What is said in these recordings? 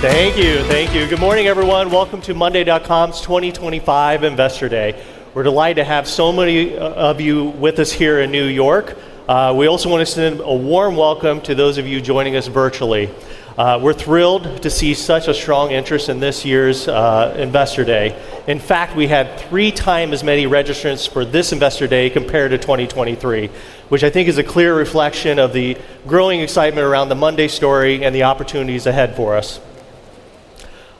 Thank you, thank you. Good morning, everyone. Welcome to monday.com's 2025 Investor Day. We're delighted to have so many of you with us here in New York. We also want to send a warm welcome to those of you joining us virtually. We're thrilled to see such a strong interest in this year's Investor Day. In fact, we had three times as many registrants for this Investor Day compared to 2023, which I think is a clear reflection of the growing excitement around the Monday story and the opportunities ahead for us.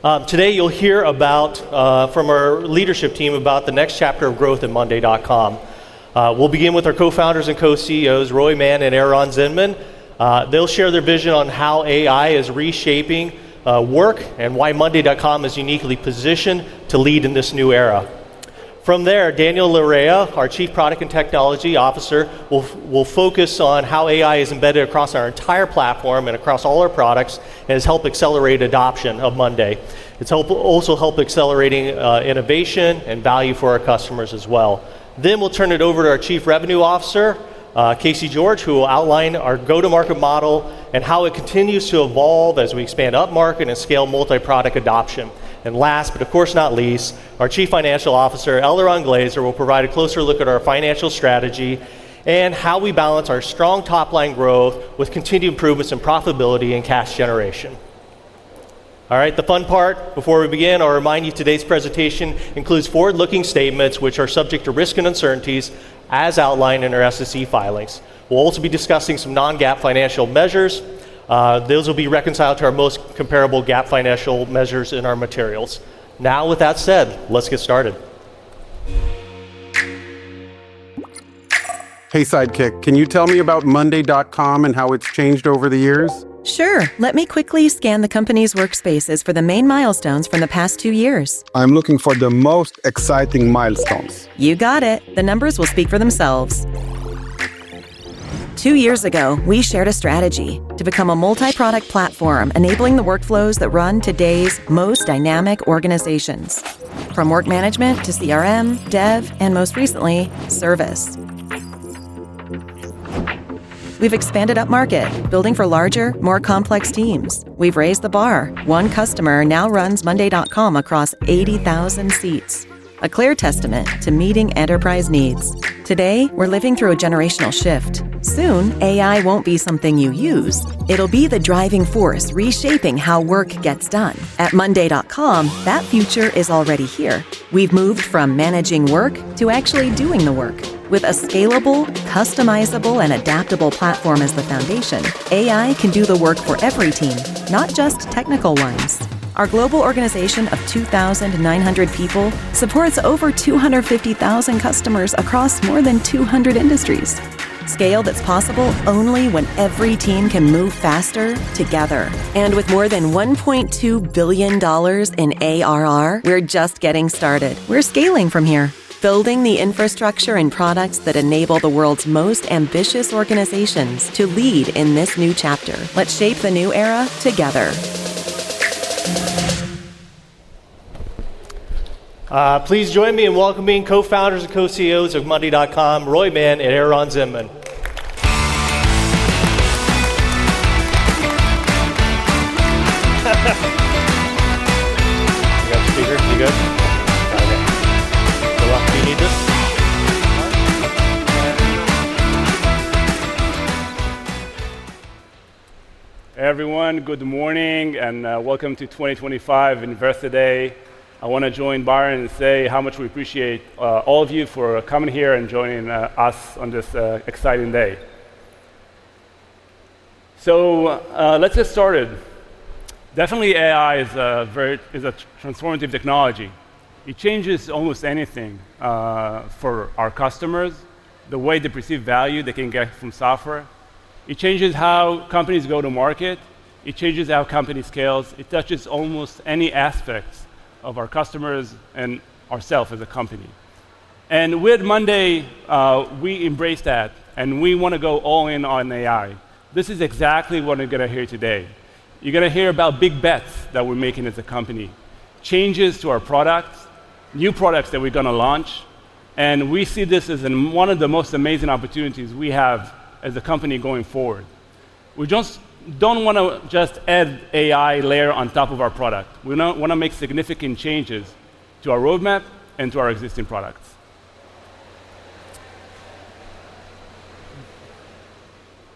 Today, you'll hear from our leadership team about the next chapter of growth at monday.com. We'll begin with our Co-founders and Co-CEOs, Roy Mann and Eran Zinman. They'll share their vision on how AI is reshaping work and why monday.com is uniquely positioned to lead in this new era. From there, Daniel Lereya, our Chief Product and Technology Officer, will focus on how AI is embedded across our entire platform and across all our products and has helped accelerate adoption of Monday. It's also helped accelerate innovation and value for our customers as well. Next, our Chief Revenue Officer, Casey George, will outline our go-to-market model and how it continues to evolve as we expand upmarket and scale multi-product adoption. Last, but of course not least, our Chief Financial Officer, Eliran Glazer, will provide a closer look at our financial strategy and how we balance our strong top-line growth with continued improvements in profitability and cash generation. All right, the fun part. Before we begin, I'll remind you today's presentation includes forward-looking statements, which are subject to risk and uncertainties, as outlined in our SEC filings. We'll also be discussing some non-GAAP financial measures. Those will be reconciled to our most comparable GAAP financial measures in our materials. Now, with that said, let's get started. Hey, Sidekick, can you tell me about monday.com and how it's changed over the years? Sure. Let me quickly scan the company's workspaces for the main milestones from the past two years. I'm looking for the most exciting milestones. You got it. The numbers will speak for themselves. Two years ago, we shared a strategy to become a multi-product platform enabling the workflows that run today's most dynamic organizations. From work management to CRM, dev, and most recently, service, we've expanded upmarket, building for larger, more complex teams. We've raised the bar. One customer now runs monday.com across 80,000 seats, a clear testament to meeting enterprise needs. Today, we're living through a generational shift. Soon, AI won't be something you use. It'll be the driving force reshaping how work gets done. At monday.com, that future is already here. We've moved from managing work to actually doing the work. With a scalable, customizable, and adaptable platform as the foundation, AI can do the work for every team, not just technical ones. Our global organization of 2,900 people supports over 250,000 customers across more than 200 industries. Scale that's possible only when every team can move faster together. With more than $1.2 billion in ARR, we're just getting started. We're scaling from here, building the infrastructure and products that enable the world's most ambitious organizations to lead in this new chapter. Let's shape the new era together. Please join me in welcoming Co-founders and Co-CEOs of monday.com, Roy Mann and Eran Zinman. Hey everyone, good morning and welcome to 2025 Investor Day. I want to join Byron and say how much we appreciate all of you for coming here and joining us on this exciting day. Let's get started. Definitely, AI is a very, is a transformative technology. It changes almost anything for our customers, the way they perceive value they can get from software. It changes how companies go to market. It changes how companies scale. It touches almost any aspects of our customers and ourselves as a company. With monday.com, we embrace that and we want to go all in on AI. This is exactly what you're going to hear today. You're going to hear about big bets that we're making as a company, changes to our products, new products that we're going to launch, and we see this as one of the most amazing opportunities we have as a company going forward. We just don't want to just add AI layer on top of our product. We want to make significant changes to our roadmap and to our existing products.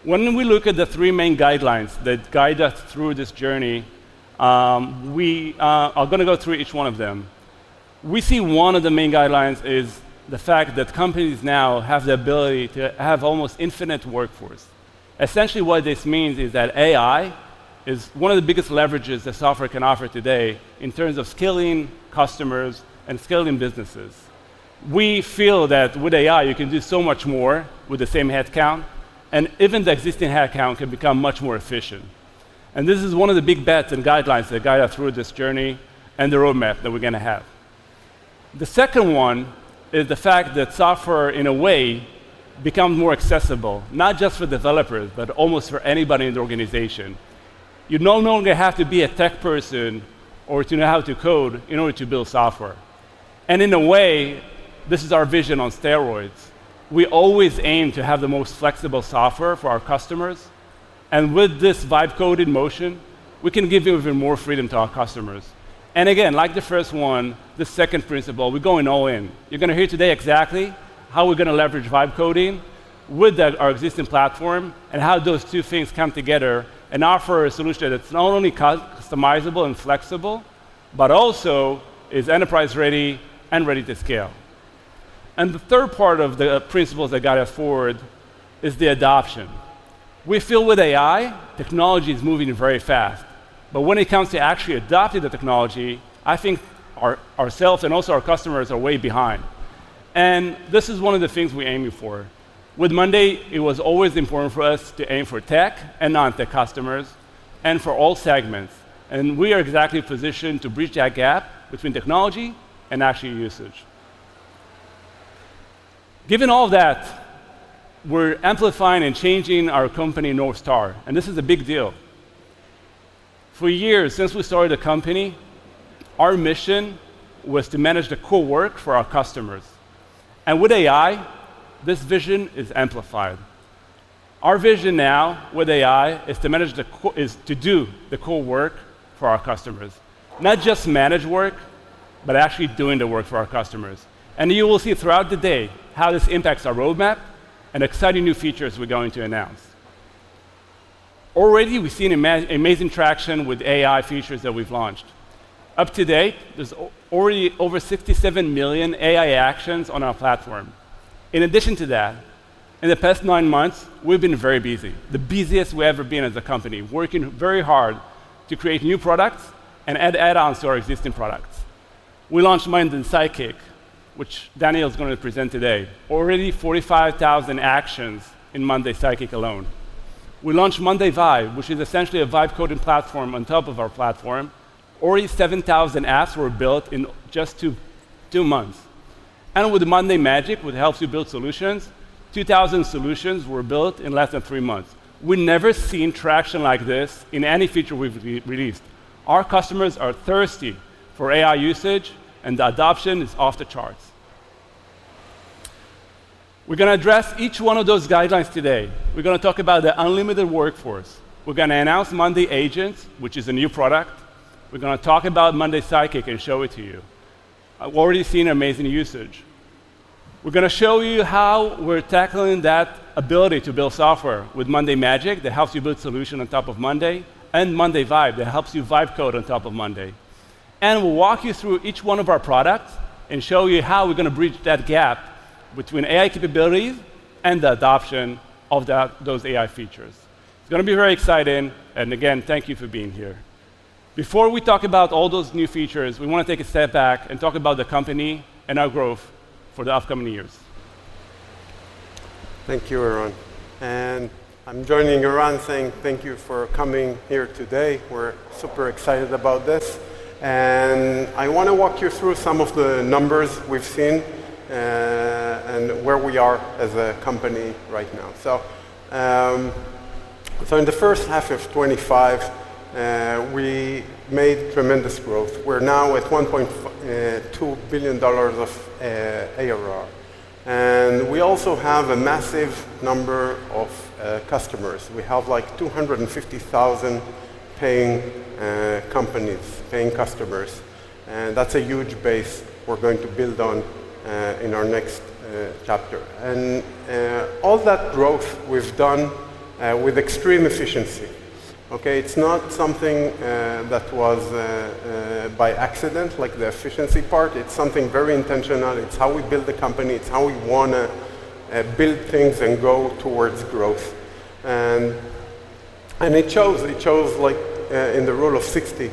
When we look at the three main guidelines that guide us through this journey, we are going to go through each one of them. We see one of the main guidelines is the fact that companies now have the ability to have almost an infinite workforce. Essentially, what this means is that AI is one of the biggest leverages that software can offer today in terms of scaling customers and scaling businesses. We feel that with AI, you can do so much more with the same headcount, and even the existing headcount can become much more efficient. This is one of the big bets and guidelines that guide us through this journey and the roadmap that we're going to have. The second one is the fact that software, in a way, becomes more accessible, not just for developers, but almost for anybody in the organization. You no longer have to be a tech person or to know how to code in order to build software. In a way, this is our vision on steroids. We always aim to have the most flexible software for our customers. With this VibeCoding motion, we can give you even more freedom to our customers. Like the first one, the second principle, we're going all in. You're going to hear today exactly how we're going to leverage VibeCoding with our existing platform and how those two things come together and offer a solution that's not only customizable and flexible, but also is enterprise-ready and ready to scale. The third part of the principles that guide us forward is the adoption. We feel with AI, technology is moving very fast. When it comes to actually adopting the technology, I think ourselves and also our customers are way behind. This is one of the things we're aiming for. With monday, it was always important for us to aim for tech and non-tech customers and for all segments. We are exactly positioned to bridge that gap between technology and actual usage. Given all of that, we're amplifying and changing our company North Star. This is a big deal. For years, since we started the company, our mission was to manage the core work for our customers. With AI, this vision is amplified. Our vision now with AI is to do the core work for our customers. Not just manage work, but actually doing the work for our customers. You will see throughout the day how this impacts our roadmap and exciting new features we're going to announce. Already, we've seen amazing traction with AI features that we've launched. Up to date, there's already over 67 million AI actions on our platform. In addition to that, in the past nine months, we've been very busy. The busiest we've ever been as a company, working very hard to create new products and add add-ons to our existing products. We launched Monday Sidekick, which Daniel is going to present today. Already 45,000 actions in Monday Sidekick alone. We launched MondayVibe, which is essentially a VibeCoding platform on top of our platform. Already 7,000 apps were built in just two months. With Monday Magic, which helps you build solutions, 2,000 solutions were built in less than three months. We've never seen traction like this in any feature we've released. Our customers are thirsty for AI usage, and the adoption is off the charts. We're going to address each one of those guidelines today. We're going to talk about the unlimited workforce. We're going to announce Monday Agents, which is a new product. We're going to talk about Monday Sidekick and show it to you. I've already seen amazing usage. We're going to show you how we're tackling that ability to build software with Monday Magic that helps you build solutions on top of monday.com and MondayVibe that helps you VibeCode on top of monday.com. We'll walk you through each one of our products and show you how we're going to bridge that gap between AI capabilities and the adoption of those AI features. It's going to be very exciting. Again, thank you for being here. Before we talk about all those new features, we want to take a step back and talk about the company and our growth for the upcoming years. Thank you, Eran. I'm joining Eran saying thank you for coming here today. We're super excited about this. I want to walk you through some of the numbers we've seen and where we are as a company right now. In the first half of 2025, we made tremendous growth. We're now at $1.2 billion of ARR. We also have a massive number of customers. We have like 250,000 paying companies, paying customers. That's a huge base we're going to build on in our next chapter. All that growth we've done with extreme efficiency. It's not something that was by accident, like the efficiency part. It's something very intentional. It's how we build the company. It's how we want to build things and go towards growth. It shows, it shows like in the Rule of 60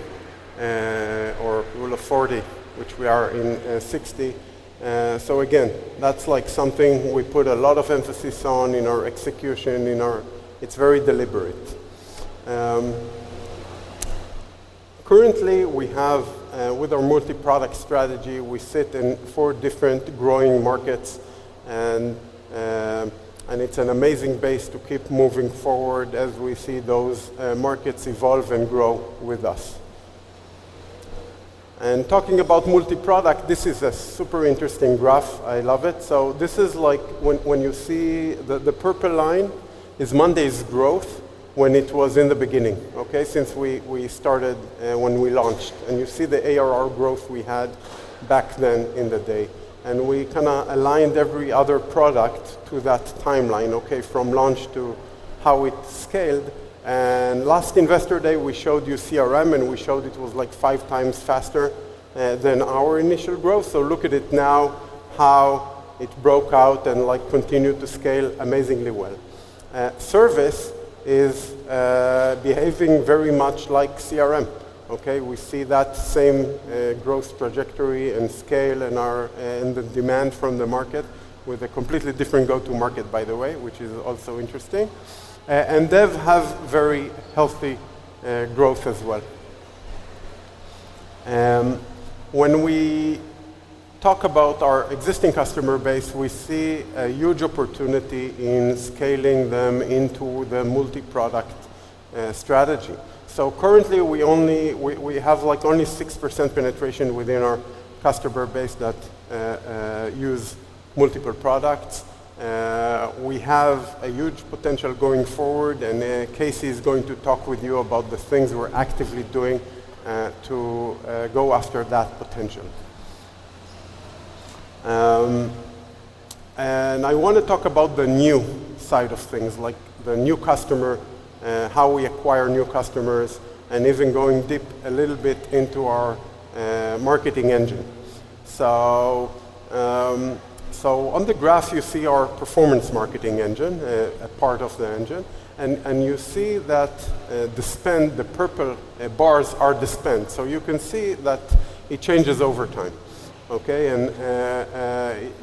or Rule of 40, which we are in 60. That's something we put a lot of emphasis on in our execution. It's very deliberate. Currently, with our multi-product strategy, we sit in four different growing markets. It's an amazing base to keep moving forward as we see those markets evolve and grow with us. Talking about multi-product, this is a super interesting graph. I love it. This is like when you see the purple line is monday.com's growth when it was in the beginning, since we started when we launched. You see the ARR growth we had back then in the day. We kind of aligned every other product to that timeline, from launch to how it scaled. Last Investor Day, we showed you monday.com CRM and we showed it was like five times faster than our initial growth. Look at it now, how it broke out and continued to scale amazingly well. Service is behaving very much like CRM. We see that same growth trajectory and scale and the demand from the market with a completely different go-to-market, by the way, which is also interesting. Dev has very healthy growth as well. When we talk about our existing customer base, we see a huge opportunity in scaling them into the multi-product strategy. Currently, we have only 6% penetration within our customer base that use multiple products. We have a huge potential going forward. Casey is going to talk with you about the things we're actively doing to go after that potential. I want to talk about the new side of things, like the new customer, how we acquire new customers, and even going deep a little bit into our marketing engine. On the graph, you see our performance marketing engine, a part of the engine. You see that the spend, the purple bars, are the spend. You can see that it changes over time.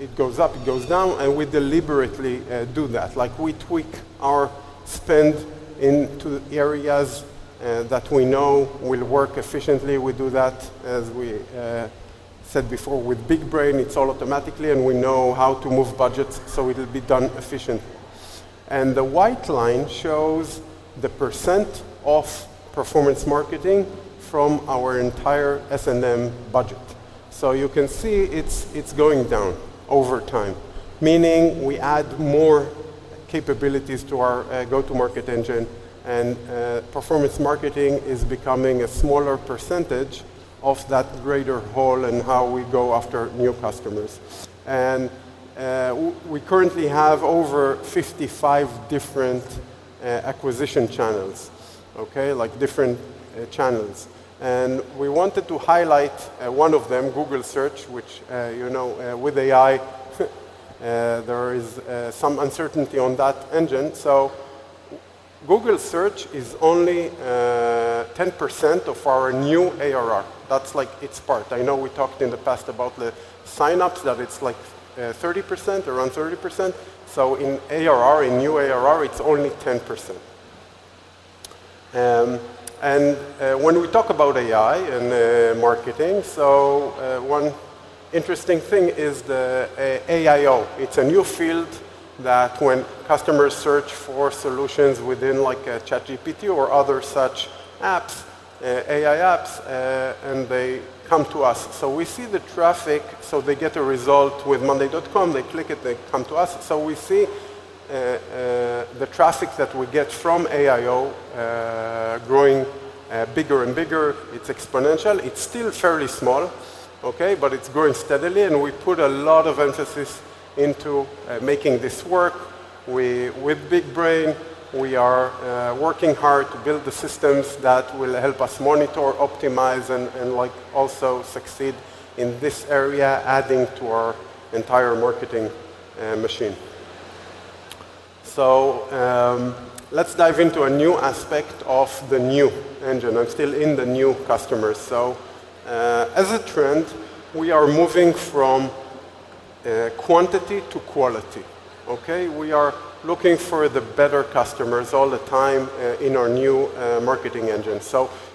It goes up, it goes down. We deliberately do that. We tweak our spend into areas that we know will work efficiently. We do that, as we said before, with Big Brain. It's all automatic, and we know how to move budgets, so it'll be done efficiently. The white line shows the % of performance marketing from our entire S&M budget. You can see it's going down over time, meaning we add more capabilities to our go-to-market engine. Performance marketing is becoming a smaller % of that greater whole and how we go after new customers. We currently have over 55 different acquisition channels, like different channels. We wanted to highlight one of them, Google Search, which, with AI, there is some uncertainty on that engine. Google Search is only 10% of our new ARR. That's its part. I know we talked in the past about the signups, that it's like 30%, around 30%. In ARR, in new ARR, it's only 10%. When we talk about AI and marketing, one interesting thing is the AIO. It's a new field that when customers search for solutions within a ChatGPT or other such apps, AI apps, and they come to us. We see the traffic. They get a result with monday.com. They click it, they come to us. We see the traffic that we get from AIO growing bigger and bigger. It's exponential. It's still fairly small, but it's growing steadily. We put a lot of emphasis into making this work. With Big Brain, we are working hard to build the systems that will help us monitor, optimize, and also succeed in this area, adding to our entire marketing machine. Let's dive into a new aspect of the new engine. I'm still in the new customers. As a trend, we are moving from quantity to quality. We are looking for the better customers all the time in our new marketing engine.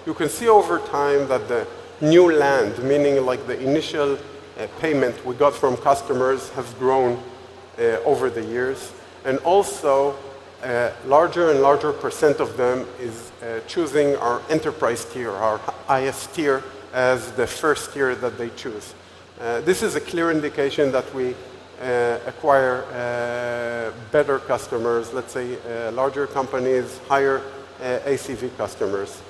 You can see over time that the new land, meaning the initial payment we got from customers, has grown over the years. Also, a larger and larger % of them is choosing our enterprise tier, our highest tier, as the first tier that they choose. This is a clear indication that we acquire better customers, let's say larger companies, higher ACV customers.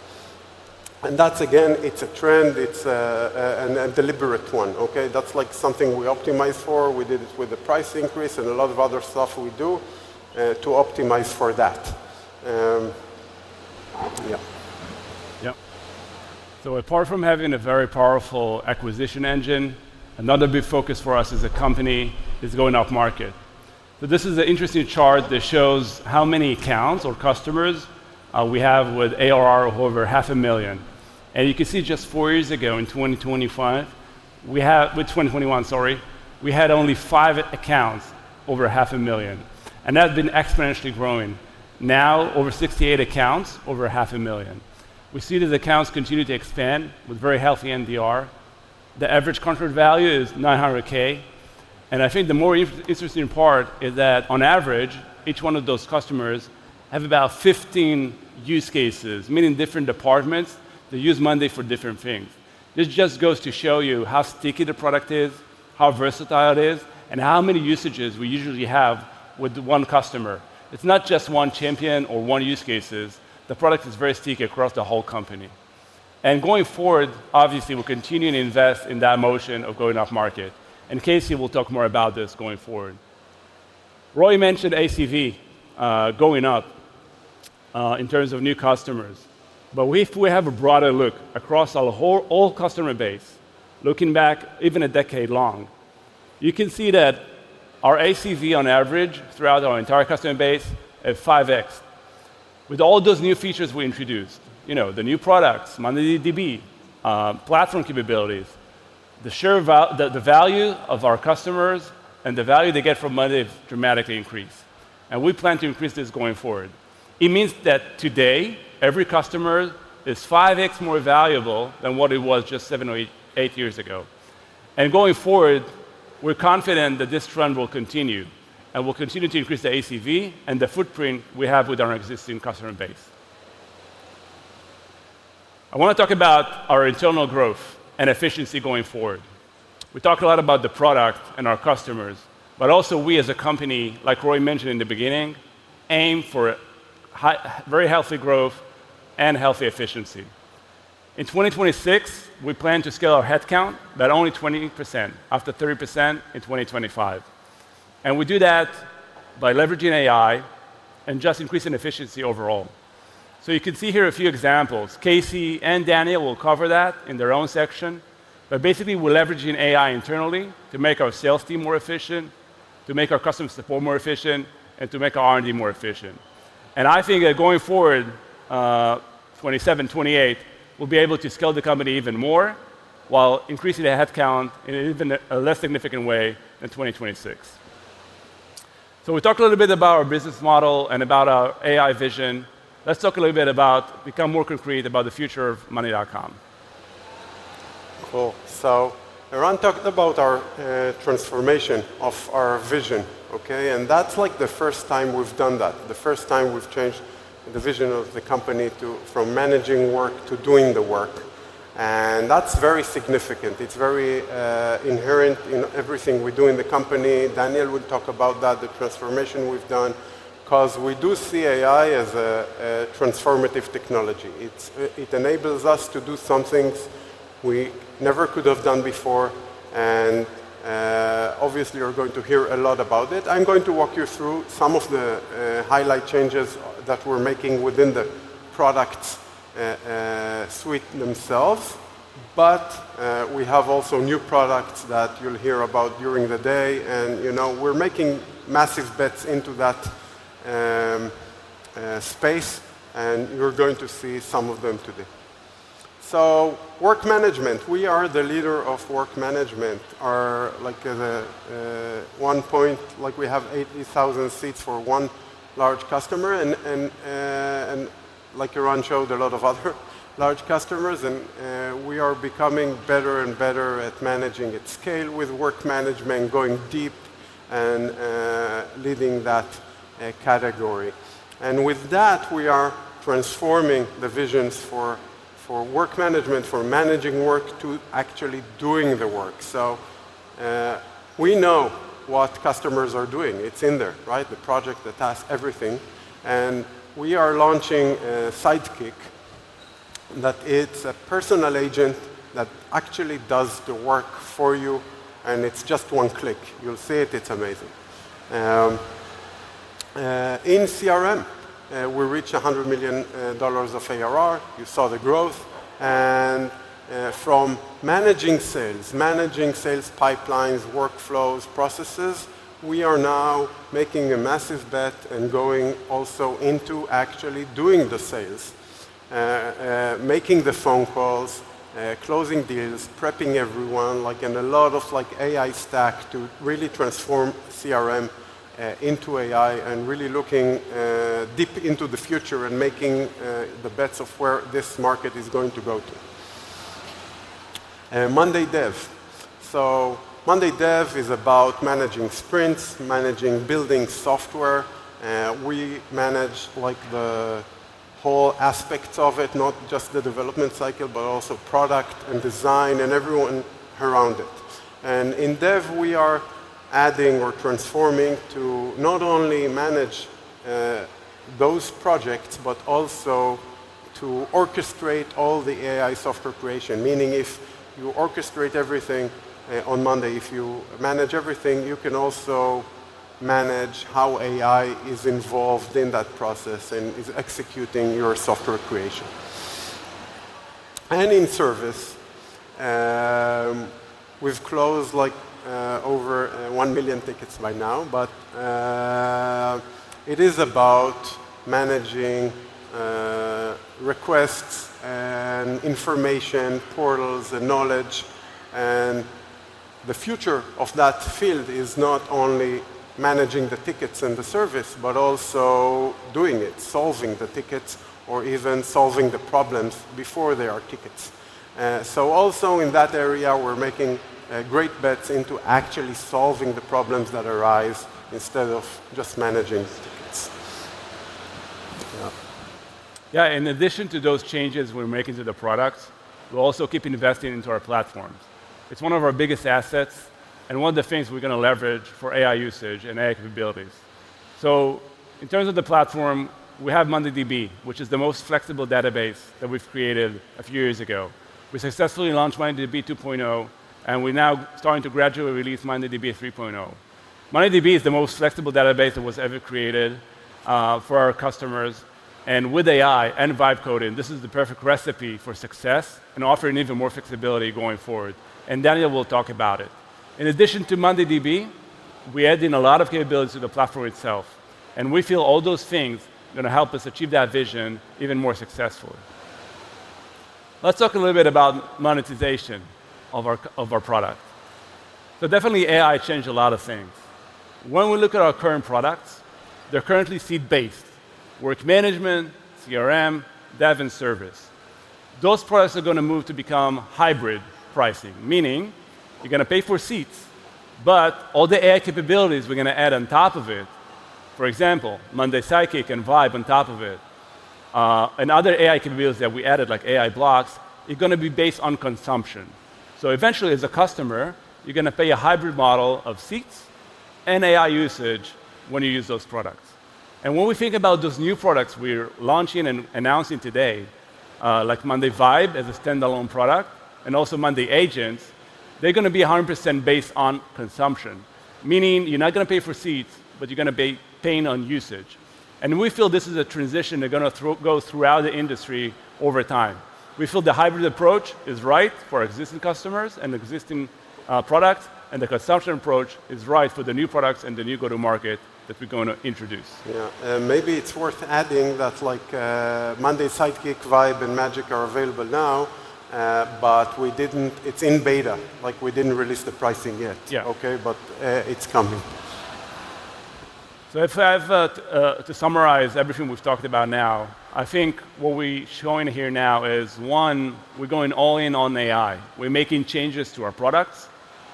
It's a trend. It's a deliberate one. That's something we optimize for. We did it with a price increase and a lot of other stuff we do to optimize for that. Apart from having a very powerful acquisition engine, another big focus for us as a company is going upmarket. This is an interesting chart that shows how many accounts or customers we have with ARR over $500,000. You can see just four years ago, in 2021, we had only five accounts over $500,000. That's been exponentially growing. Now, over 68 accounts are over $500,000. We see these accounts continue to expand with very healthy NDR. The average contract value is $900,000. The more interesting part is that on average, each one of those customers has about 15 use cases, meaning different departments that use monday.com for different things. This just goes to show you how sticky the product is, how versatile it is, and how many usages we usually have with one customer. It's not just one champion or one use case. The product is very sticky across the whole company. Going forward, obviously, we're continuing to invest in that motion of going upmarket. Casey will talk more about this going forward. Roy mentioned ACV going up in terms of new customers. If we have a broader look across our whole customer base, looking back even a decade long, you can see that our ACV on average throughout our entire customer base has 5X. With all those new features we introduced, the new products, MondayDB, platform capabilities, the value of our customers and the value they get from monday.com have dramatically increased. We plan to increase this going forward. It means that today, every customer is 5X more valuable than what it was just seven or eight years ago. Going forward, we're confident that this trend will continue. We will continue to increase the ACV and the footprint we have with our existing customer base. I want to talk about our internal growth and efficiency going forward. We talk a lot about the product and our customers, but also we as a company, like Roy mentioned in the beginning, aim for very healthy growth and healthy efficiency. In 2026, we plan to scale our headcount by only 20% after 30% in 2025. We do that by leveraging AI and just increasing efficiency overall. You can see here a few examples. Casey and Daniel will cover that in their own section. Basically, we're leveraging AI internally to make our sales team more efficient, to make our customer support more efficient, and to make our R&D more efficient. I think that going forward, 2027, 2028, we'll be able to scale the company even more while increasing the headcount in an even less significant way in 2026. We talked a little bit about our business model and about our AI vision. Let's talk a little bit about becoming more concrete about the future of monday.com. Cool. Eran talked about our transformation of our vision. That's the first time we've done that. The first time we've changed the vision of the company from managing work to doing the work. That's very significant. It's very inherent in everything we do in the company. Daniel will talk about that, the transformation we've done, because we do see AI as a transformative technology. It enables us to do some things we never could have done before. Obviously, you're going to hear a lot about it. I'm going to walk you through some of the highlight changes that we're making within the product suite themselves. We have also new products that you'll hear about during the day. You know we're making massive bets into that space. You're going to see some of them today. Work management, we are the leader of work management. We have 80,000 seats for one large customer, and like Eran showed, a lot of other large customers. We are becoming better and better at managing at scale with work management, going deep and leading that category. With that, we are transforming the visions for work management, for managing work to actually doing the work. We know what customers are doing. It's in there, right? The project, the task, everything. We are launching a Sidekick that is a personal agent that actually does the work for you, and it's just one click. You'll see it. It's amazing. In CRM, we reached $100 million of ARR. You saw the growth. From managing sales, managing sales pipelines, workflows, processes, we are now making a massive bet and going also into actually doing the sales, making the phone calls, closing deals, prepping everyone, like in a lot of like AI stack to really transform CRM into AI and really looking deep into the future and making the bets of where this market is going to go to. Monday Dev. Monday Dev is about managing sprints, managing building software. We manage the whole aspects of it, not just the development cycle, but also product and design and everyone around it. In Dev, we are adding or transforming to not only manage those projects, but also to orchestrate all the AI software creation, meaning if you orchestrate everything on monday.com, if you manage everything, you can also manage how AI is involved in that process and is executing your software creation. In service, we've closed over 1 million tickets by now, but it is about managing requests and information, portals, and knowledge. The future of that field is not only managing the tickets and the service, but also doing it, solving the tickets, or even solving the problems before they are tickets. In that area, we're making great bets into actually solving the problems that arise instead of just managing tickets. In addition to those changes we're making to the products, we'll also keep investing into our platforms. It's one of our biggest assets and one of the things we're going to leverage for AI usage and AI capabilities. In terms of the platform, we have MondayDB, which is the most flexible database that we've created a few years ago. We successfully launched MondayDB 2.0, and we're now starting to gradually release MondayDB 3.0. MondayDB is the most flexible database that was ever created for our customers. With AI and VibeCoding, this is the perfect recipe for success and offering even more flexibility going forward. Daniel will talk about it. In addition to MondayDB, we added a lot of capabilities to the platform itself. We feel all those things are going to help us achieve that vision even more successfully. Let's talk a little bit about monetization of our product. Definitely, AI changed a lot of things. When we look at our current products, they're currently seat-based: work management, CRM, dev, and service. Those products are going to move to become hybrid pricing, meaning you're going to pay for seats, but all the AI capabilities we're going to add on top of it, for example, Monday Sidekick and MondayVibe on top of it, and other AI capabilities that we added, like AI blocks, are going to be based on consumption. Eventually, as a customer, you're going to pay a hybrid model of seats and AI usage when you use those products. When we think about those new products we're launching and announcing today, like MondayVibe as a standalone product, and also Monday Agents, they're going to be 100% based on consumption, meaning you're not going to pay for seats, but you're going to be paying on usage. We feel this is a transition that's going to go throughout the industry over time. We feel the hybrid approach is right for existing customers and existing products, and the consumption approach is right for the new products and the new go-to-market that we're going to introduce. Maybe it's worth adding that like Monday Sidekick, MondayVibe, and Monday Magic are available now, but it's in beta. We didn't release the pricing yet. It's coming. If I have to summarize everything we've talked about now, I think what we're showing here now is, one, we're going all in on AI. We're making changes to our products.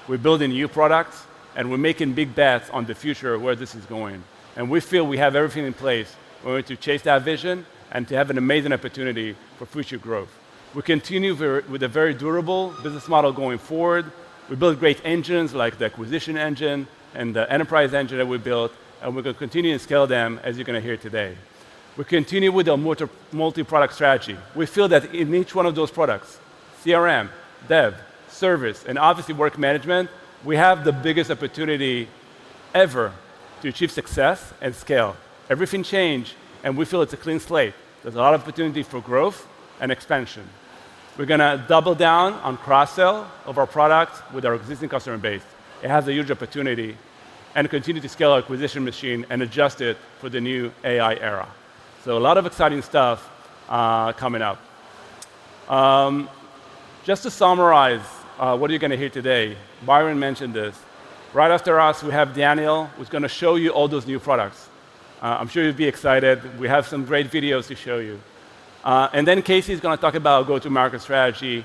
We're building new products. We're making big bets on the future where this is going. We feel we have everything in place in order to chase that vision and to have an amazing opportunity for future growth. We continue with a very durable business model going forward. We build great engines like the acquisition engine and the enterprise engine that we built, and we're going to continue to scale them, as you're going to hear today. We continue with a multi-product strategy. We feel that in each one of those products, CRM, dev, service, and obviously work management, we have the biggest opportunity ever to achieve success and scale. Everything changed, and we feel it's a clean slate. There's a lot of opportunity for growth and expansion. We're going to double down on cross-sell of our products with our existing customer base. It has a huge opportunity. We continue to scale our acquisition machine and adjust it for the new AI era. A lot of exciting stuff coming up. Just to summarize what you're going to hear today, Byron mentioned this. Right after us, we have Daniel, who's going to show you all those new products. I'm sure you'll be excited. We have some great videos to show you, and then Casey is going to talk about our go-to-market strategy,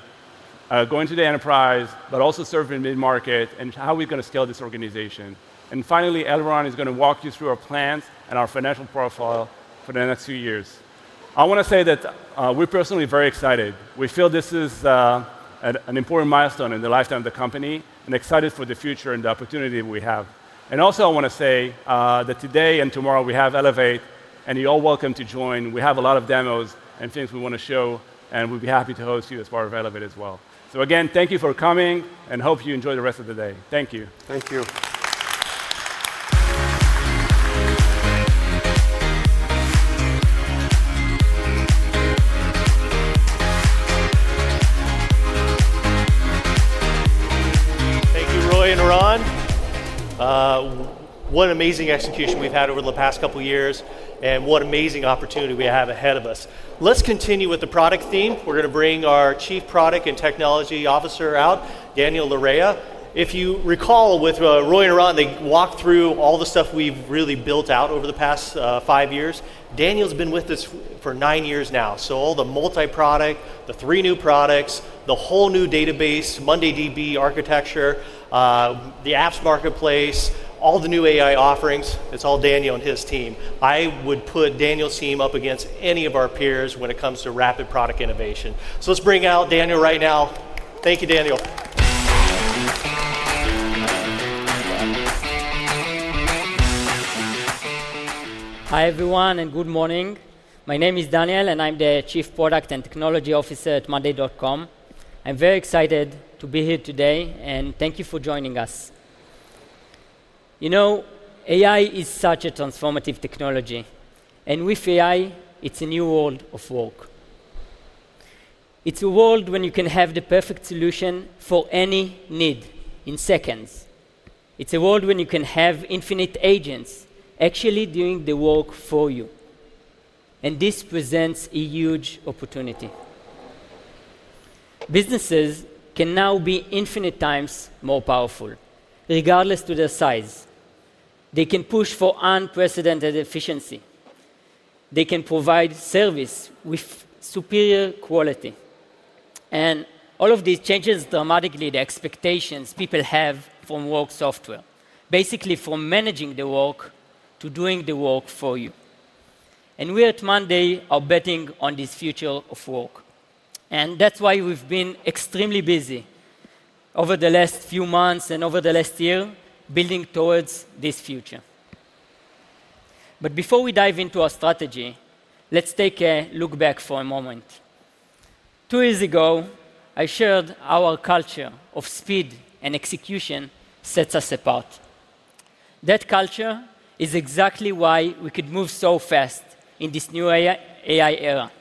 going to the enterprise, but also serving mid-market and how we're going to scale this organization. Finally, Eliran is going to walk you through our plans and our financial profile for the next few years. I want to say that we're personally very excited. We feel this is an important milestone in the lifetime of the company and excited for the future and the opportunity we have. I also want to say that today and tomorrow we have Elevate, and you're all welcome to join. We have a lot of demos and things we want to show, and we'd be happy to host you as part of Elevate as well. Again, thank you for coming, and hope you enjoy the rest of the day. Thank you. Thank you. Thank you, Roy and Eran. What an amazing execution we've had over the past couple of years, and what amazing opportunity we have ahead of us. Let's continue with the product theme. We're going to bring our Chief Product and Technology Officer out, Daniel Lereya. If you recall with Roy and Eran, they walked through all the stuff we've really built out over the past five years. Daniel's been with us for nine years now. All the multi-product, the three new products, the whole new database, MondayDB architecture, the apps marketplace, all the new AI offerings, it's all Daniel and his team. I would put Daniel's team up against any of our peers when it comes to rapid product innovation. Let's bring out Daniel right now. Thank you, Daniel. Hi everyone, and good morning. My name is Daniel, and I'm the Chief Product and Technology Officer at monday.com. I'm very excited to be here today, and thank you for joining us. You know, AI is such a transformative technology. With AI, it's a new world of work. It's a world where you can have the perfect solution for any need in seconds. It's a world where you can have infinite agents actually doing the work for you. This presents a huge opportunity. Businesses can now be infinite times more powerful, regardless of their size. They can push for unprecedented efficiency. They can provide service with superior quality. All of these changes dramatically change the expectations people have from work software, basically from managing the work to doing the work for you. We at monday.com are betting on this future of work. That's why we've been extremely busy over the last few months and over the last year, building towards this future. Before we dive into our strategy, let's take a look back for a moment. Two years ago, I shared our culture of speed and execution sets us apart. That culture is exactly why we could move so fast in this new AI era.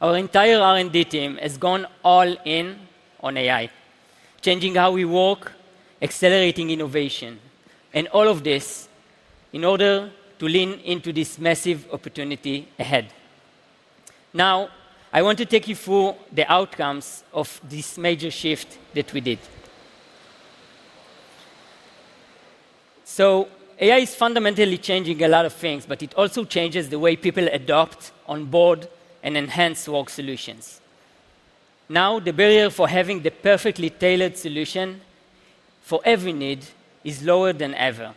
Our entire R&D team has gone all in on AI, changing how we work, accelerating innovation, and all of this in order to lean into this massive opportunity ahead. Now, I want to take you through the outcomes of this major shift that we did. AI is fundamentally changing a lot of things, but it also changes the way people adopt, onboard, and enhance work solutions. The barrier for having the perfectly tailored solution for every need is lower than ever.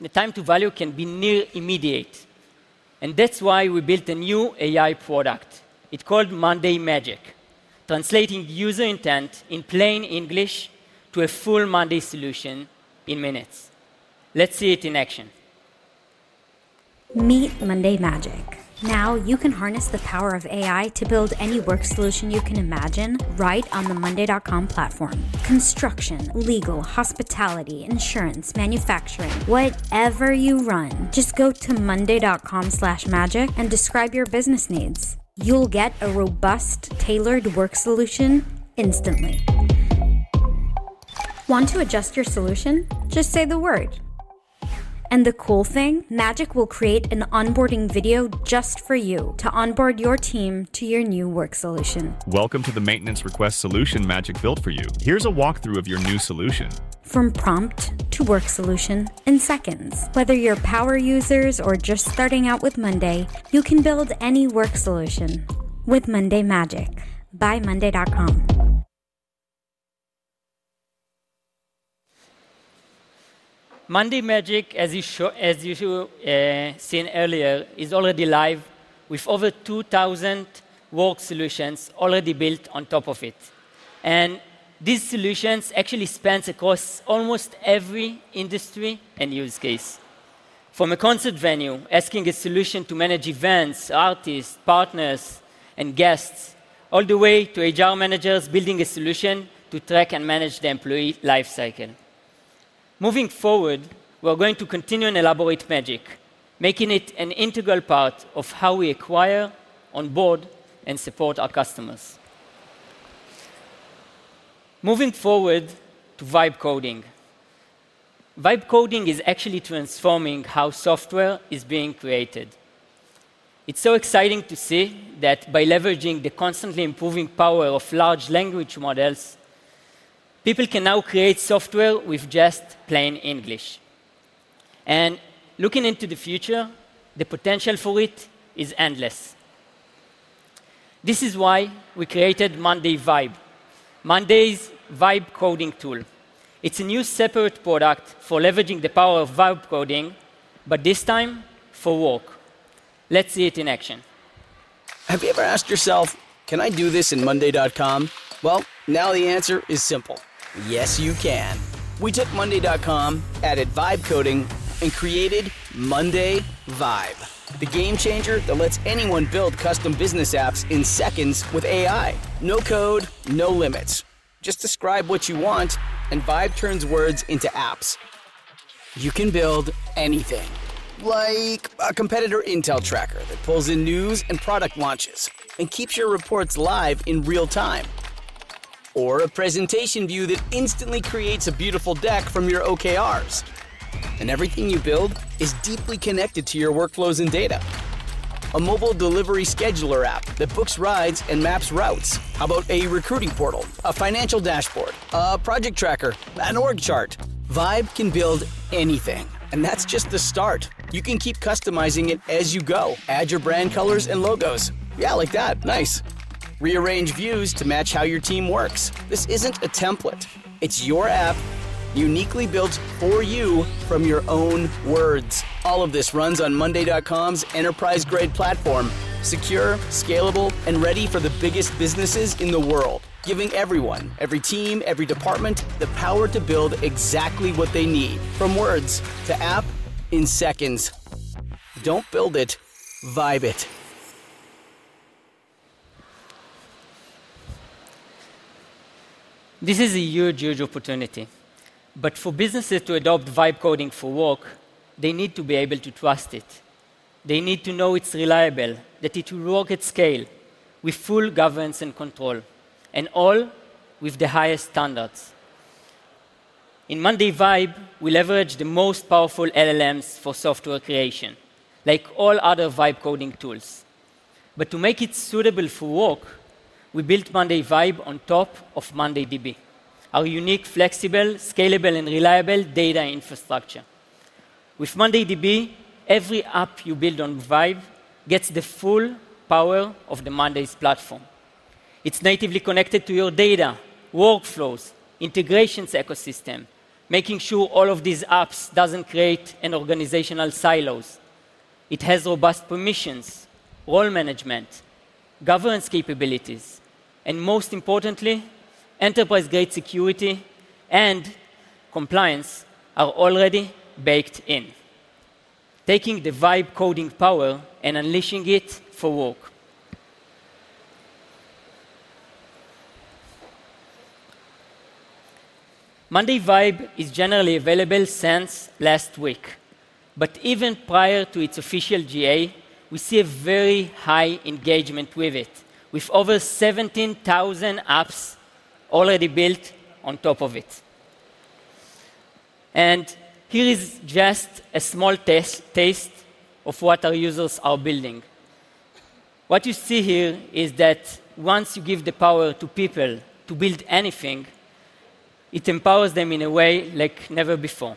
The time to value can be near immediate. That's why we built a new AI product. It's called Monday Magic, translating user intent in plain English to a full monday solution in minutes. Let's see it in action. Meet Monday Magic. Now you can harness the power of AI to build any work solution you can imagine right on the monday.com platform. Construction, legal, hospitality, insurance, manufacturing, whatever you run, just go to monday.com/magic and describe your business needs. You'll get a robust, tailored work solution instantly. Want to adjust your solution? Just say the word. The cool thing is, Magic will create an onboarding video just for you to onboard your team to your new work solution. Welcome to the maintenance request solution Magic built for you. Here's a walkthrough of your new solution. From prompt to work solution in seconds. Whether you're power users or just starting out with monday.com, you can build any work solution with Monday Magic by monday.com. Monday Magic, as you should have seen earlier, is already live with over 2,000 work solutions already built on top of it. These solutions actually span across almost every industry and use case, from a concert venue asking a solution to manage events, artists, partners, and guests, all the way to HR managers building a solution to track and manage the employee lifecycle. Moving forward, we're going to continue and elaborate Magic, making it an integral part of how we acquire, onboard, and support our customers. Moving forward to VibeCoding. VibeCoding is actually transforming how software is being created. It's so exciting to see that by leveraging the constantly improving power of large language models, people can now create software with just plain English. Looking into the future, the potential for it is endless. This is why we created MondayVibe, monday.com's VibeCoding tool. It's a new separate product for leveraging the power of VibeCoding, but this time for work. Let's see it in action. Have you ever asked yourself, can I do this in monday.com? The answer is simple. Yes, you can. We took monday.com, added VibeCoding, and created MondayVibe, the game changer that lets anyone build custom business apps in seconds with AI. No code, no limits. Just describe what you want, and Vibe turns words into apps. You can build anything, like a competitor intel tracker that pulls in news and product launches and keeps your reports live in real time, or a presentation view that instantly creates a beautiful deck from your OKRs. Everything you build is deeply connected to your workflows and data. A mobile delivery scheduler app that books rides and maps routes, a recruiting portal, a financial dashboard, a project tracker, an org chart. Vibe can build anything. That's just the start. You can keep customizing it as you go. Add your brand colors and logos. Yeah, like that. Nice. Rearrange views to match how your team works. This isn't a template. It's your app, uniquely built for you from your own words. All of this runs on monday.com's enterprise-grade platform, secure, scalable, and ready for the biggest businesses in the world, giving everyone, every team, every department, the power to build exactly what they need, from words to app, in seconds. Don't build it. Vibe it. This is a huge urge of opportunity. For businesses to adopt VibeCoding for work, they need to be able to trust it. They need to know it's reliable, that it will work at scale with full governance and control, and all with the highest standards. In MondayVibe, we leverage the most powerful LLMs for software creation, like all other VibeCoding tools. To make it suitable for work, we built MondayVibe on top of MondayDB, our unique, flexible, scalable, and reliable data infrastructure. With MondayDB, every app you build on Vibe gets the full power of the monday.com platform. It's natively connected to your data, workflows, integrations, and ecosystem, making sure all of these apps don't create organizational silos. It has robust permissions, role management, governance capabilities, and most importantly, enterprise-grade security and compliance are already baked in. Taking the VibeCoding power and unleashing it for work. MondayVibe is generally available since last week. Even prior to its official GA, we see a very high engagement with it, with over 17,000 apps already built on top of it. Here is just a small taste of what our users are building. What you see here is that once you give the power to people to build anything, it empowers them in a way like never before.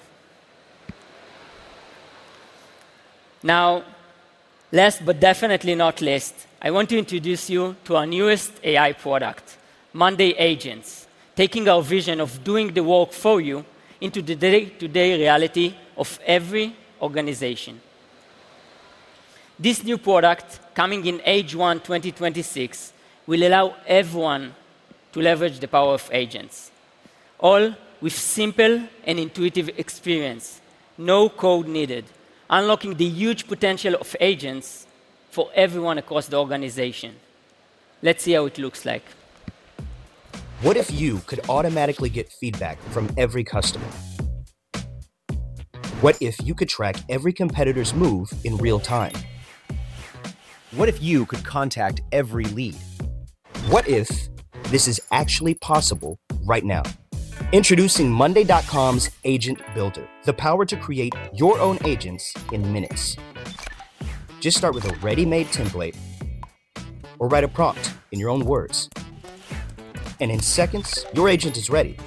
Last but definitely not least, I want to introduce you to our newest AI product, Monday Agents, taking our vision of doing the work for you into the day-to-day reality of every organization. This new product, coming in H1 2026, will allow everyone to leverage the power of agents, all with simple and intuitive experience. No code needed, unlocking the huge potential of agents for everyone across the organization. Let's see how it looks like. What if you could automatically get feedback from every customer? What if you could track every competitor's move in real time? What if you could contact every lead? What if this is actually possible right now? Introducing monday.com's Agent Builder, the power to create your own agents in minutes. Just start with a ready-made template or write a prompt in your own words. In seconds, your agent is ready.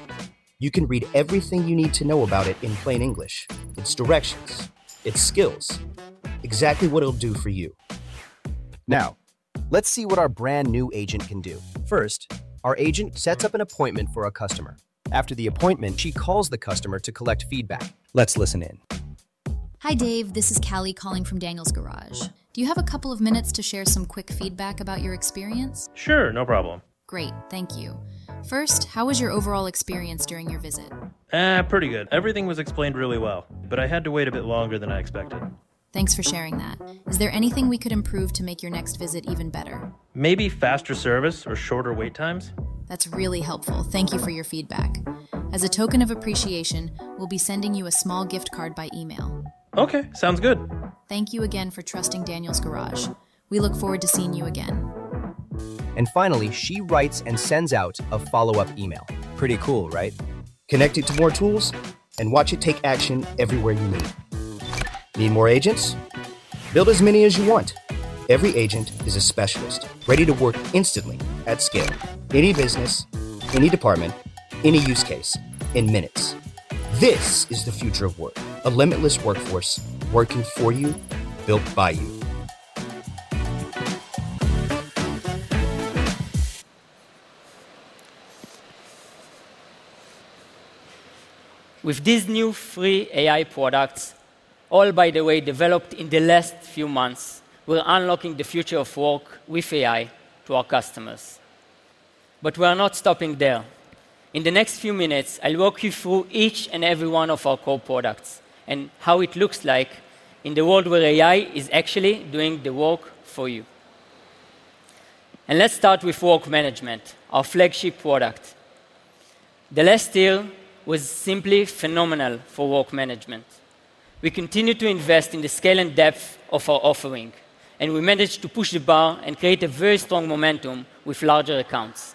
You can read everything you need to know about it in plain English: its directions, its skills, exactly what it'll do for you. Now, let's see what our brand new agent can do. First, our agent sets up an appointment for a customer. After the appointment, she calls the customer to collect feedback. Let's listen in. Hi Dave, this is Kali calling from Daniel Lereya's Garage. Do you have a couple of minutes to share some quick feedback about your experience? Sure, no problem. Great, thank you. First, how was your overall experience during your visit? Pretty good. Everything was explained really well, but I had to wait a bit longer than I expected. Thanks for sharing that. Is there anything we could improve to make your next visit even better? Maybe faster service or shorter wait times? That's really helpful. Thank you for your feedback. As a token of appreciation, we'll be sending you a small gift card by email. Okay, sounds good. Thank you again for trusting Daniel Lereya's Garage. We look forward to seeing you again. She writes and sends out a follow-up email. Pretty cool, right? Connect it to more tools and watch it take action everywhere you need. Need more agents? Build as many as you want. Every agent is a specialist, ready to work instantly at scale. Any business, any department, any use case, in minutes. This is the future of work, a limitless workforce working for you, built by you. With this new free AI product, all by the way developed in the last few months, we're unlocking the future of work with AI to our customers. We're not stopping there. In the next few minutes, I'll walk you through each and every one of our core products and how it looks like in the world where AI is actually doing the work for you. Let's start with work management, our flagship product. The last deal was simply phenomenal for work management. We continue to invest in the scale and depth of our offering, and we managed to push the bar and create a very strong momentum with larger accounts.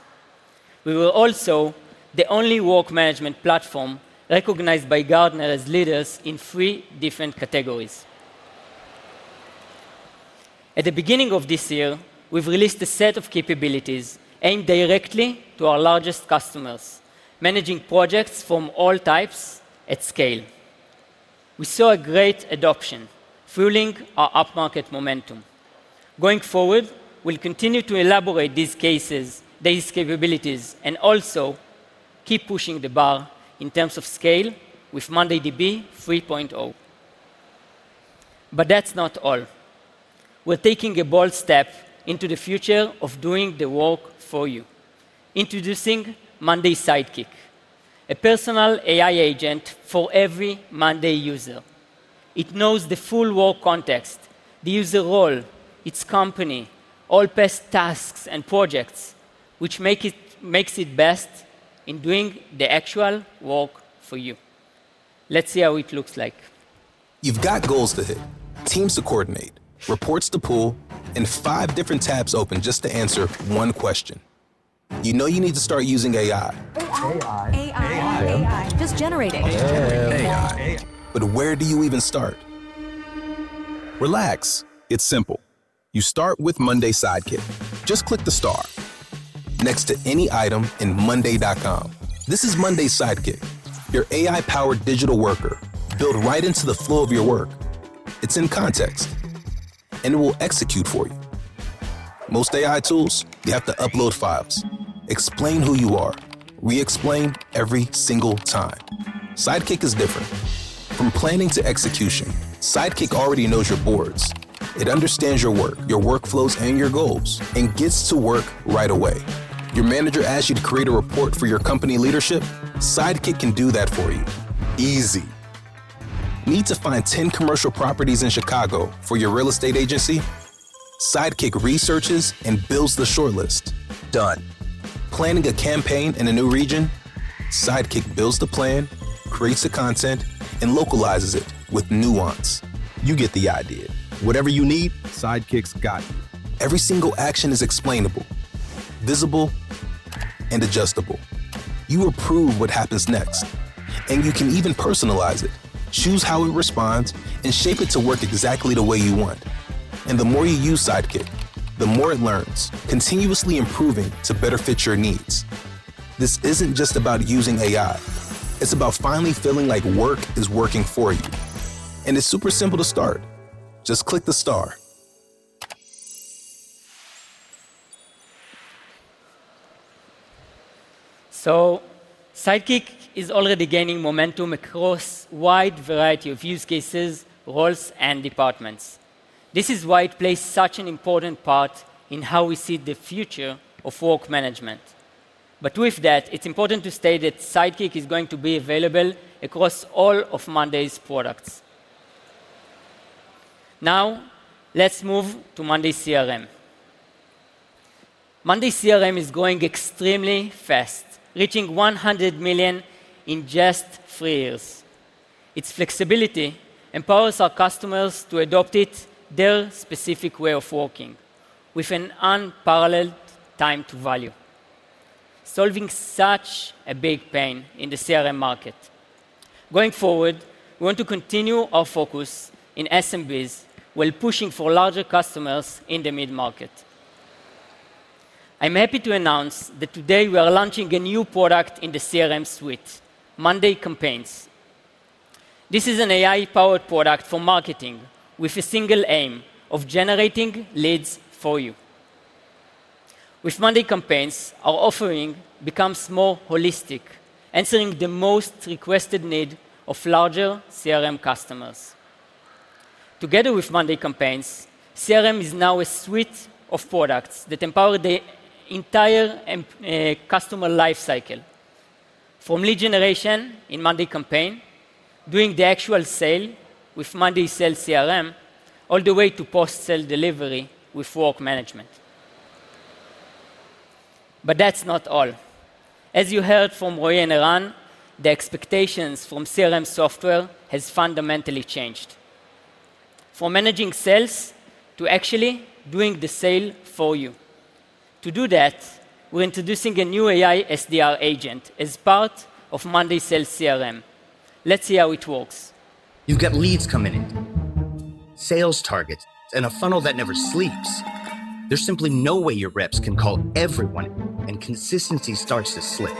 We were also the only work management platform recognized by Gartner as leaders in three different categories. At the beginning of this year, we've released a set of capabilities aimed directly to our largest customers, managing projects from all types at scale. We saw a great adoption, fueling our upmarket momentum. Going forward, we'll continue to elaborate these cases, these capabilities, and also keep pushing the bar in terms of scale with MondayDB 3.0. That's not all. We're taking a bold step into the future of doing the work for you, introducing Monday Sidekick, a personal AI agent for every Monday user. It knows the full work context, the user role, its company, all past tasks and projects, which makes it best in doing the actual work for you. Let's see how it looks like. You've got goals to hit, teams to coordinate, reports to pull, and five different tabs open just to answer one question. You know you need to start using AI. AI. AI. AI. AI. AI. Just generate it. AI. AI. Where do you even start? Relax. It's simple. You start with Monday Sidekick. Just click the star next to any item in monday.com. This is Monday Sidekick, your AI-powered digital worker, built right into the flow of your work. It's in context, and it will execute for you. Most AI tools, you have to upload files, explain who you are, re-explain every single time. Sidekick is different. From planning to execution, Sidekick already knows your boards. It understands your work, your workflows, and your goals, and gets to work right away. Your manager asks you to create a report for your company leadership? Sidekick can do that for you. Easy. Need to find 10 commercial properties in Chicago for your real estate agency? Sidekick researches and builds the shortlist. Done. Planning a campaign in a new region? Sidekick builds the plan, creates the content, and localizes it with nuance. You get the idea. Whatever you need, Sidekick's got it. Every single action is explainable, visible, and adjustable. You approve what happens next, and you can even personalize it, choose how it responds, and shape it to work exactly the way you want. The more you use Sidekick, the more it learns, continuously improving to better fit your needs. This isn't just about using AI. It's about finally feeling like work is working for you. It's super simple to start. Just click the star. Sidekick is already gaining momentum across a wide variety of use cases, roles, and departments. This is why it plays such an important part in how we see the future of work management. With that, it's important to state that Sidekick is going to be available across all of monday.com's products. Now, let's move to monday.com CRM. monday.com CRM is growing extremely fast, reaching $100 million in just three years. Its flexibility empowers our customers to adopt their specific way of working with an unparalleled time to value, solving such a big pain in the CRM market. Going forward, we want to continue our focus in SMBs while pushing for larger customers in the mid-market. I'm happy to announce that today we are launching a new product in the CRM suite, Monday Campaigns. This is an AI-powered product for marketing with a single aim of generating leads for you. With Monday Campaigns, our offering becomes more holistic, answering the most requested needs of larger CRM customers. Together with Monday Campaigns, CRM is now a suite of products that empower the entire customer lifecycle. From lead generation in Monday Campaigns, doing the actual sale with Monday Sales CRM, all the way to post-sale delivery with work management. As you heard from Roy and Eran, the expectations from CRM software have fundamentally changed. From managing sales to actually doing the sale for you. To do that, we're introducing a new AI SDR agent as part of Monday Sales CRM. Let's see how it works. You've got leads coming in, sales targets, and a funnel that never sleeps. There's simply no way your reps can call everyone, and consistency starts to slip.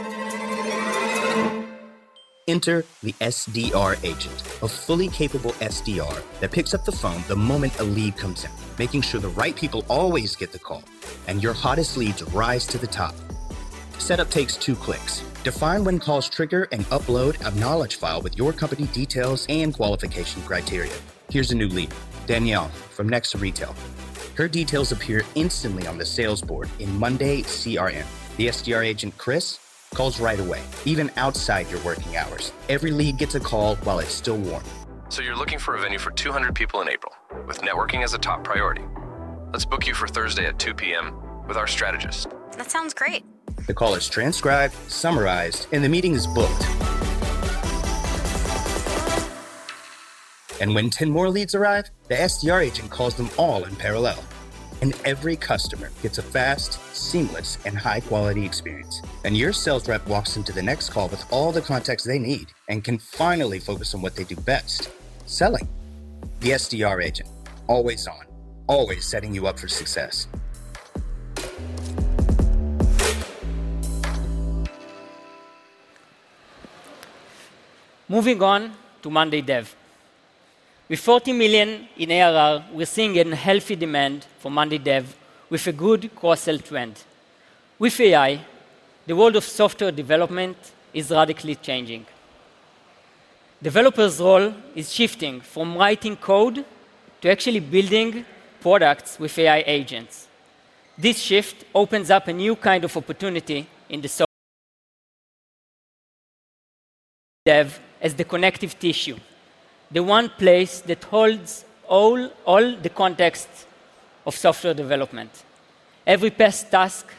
Enter the SDR agent, a fully capable SDR that picks up the phone the moment a lead comes in, making sure the right people always get the call and your hottest leads rise to the top. Setup takes two clicks. Define when calls trigger and upload a knowledge file with your company details and qualification criteria. Here's a new lead, Danielle from Next Retail. Her details appear instantly on the sales board in monday.com CRM. The SDR agent, Chris, calls right away, even outside your working hours. Every lead gets a call while it's still warm. You're looking for a venue for 200 people in April, with networking as a top priority. Let's book you for Thursday at 2:00 P.M. with our Strategist. That sounds great. The call is transcribed, summarized, and the meeting is booked. When 10 more leads arrive, the SDR agent calls them all in parallel. Every customer gets a fast, seamless, and high-quality experience. Your sales rep walks into the next call with all the context they need and can finally focus on what they do best: selling. The SDR agent, always on, always setting you up for success. Moving on to monday.com DevOps. With $40 million in ARR, we're seeing a healthy demand for monday.com DevOps with a good core sale trend. With AI, the world of software development is radically changing. Developers' role is shifting from writing code to actually building products with AI agents. This shift opens up a new kind of opportunity in the software as the connective tissue, the one place that holds all the contexts of software development. Every past task,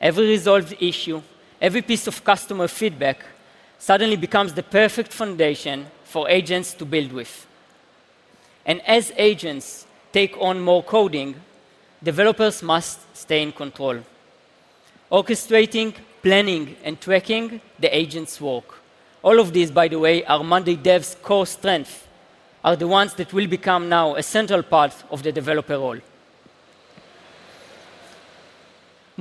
every resolved issue, every piece of customer feedback suddenly becomes the perfect foundation for agents to build with. As agents take on more coding, developers must stay in control, orchestrating, planning, and tracking the agents' work. All of these, by the way, are monday.com DevOps' core strengths, are the ones that will become now a central part of the developer role.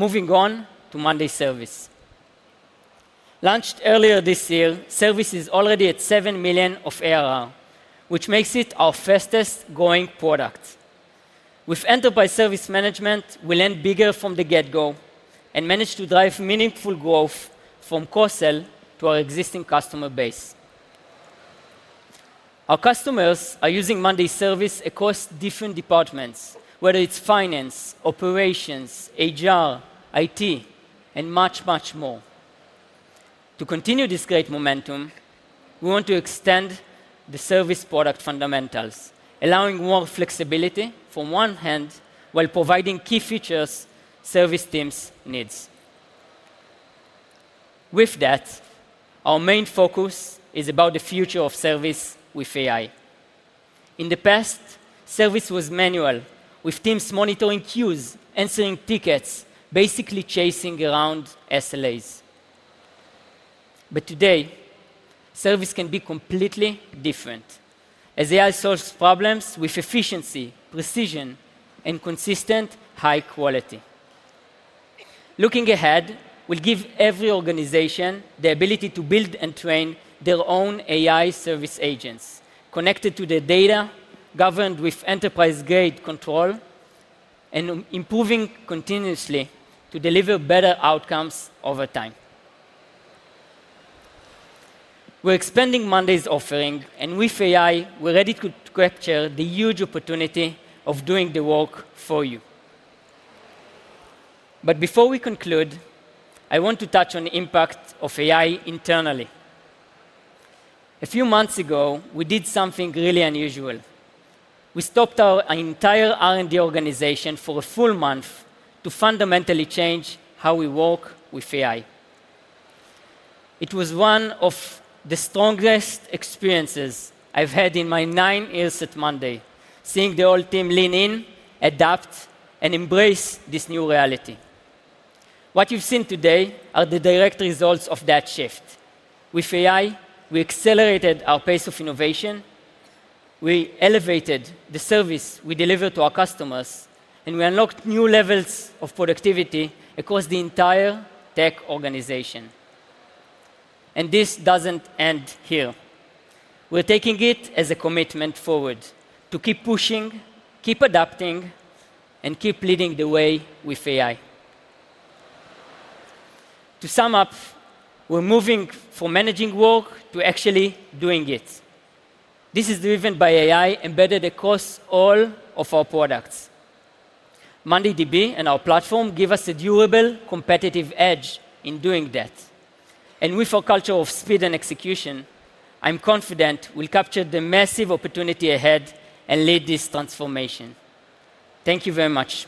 Moving on to monday.com IT Service Management. Launched earlier this year, Service is already at $7 million of ARR, which makes it our fastest growing product. With enterprise service management, we land bigger from the get-go and manage to drive meaningful growth from core sale to our existing customer base. Our customers are using monday.com IT Service Management across different departments, whether it's finance, operations, HR, IT, and much, much more. To continue this great momentum, we want to extend the Service product fundamentals, allowing more flexibility from one hand while providing key features Service teams need. With that, our main focus is about the future of Service with AI. In the past, Service was manual, with teams monitoring queues, answering tickets, basically chasing around SLAs. Today, Service can be completely different as AI solves problems with efficiency, precision, and consistent high quality. Looking ahead, we'll give every organization the ability to build and train their own AI service agents connected to the data, governed with enterprise-grade control, and improving continuously to deliver better outcomes over time. We're expanding monday.com's offering, and with AI, we're ready to capture the huge opportunity of doing the work for you. Before we conclude, I want to touch on the impact of AI internally. A few months ago, we did something really unusual. We stopped our entire R&D organization for a full month to fundamentally change how we work with AI. It was one of the strongest experiences I've had in my nine years at monday.com, seeing the whole team lean in, adapt, and embrace this new reality. What you've seen today are the direct results of that shift. With AI, we accelerated our pace of innovation, elevated the service we deliver to our customers, and unlocked new levels of productivity across the entire tech organization. This doesn't end here. We're taking it as a commitment forward to keep pushing, keep adapting, and keep leading the way with AI. To sum up, we're moving from managing work to actually doing it. This is driven by AI embedded across all of our products. MondayDB and our platform give us a durable competitive edge in doing that. With our culture of speed and execution, I'm confident we'll capture the massive opportunity ahead and lead this transformation. Thank you very much.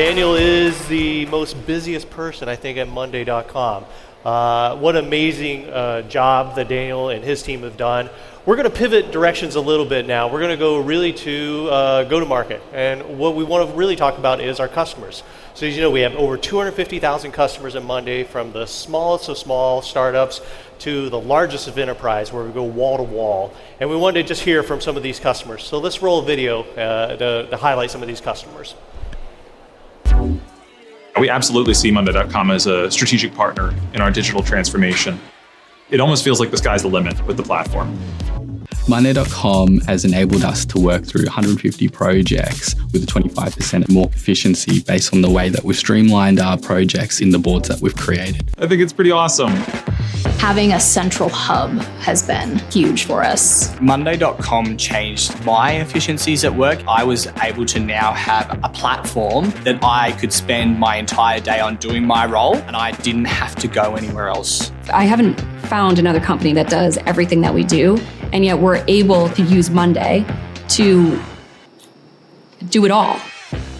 Thank you, Daniel. Daniel is the busiest person, I think, at monday.com. What an amazing job that Daniel and his team have done. We're going to pivot directions a little bit now. We're going to go to go-to-market. What we want to really talk about is our customers. As you know, we have over 250,000 customers on monday.com, from the smallest of small startups to the largest of enterprise, where we go wall to wall. We wanted to just hear from some of these customers. Let's roll a video to highlight some of these customers. We absolutely see monday.com as a strategic partner in our digital transformation. It almost feels like the sky's the limit with the platform. monday.com has enabled us to work through 150 projects with 25% more efficiency, based on the way that we've streamlined our projects in the boards that we've created. I think it's pretty awesome. Having a central hub has been huge for us. monday.com changed my efficiencies at work. I was able to now have a platform that I could spend my entire day on doing my role, and I didn't have to go anywhere else. I haven't found another company that does everything that we do, and yet we're able to use monday.com to do it all.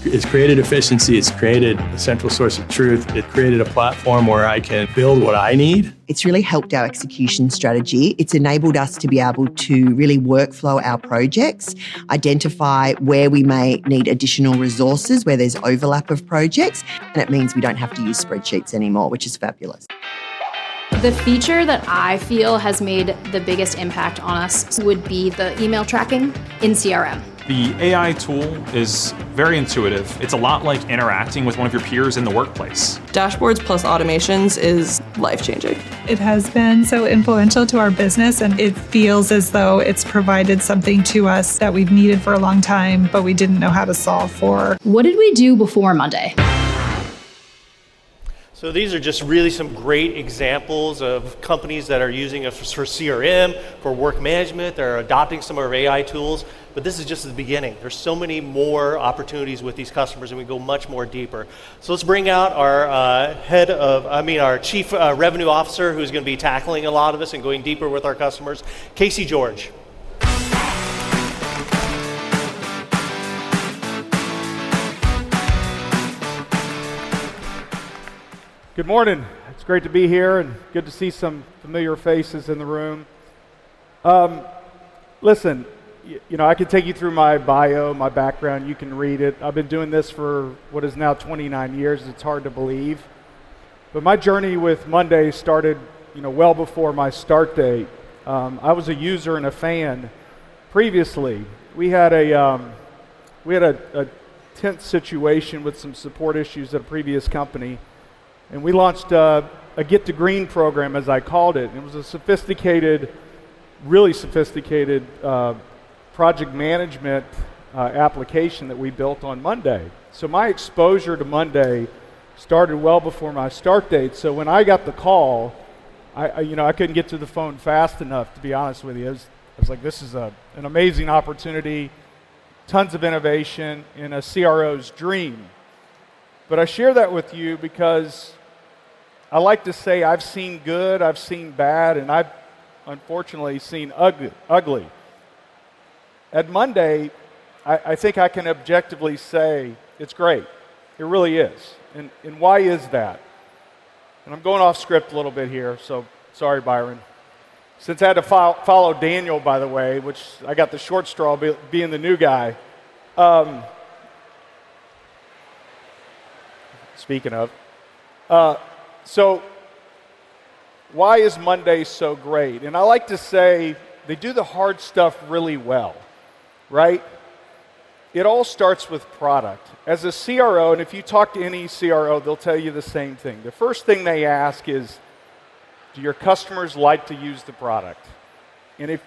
It's created efficiency. It's created a central source of truth. It created a platform where I can build what I need. It's really helped our execution strategy. It's enabled us to be able to really workflow our projects, identify where we may need additional resources, where there's overlap of projects. It means we don't have to use spreadsheets anymore, which is fabulous. The feature that I feel has made the biggest impact on us would be the email tracking in monday.com CRM. The AI tool is very intuitive. It's a lot like interacting with one of your peers in the workplace. Dashboards plus automations is life-changing. It has been so influential to our business, and it feels as though it's provided something to us that we've needed for a long time, but we didn't know how to solve for. What did we do before monday.com? These are just really some great examples of companies that are using us for CRM, for work management. They're adopting some of our AI tools. This is just the beginning. There are so many more opportunities with these customers, and we go much more deeper. Let's bring out our Chief Revenue Officer, who's going to be tackling a lot of this and going deeper with our customers, Casey George. Good morning. It's great to be here and good to see some familiar faces in the room. Listen, I can take you through my bio, my background. You can read it. I've been doing this for what is now 29 years. It's hard to believe. My journey with monday.com started well before my start date. I was a user and a fan previously. We had a tense situation with some support issues at a previous company, and we launched a Get to Green program, as I called it. It was a sophisticated, really sophisticated project management application that we built on monday.com. My exposure to monday.com started well before my start date. When I got the call, I couldn't get to the phone fast enough, to be honest with you. I was like, this is an amazing opportunity, tons of innovation in a CRO's dream. I share that with you because I like to say I've seen good, I've seen bad, and I've unfortunately seen ugly. At monday.com, I think I can objectively say it's great. It really is. Why is that? I'm going off script a little bit here, so sorry, Byron. Since I had to follow Daniel, by the way, which I got the short straw being the new guy. Speaking of, why is monday.com so great? I like to say they do the hard stuff really well, right? It all starts with product. As a CRO, and if you talk to any CRO, they'll tell you the same thing. The first thing they ask is, do your customers like to use the product?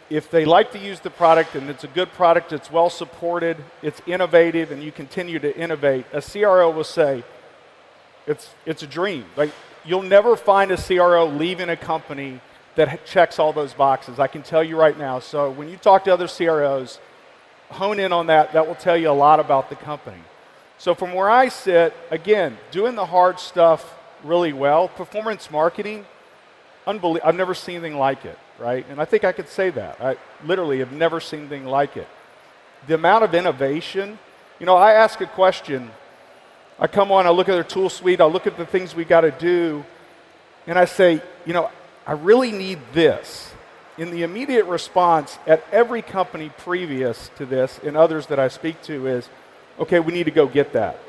If they like to use the product, and it's a good product, it's well supported, it's innovative, and you continue to innovate, a CRO will say it's a dream. You'll never find a CRO leaving a company that checks all those boxes. I can tell you right now. When you talk to other CROs, hone in on that. That will tell you a lot about the company. From where I sit, again, doing the hard stuff really well, performance marketing, unbelievable. I've never seen anything like it, right? I think I could say that. I literally have never seen anything like it. The amount of innovation, I ask a question. I come on, I look at their tool suite, I look at the things we got to do, and I say, I really need this. The immediate response at every company previous to this and others that I speak to is, okay, we need to go get that.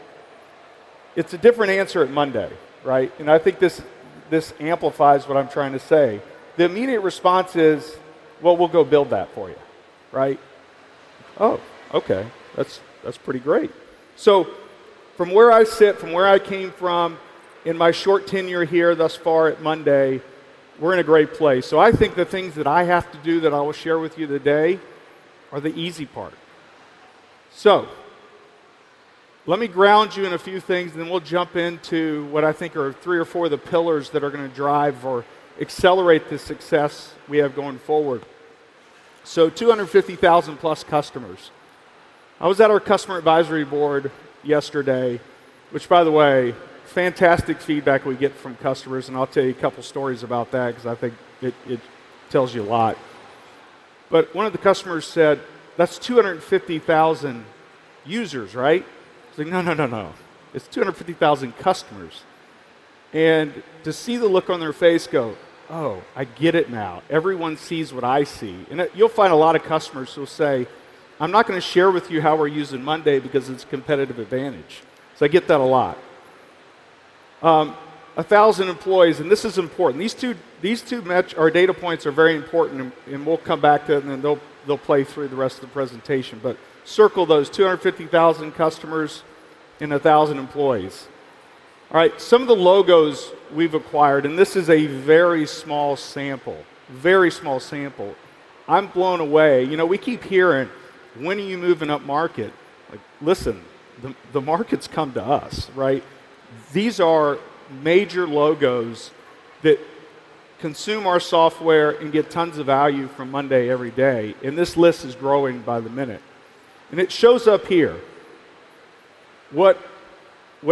It's a different answer at monday.com, right? I think this amplifies what I'm trying to say. The immediate response is, we'll go build that for you, right? Oh, okay. That's pretty great. From where I sit, from where I came from, in my short tenure here thus far at monday.com, we're in a great place. I think the things that I have to do that I will share with you today are the easy part. Let me ground you in a few things, and then we'll jump into what I think are three or four of the pillars that are going to drive or accelerate the success we have going forward. 250,000+ customers. I was at our customer advisory board yesterday, which, by the way, fantastic feedback we get from customers. I'll tell you a couple of stories about that because I think it tells you a lot. One of the customers said, that's 250,000 users, right? It's like, no, no, no, no. It's 250,000 customers. To see the look on their face go, oh, I get it now. Everyone sees what I see. You'll find a lot of customers who will say, I'm not going to share with you how we're using monday.com because it's a competitive advantage. I get that a lot. 1,000 employees, and this is important. These two metrics or data points are very important, and we'll come back to it, and then they'll play through the rest of the presentation. Circle those 250,000 customers and 1,000 employees. Some of the logos we've acquired, and this is a very small sample, very small sample. I'm blown away. We keep hearing, when are you moving upmarket? Listen, the market's come to us, right? These are major logos that consume our software and get tons of value from monday.com every day. This list is growing by the minute. It shows up here. What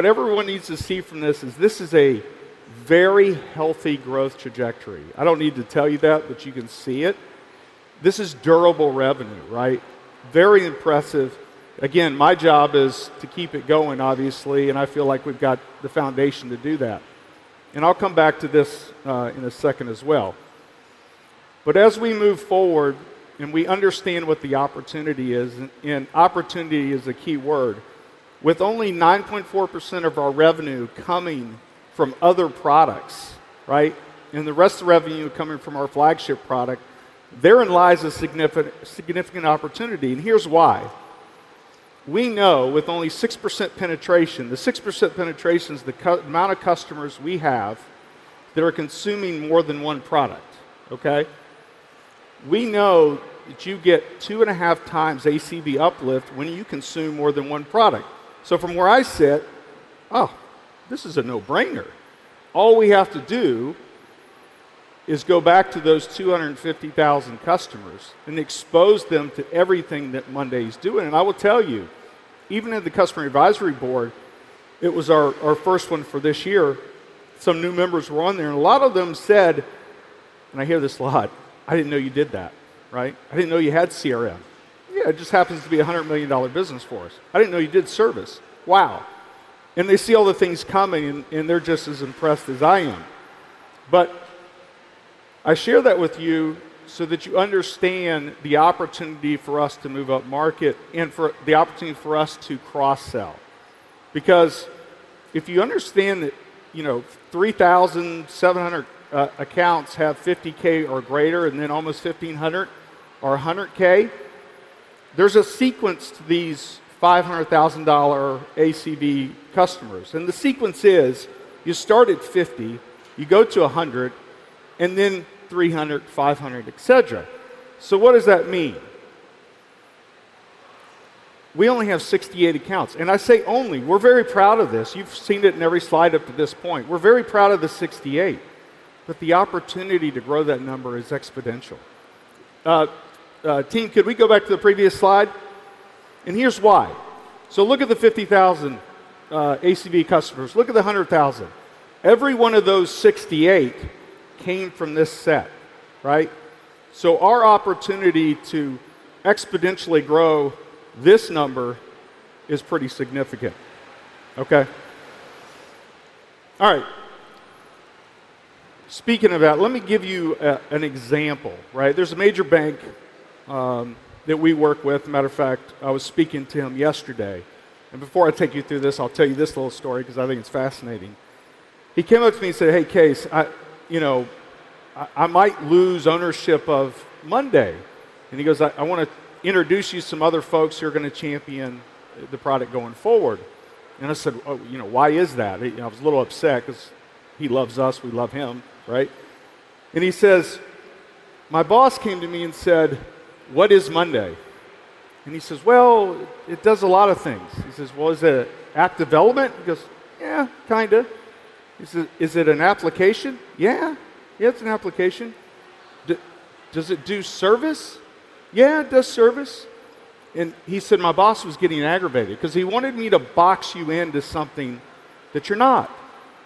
everyone needs to see from this is this is a very healthy growth trajectory. I don't need to tell you that, but you can see it. This is durable revenue, right? Very impressive. My job is to keep it going, obviously, and I feel like we've got the foundation to do that. I'll come back to this in a second as well. As we move forward and we understand what the opportunity is, and opportunity is a key word, with only 9.4% of our revenue coming from other products, and the rest of the revenue coming from our flagship product, therein lies a significant opportunity. Here's why. We know with only 6% penetration, the 6% penetration is the amount of customers we have that are consuming more than one product, okay? We know that you get 2.5 times ACB uplift when you consume more than one product. From where I sit, oh, this is a no-brainer. All we have to do is go back to those 250,000 customers and expose them to everything that monday.com is doing. I will tell you, even in the Customer Advisory Board, it was our first one for this year. Some new members were on there, and a lot of them said, and I hear this a lot, I didn't know you did that, right? I didn't know you had CRM. Yeah, it just happens to be a $100 million business for us. I didn't know you did service. Wow. They see all the things coming, and they're just as impressed as I am. I share that with you so that you understand the opportunity for us to move upmarket and for the opportunity for us to cross-sell. If you understand that, you know, 3,700 accounts have $50,000 or greater, and then almost 1,500 are $100,000, there's a sequence to these $500,000 ACB customers. The sequence is you start at $50,000, you go to $100,000, and then $300,000, $500,000, etc. What does that mean? We only have 68 accounts. I say only. We're very proud of this. You've seen it in every slide up to this point. We're very proud of the 68. The opportunity to grow that number is exponential. Team, could we go back to the previous slide? Here's why. Look at the $50,000 ACB customers. Look at the $100,000. Every one of those 68 came from this set, right? Our opportunity to exponentially grow this number is pretty significant, okay? All right. Speaking of that, let me give you an example, right? There's a major bank that we work with. As a matter of fact, I was speaking to him yesterday. Before I take you through this, I'll tell you this little story because I think it's fascinating. He came up to me and said, "Hey, Case, you know, I might lose ownership of monday.com." He goes, "I want to introduce you to some other folks who are going to champion the product going forward." I said, "Oh, you know, why is that?" I was a little upset because he loves us. We love him, right? He says, "My boss came to me and said, 'What is monday.com?'" He says, "Well, it does a lot of things." He says, "Is it app development?" He goes, "Yeah, kind of." He says, "Is it an application?" "Yeah, yeah, it's an application." "Does it do service?" "Yeah, it does service." He said, "My boss was getting aggravated because he wanted me to box you into something that you're not."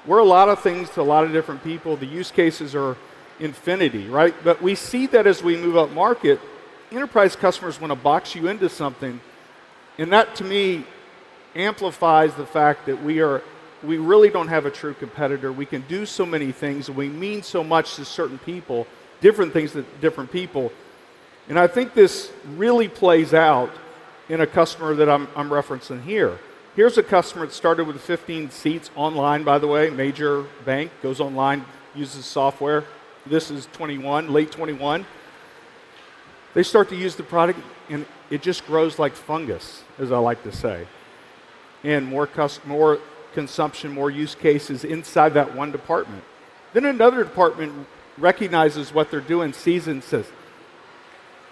We're a lot of things to a lot of different people. The use cases are infinity, right? We see that as we move upmarket, enterprise customers want to box you into something. That, to me, amplifies the fact that we really don't have a true competitor. We can do so many things, and we mean so much to certain people, different things to different people. I think this really plays out in a customer that I'm referencing here. Here's a customer that started with 15 seats online, by the way, major bank, goes online, uses software. This is 2021, late 2021. They start to use the product, and it just grows like fungus, as I like to say. More consumption, more use cases inside that one department. Another department recognizes what they're doing, sees and says,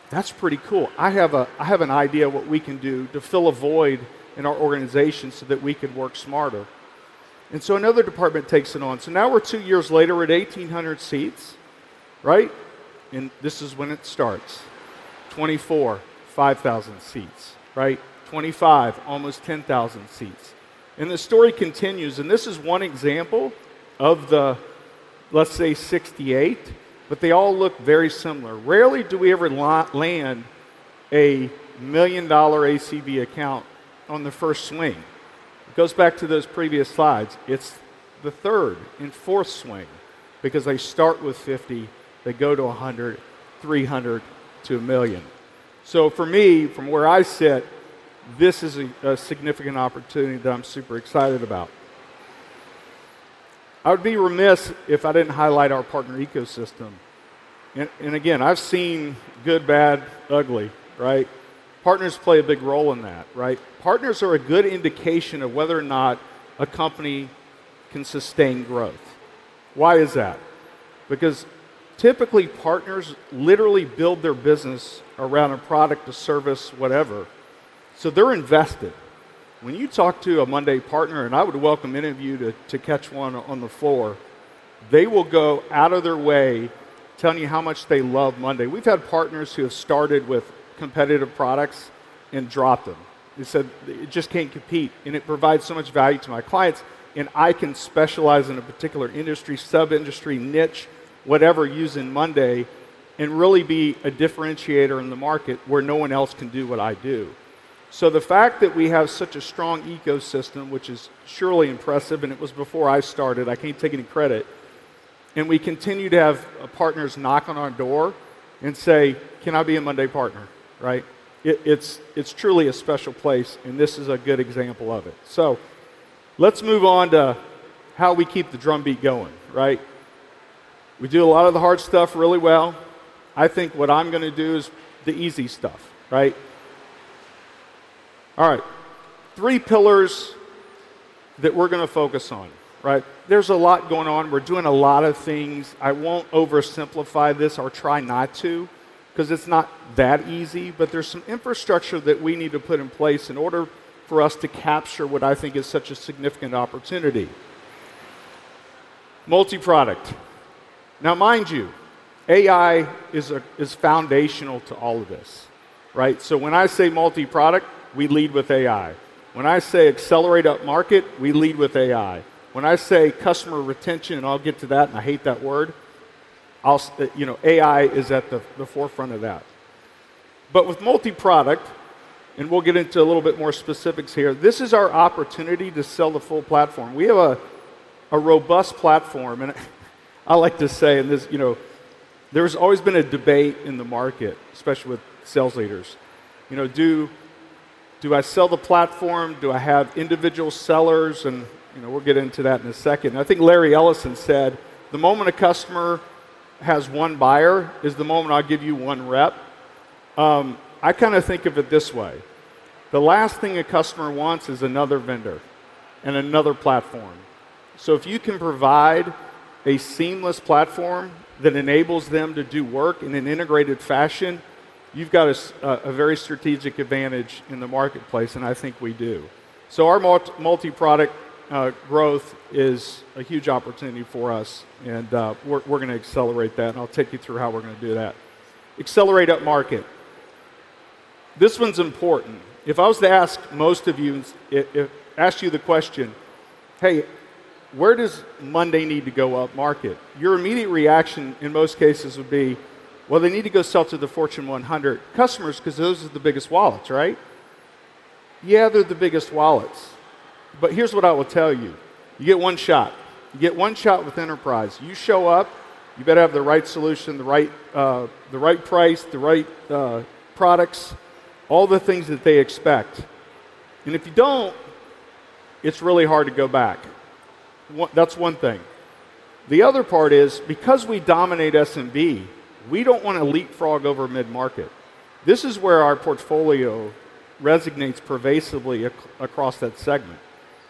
"That's pretty cool. I have an idea of what we can do to fill a void in our organization so that we could work smarter." Another department takes it on. Now we're two years later at 1,800 seats, right? This is when it starts. 2024, 5,000 seats, right? 2025, almost 10,000 seats. The story continues. This is one example of the, let's say, 68, but they all look very similar. Rarely do we ever land a $1 million ACB account on the first swing. It goes back to those previous slides. It's the third and fourth swing because they start with $50, they go to $100, $300, to $1 million. For me, from where I sit, this is a significant opportunity that I'm super excited about. I would be remiss if I didn't highlight our partner ecosystem. I've seen good, bad, ugly, right? Partners play a big role in that, right? Partners are a good indication of whether or not a company can sustain growth. Why is that? Because typically partners literally build their business around a product or service, whatever. They're invested. When you talk to a monday.com partner, and I would welcome any of you to catch one on the floor, they will go out of their way telling you how much they love monday.com. We've had partners who have started with competitive products and dropped them. They said it just can't compete. It provides so much value to my clients. I can specialize in a particular industry, sub-industry, niche, whatever, using monday.com and really be a differentiator in the market where no one else can do what I do. The fact that we have such a strong ecosystem, which is surely impressive, and it was before I started, I can't take any credit. We continue to have partners knock on our door and say, can I be a monday.com partner? It's truly a special place. This is a good example of it. Let's move on to how we keep the drumbeat going, right? We do a lot of the hard stuff really well. I think what I'm going to do is the easy stuff, right? All right. Three pillars that we're going to focus on, right? There's a lot going on. We're doing a lot of things. I won't oversimplify this or try not to because it's not that easy, but there's some infrastructure that we need to put in place in order for us to capture what I think is such a significant opportunity. Multi-product. Now, mind you, AI is foundational to all of this, right? When I say multi-product, we lead with AI. When I say accelerate up market, we lead with AI. When I say customer retention, and I'll get to that, and I hate that word. You know, AI is at the forefront of that. With multi-product, and we'll get into a little bit more specifics here, this is our opportunity to sell the full platform. We have a robust platform. I like to say, and this, you know, there's always been a debate in the market, especially with sales leaders. Do I sell the platform? Do I have individual sellers? You know, we'll get into that in a second. I think Larry Ellison said, the moment a customer has one buyer is the moment I'll give you one rep. I kind of think of it this way. The last thing a customer wants is another vendor and another platform. If you can provide a seamless platform that enables them to do work in an integrated fashion, you've got a very strategic advantage in the marketplace. I think we do. Our multi-product growth is a huge opportunity for us. We're going to accelerate that. I'll take you through how we're going to do that. Accelerate up market. This one's important. If I was to ask most of you, ask you the question, hey, where does monday.com need to go up market? Your immediate reaction in most cases would be, well, they need to go sell to the Fortune 100 customers because those are the biggest wallets, right? Yeah, they're the biggest wallets. Here's what I will tell you. You get one shot. You get one shot with enterprise. You show up. You better have the right solution, the right price, the right products, all the things that they expect. If you don't, it's really hard to go back. That's one thing. The other part is because we dominate SMB, we don't want to leapfrog over mid-market. This is where our portfolio resonates pervasively across that segment.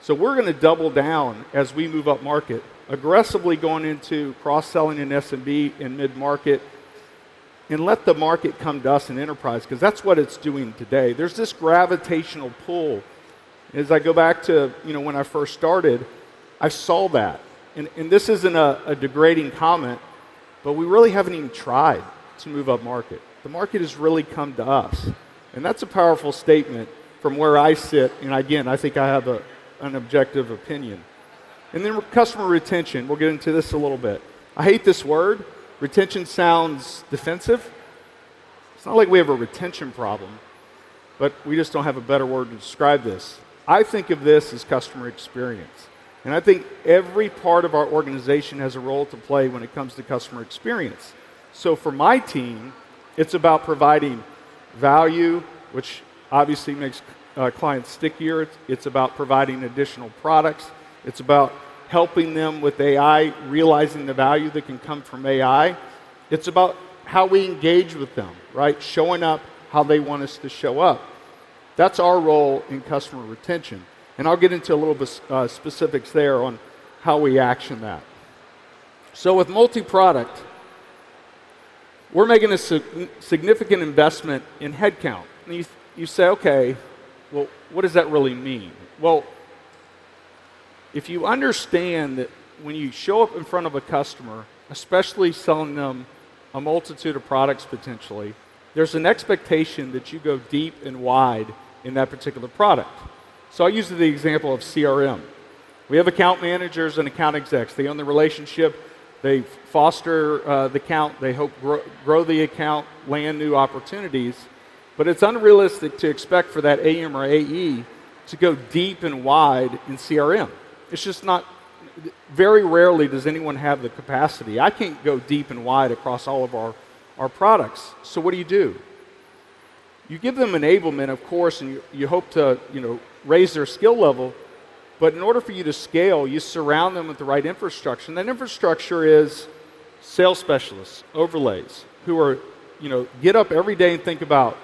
We're going to double down as we move upmarket, aggressively going into cross-selling in SMB and mid-market, and let the market come to us in enterprise because that's what it's doing today. There's this gravitational pull. As I go back to when I first started, I saw that. This isn't a degrading comment, but we really haven't even tried to move upmarket. The market has really come to us. That's a powerful statement from where I sit. I think I have an objective opinion. Customer retention—we'll get into this a little bit. I hate this word. Retention sounds defensive. It's not like we have a retention problem, but we just don't have a better word to describe this. I think of this as customer experience. I think every part of our organization has a role to play when it comes to customer experience. For my team, it's about providing value, which obviously makes clients stickier. It's about providing additional products. It's about helping them with AI, realizing the value that can come from AI. It's about how we engage with them, right? Showing up how they want us to show up. That's our role in customer retention. I'll get into a little bit of specifics there on how we action that. With multi-product, we're making a significant investment in headcount. You say, okay, what does that really mean? If you understand that when you show up in front of a customer, especially selling them a multitude of products, potentially, there's an expectation that you go deep and wide in that particular product. I'll use the example of monday.com CRM. We have account managers and account execs. They own the relationship. They foster the account. They help grow the account, land new opportunities. It's unrealistic to expect for that AM or AE to go deep and wide in CRM. Very rarely does anyone have the capacity. I can't go deep and wide across all of our products. What do you do? You give them enablement, of course, and you hope to raise their skill level. In order for you to scale, you surround them with the right infrastructure. That infrastructure is sales specialists, overlays, who get up every day and think about,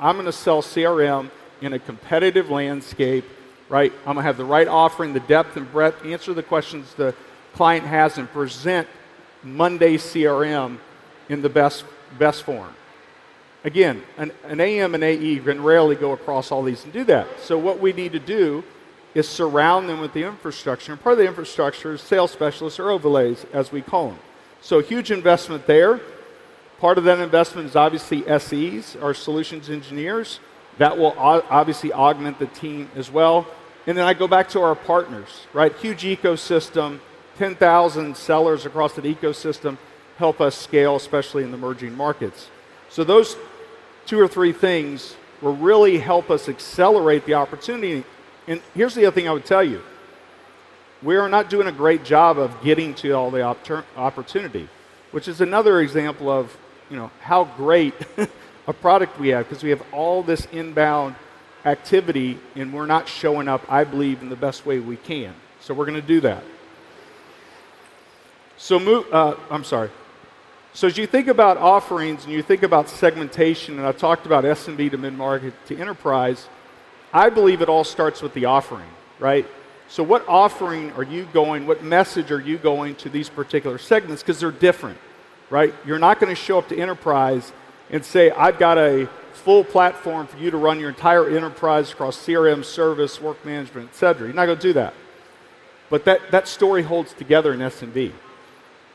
I'm going to sell CRM in a competitive landscape, right? I'm going to have the right offering, the depth and breadth, answer the questions the client has, and present monday.com CRM in the best form. Again, an AM and AE can rarely go across all these and do that. What we need to do is surround them with the infrastructure. Part of the infrastructure is sales specialists or overlays, as we call them. A huge investment there. Part of that investment is obviously SEs, our solutions engineers. That will obviously augment the team as well. I go back to our partners, right? Huge ecosystem, 10,000 sellers across that ecosystem help us scale, especially in emerging markets. Those two or three things will really help us accelerate the opportunity. Here's the other thing I would tell you. We are not doing a great job of getting to all the opportunity, which is another example of how great a product we have because we have all this inbound activity and we're not showing up, I believe, in the best way we can. We're going to do that. As you think about offerings and you think about segmentation, and I've talked about SMB to mid-market to enterprise, I believe it all starts with the offering, right? What offering are you going, what message are you going to these particular segments because they're different, right? You're not going to show up to enterprise and say, I've got a full platform for you to run your entire enterprise across CRM, service, work management, etc. You're not going to do that. That story holds together in SMB.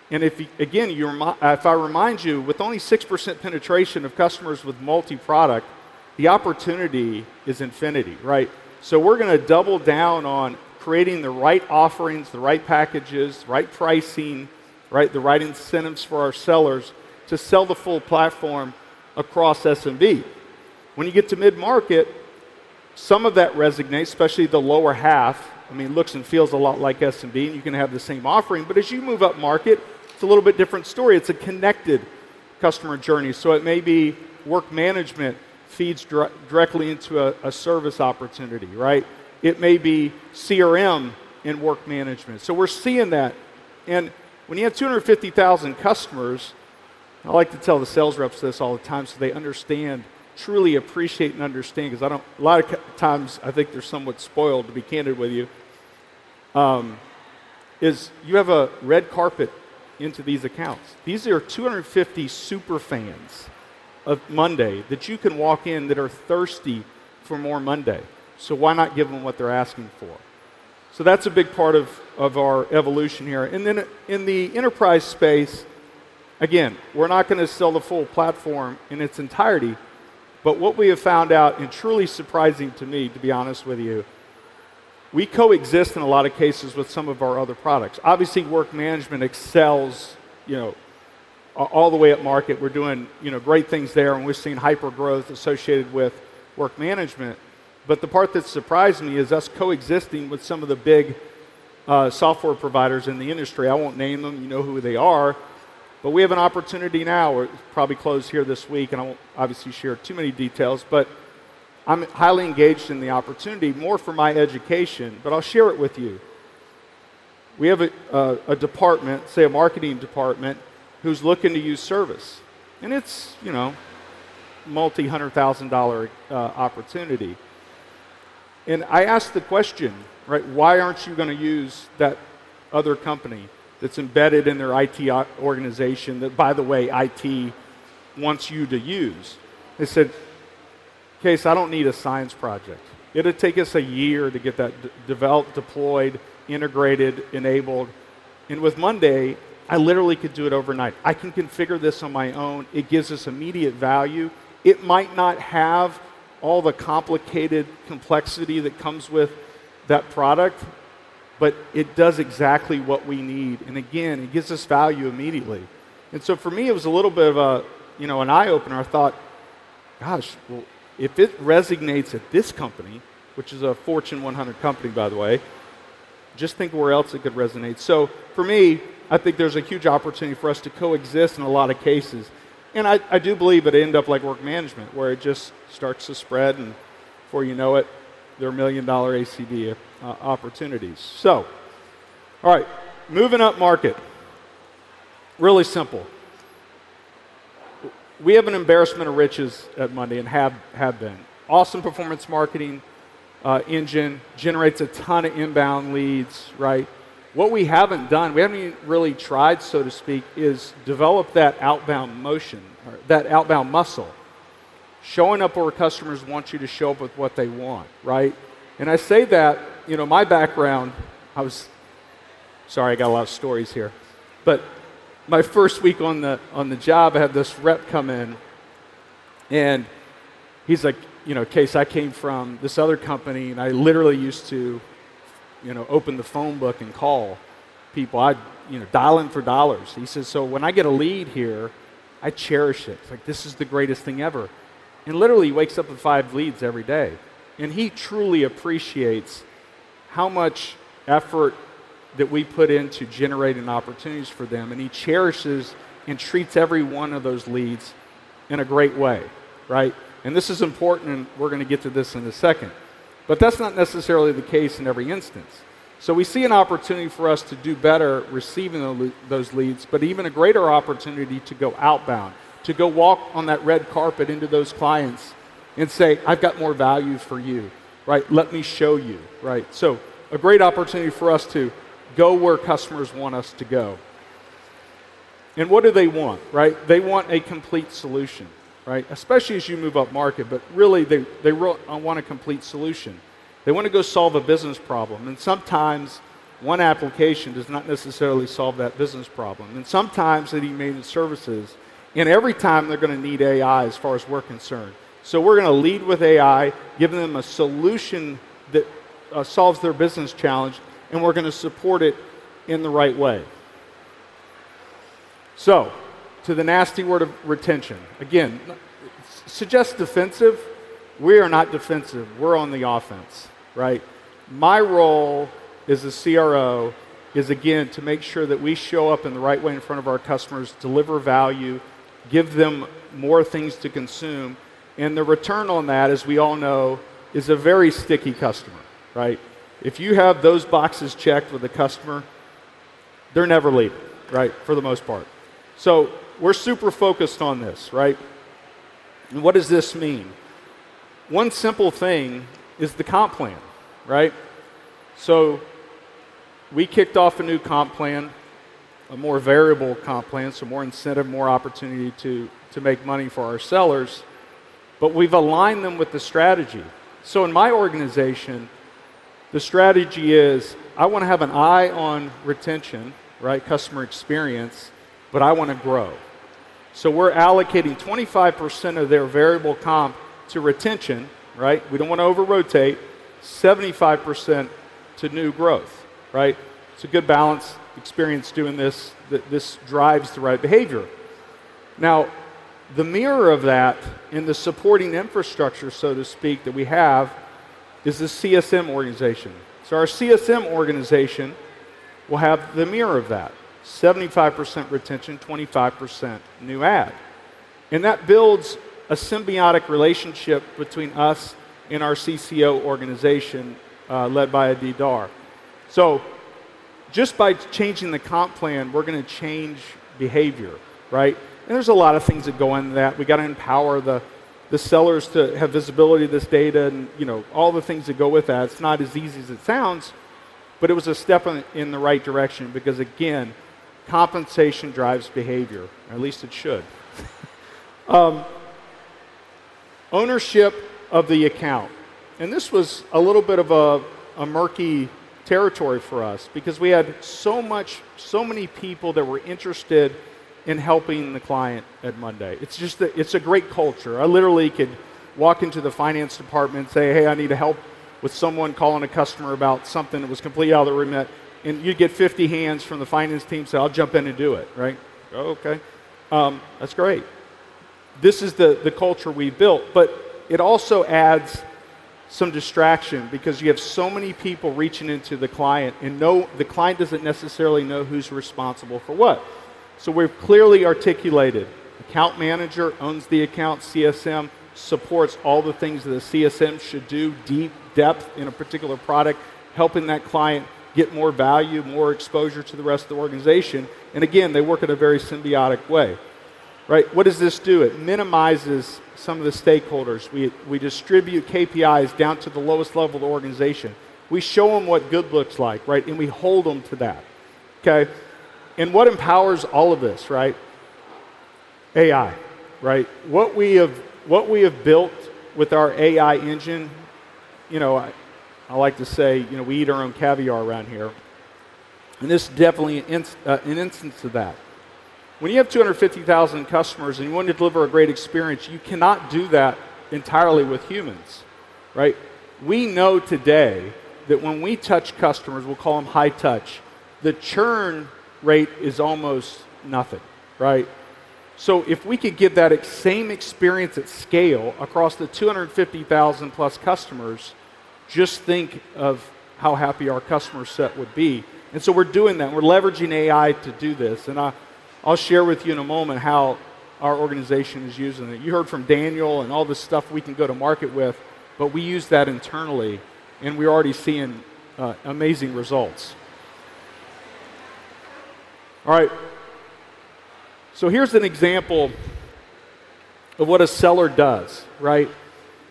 If you, again, if I remind you, with only 6% penetration of customers with multi-product, the opportunity is infinity, right? We're going to double down on creating the right offerings, the right packages, the right pricing, the right incentives for our sellers to sell the full platform across SMB. When you get to mid-market, some of that resonates, especially the lower half. I mean, it looks and feels a lot like SMB, and you can have the same offering. As you move up market, it's a little bit different story. It's a connected customer journey. It may be work management feeds directly into a service opportunity, right? It may be CRM and work management. We're seeing that. When you have 250,000 customers, I like to tell the sales reps this all the time so they understand, truly appreciate and understand, because I don't, a lot of times I think they're somewhat spoiled, to be candid with you, is you have a red carpet into these accounts. These are 250 super fans of monday.com that you can walk in that are thirsty for more Monday. Why not give them what they're asking for? That's a big part of our evolution here. In the enterprise space, again, we're not going to sell the full platform in its entirety. What we have found out, and truly surprising to me, to be honest with you, is we coexist in a lot of cases with some of our other products. Obviously, work management excels all the way at market. We're doing great things there, and we're seeing hypergrowth associated with work management. The part that surprised me is us coexisting with some of the big software providers in the industry. I won't name them. You know who they are. We have an opportunity now. We're probably closed here this week, and I won't share too many details, but I'm highly engaged in the opportunity more for my education, but I'll share it with you. We have a department, say a marketing department, who's looking to use service. It's a multi-hundred thousand dollar opportunity. I asked the question, right, why aren't you going to use that other company that's embedded in their IT organization that, by the way, IT wants you to use? They said, Casey, I don't need a science project. It'll take us a year to get that developed, deployed, integrated, enabled. With monday.com, I literally could do it overnight. I can configure this on my own. It gives us immediate value. It might not have all the complicated complexity that comes with that product, but it does exactly what we need. It gives us value immediately. For me, it was a little bit of an eye-opener. I thought, gosh, if it resonates at this company, which is a Fortune 100 company, just think where else it could resonate. I think there's a huge opportunity for us to coexist in a lot of cases. I do believe it ended up like work management, where it just starts to spread, and before you know it, there are million-dollar ACV opportunities. Moving up market, really simple. We have an embarrassment of riches at monday.com and have been. Awesome performance marketing engine generates a ton of inbound leads, right? What we haven't done, we haven't even really tried, is develop that outbound motion or that outbound muscle, showing up where customers want you to show up with what they want, right? I say that, you know, my background, I was, I got a lot of stories here, but my first week on the job, I had this rep come in and he's like, you know, Casey, I came from this other company and I literally used to, you know, open the phone book and call people. I, you know, dial in for dollars. He says, when I get a lead here, I cherish it. It's like, this is the greatest thing ever. Literally, he wakes up with five leads every day. He truly appreciates how much effort that we put into generating opportunities for them. He cherishes and treats every one of those leads in a great way, right? This is important, and we're going to get to this in a second. That's not necessarily the case in every instance. We see an opportunity for us to do better receiving those leads, but even a greater opportunity to go outbound, to go walk on that red carpet into those clients and say, I've got more value for you, right? Let me show you, right? A great opportunity for us to go where customers want us to go. What do they want, right? They want a complete solution, right? Especially as you move up market, but really, they want a complete solution. They want to go solve a business problem. Sometimes one application does not necessarily solve that business problem. Sometimes it even may need services. Every time they're going to need AI as far as we're concerned. We're going to lead with AI, giving them a solution that solves their business challenge, and we're going to support it in the right way. To the nasty word of retention, again, suggest defensive. We are not defensive. We're on the offense, right? My role as a CRO is, again, to make sure that we show up in the right way in front of our customers, deliver value, give them more things to consume. The return on that, as we all know, is a very sticky customer, right? If you have those boxes checked with a customer, they're never leaving, right? For the most part. We're super focused on this, right? What does this mean? One simple thing is the comp plan, right? We kicked off a new comp plan, a more variable comp plan, so more incentive, more opportunity to make money for our sellers. We've aligned them with the strategy. In my organization, the strategy is I want to have an eye on retention, right? Customer experience, but I want to grow. We're allocating 25% of their variable comp to retention, right? We don't want to over-rotate 75% to new growth, right? It's a good balance. We've experienced doing this. This drives the right behavior. Now, the mirror of that in the supporting infrastructure, so to speak, that we have is the CSM organization. Our CSM organization will have the mirror of that: 75% retention, 25% new ad. That builds a symbiotic relationship between us and our CCO organization led by Adeedar. Just by changing the comp plan, we're going to change behavior, right? There are a lot of things that go into that. We have to empower the sellers to have visibility of this data and, you know, all the things that go with that. It's not as easy as it sounds, but it was a step in the right direction because, again, compensation drives behavior, or at least it should. Ownership of the account. This was a little bit of a murky territory for us because we had so much, so many people that were interested in helping the client at monday.com. It's just that it's a great culture. I literally could walk into the finance department and say, "Hey, I need to help with someone calling a customer about something that was completely out of the remit." You'd get 50 hands from the finance team saying, "I'll jump in and do it," right? Oh, okay. That's great. This is the culture we built, but it also adds some distraction because you have so many people reaching into the client and the client doesn't necessarily know who's responsible for what. We've clearly articulated the account manager owns the account, CSM supports all the things that a CSM should do, deep depth in a particular product, helping that client get more value, more exposure to the rest of the organization. They work in a very symbiotic way, right? What does this do? It minimizes some of the stakeholders. We distribute KPIs down to the lowest level of the organization. We show them what good looks like, right? We hold them to that. Okay. What empowers all of this, right? AI, right? What we have built with our AI engine, you know, I like to say, you know, we eat our own caviar around here. This is definitely an instance of that. When you have 250,000 customers and you want to deliver a great experience, you cannot do that entirely with humans, right? We know today that when we touch customers, we'll call them high touch, the churn rate is almost nothing, right? If we could get that same experience at scale across the 250,000 plus customers, just think of how happy our customer set would be. We are doing that, and we're leveraging AI to do this. I'll share with you in a moment how our organization is using it. You heard from Daniel and all the stuff we can go to market with, but we use that internally. We're already seeing amazing results. Here's an example of what a seller does, right?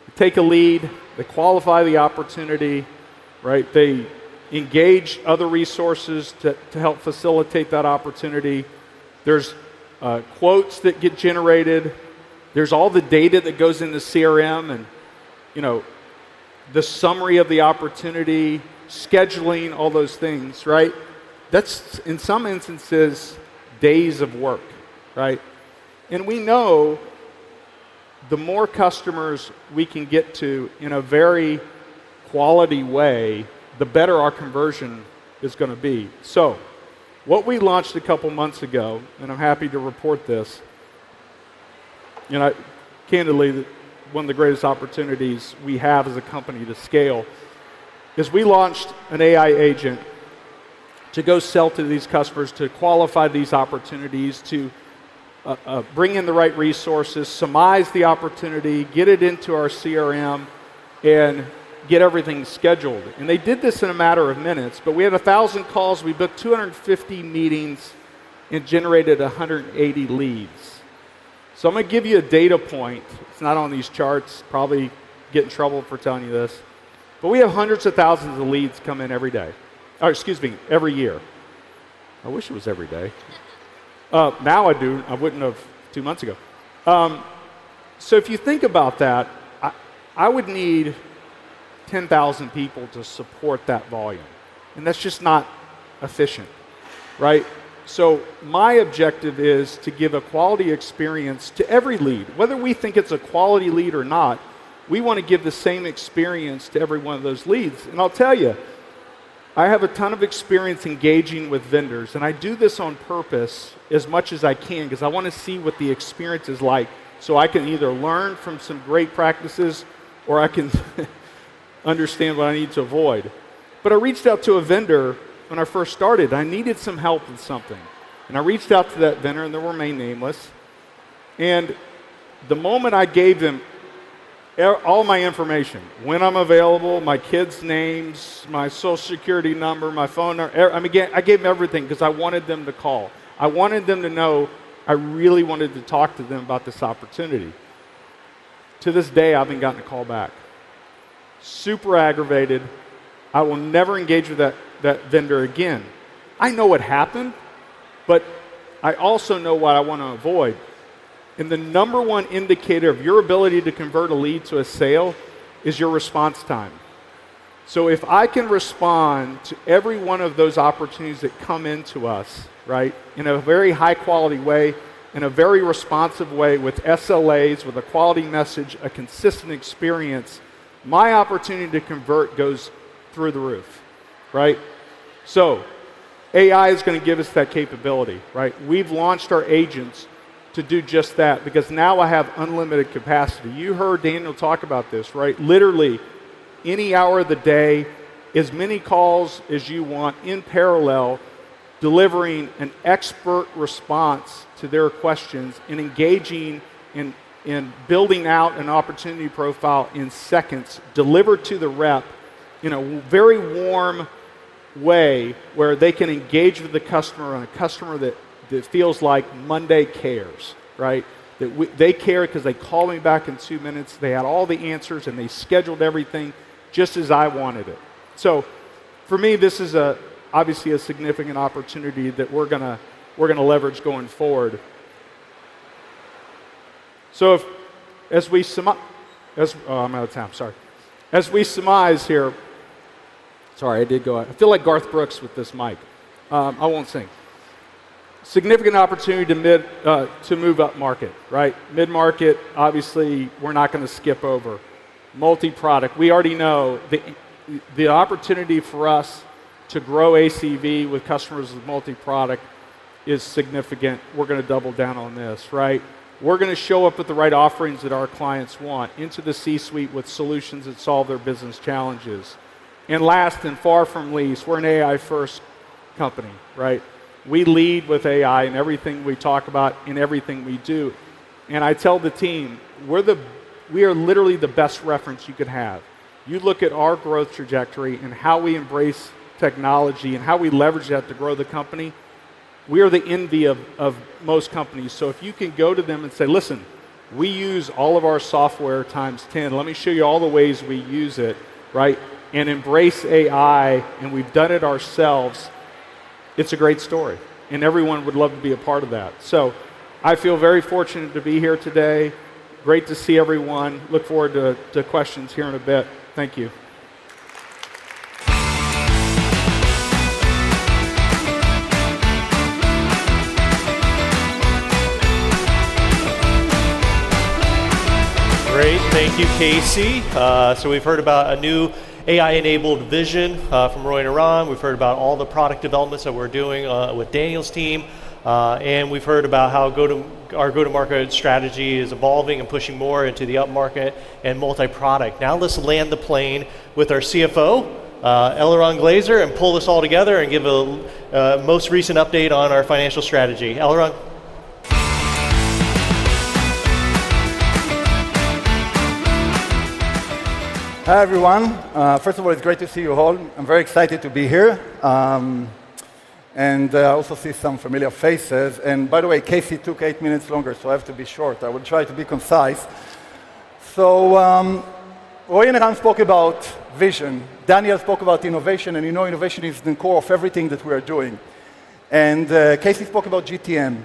They take a lead, they qualify the opportunity, they engage other resources to help facilitate that opportunity. There are quotes that get generated, there's all the data that goes into CRM and, you know, the summary of the opportunity, scheduling, all those things. That's, in some instances, days of work. We know the more customers we can get to in a very quality way, the better our conversion is going to be. What we launched a couple of months ago, and I'm happy to report this, candidly, one of the greatest opportunities we have as a company to scale is we launched an AI agent to go sell to these customers, to qualify these opportunities, to bring in the right resources, surmise the opportunity, get it into our CRM, and get everything scheduled. They did this in a matter of minutes. We had 1,000 calls, we booked 250 meetings, and generated 180 leads. I'm going to give you a data point. It's not on these charts. I'll probably get in trouble for telling you this. We have hundreds of thousands of leads come in every year. I wish it was every day. Now I do. I wouldn't have two months ago. If you think about that, I would need 10,000 people to support that volume, and that's just not efficient. My objective is to give a quality experience to every lead. Whether we think it's a quality lead or not, we want to give the same experience to every one of those leads. I'll tell you, I have a ton of experience engaging with vendors. I do this on purpose as much as I can because I want to see what the experience is like. I can either learn from some great practices or I can understand what I need to avoid. I reached out to a vendor when I first started. I needed some help with something. I reached out to that vendor, and they were named nameless. The moment I gave them all my information, when I'm available, my kids' names, my Social Security number, my phone number, I gave them everything because I wanted them to call. I wanted them to know I really wanted to talk to them about this opportunity. To this day, I haven't gotten a call back. Super aggravated. I will never engage with that vendor again. I know what happened, but I also know what I want to avoid. The number one indicator of your ability to convert a lead to a sale is your response time. If I can respond to every one of those opportunities that come into us, in a very high-quality way, in a very responsive way, with SLAs, with a quality message, a consistent experience, my opportunity to convert goes through the roof. AI is going to give us that capability. We've launched our agents to do just that because now I have unlimited capacity. You heard Daniel talk about this. Literally, any hour of the day, as many calls as you want in parallel, delivering an expert response to their questions and engaging in and building out an opportunity profile in seconds, delivered to the rep in a very warm way where they can engage with the customer and a customer that feels like monday.com cares. They care because they called me back in two minutes. They had all the answers and they scheduled everything just as I wanted it. For me, this is obviously a significant opportunity that we're going to leverage going forward. As we sum up, as I'm out of time, sorry, as we summarize here, I did go out. I feel like Garth Brooks with this mic. I won't sing. Significant opportunity to move upmarket. Mid-market, obviously, we're not going to skip over. Multi-product, we already know the opportunity for us to grow ACV with customers with multi-product is significant. We're going to double down on this. We're going to show up with the right offerings that our clients want into the C-suite with solutions that solve their business challenges. Last and far from least, we're an AI-first company. We lead with AI in everything we talk about, in everything we do. I tell the team, we are literally the best reference you could have. You look at our growth trajectory and how we embrace technology and how we leverage that to grow the company. We are the envy of most companies. If you can go to them and say, "Listen, we use all of our software times 10. Let me show you all the ways we use it, right? We embrace AI, and we've done it ourselves. It's a great story. Everyone would love to be a part of that. I feel very fortunate to be here today. Great to see everyone. I look forward to questions here in a bit. Thank you. Great. Thank you, Casey. We've heard about a new AI-enabled vision from Roy and Eran. We've heard about all the product developments that we're doing with Daniel's team. We've heard about how our go-to-market strategy is evolving and pushing more into the upmarket and multi-product. Now let's land the plane with our CFO, Eliran Glazer, and pull this all together and give a most recent update on our financial strategy. Eliran. Hi, everyone. First of all, it's great to see you all. I'm very excited to be here. I also see some familiar faces. By the way, Casey took eight minutes longer, so I have to be short. I will try to be concise. Roy and I spoke about vision. Daniel spoke about innovation. You know, innovation is the core of everything that we are doing. Casey spoke about GTM.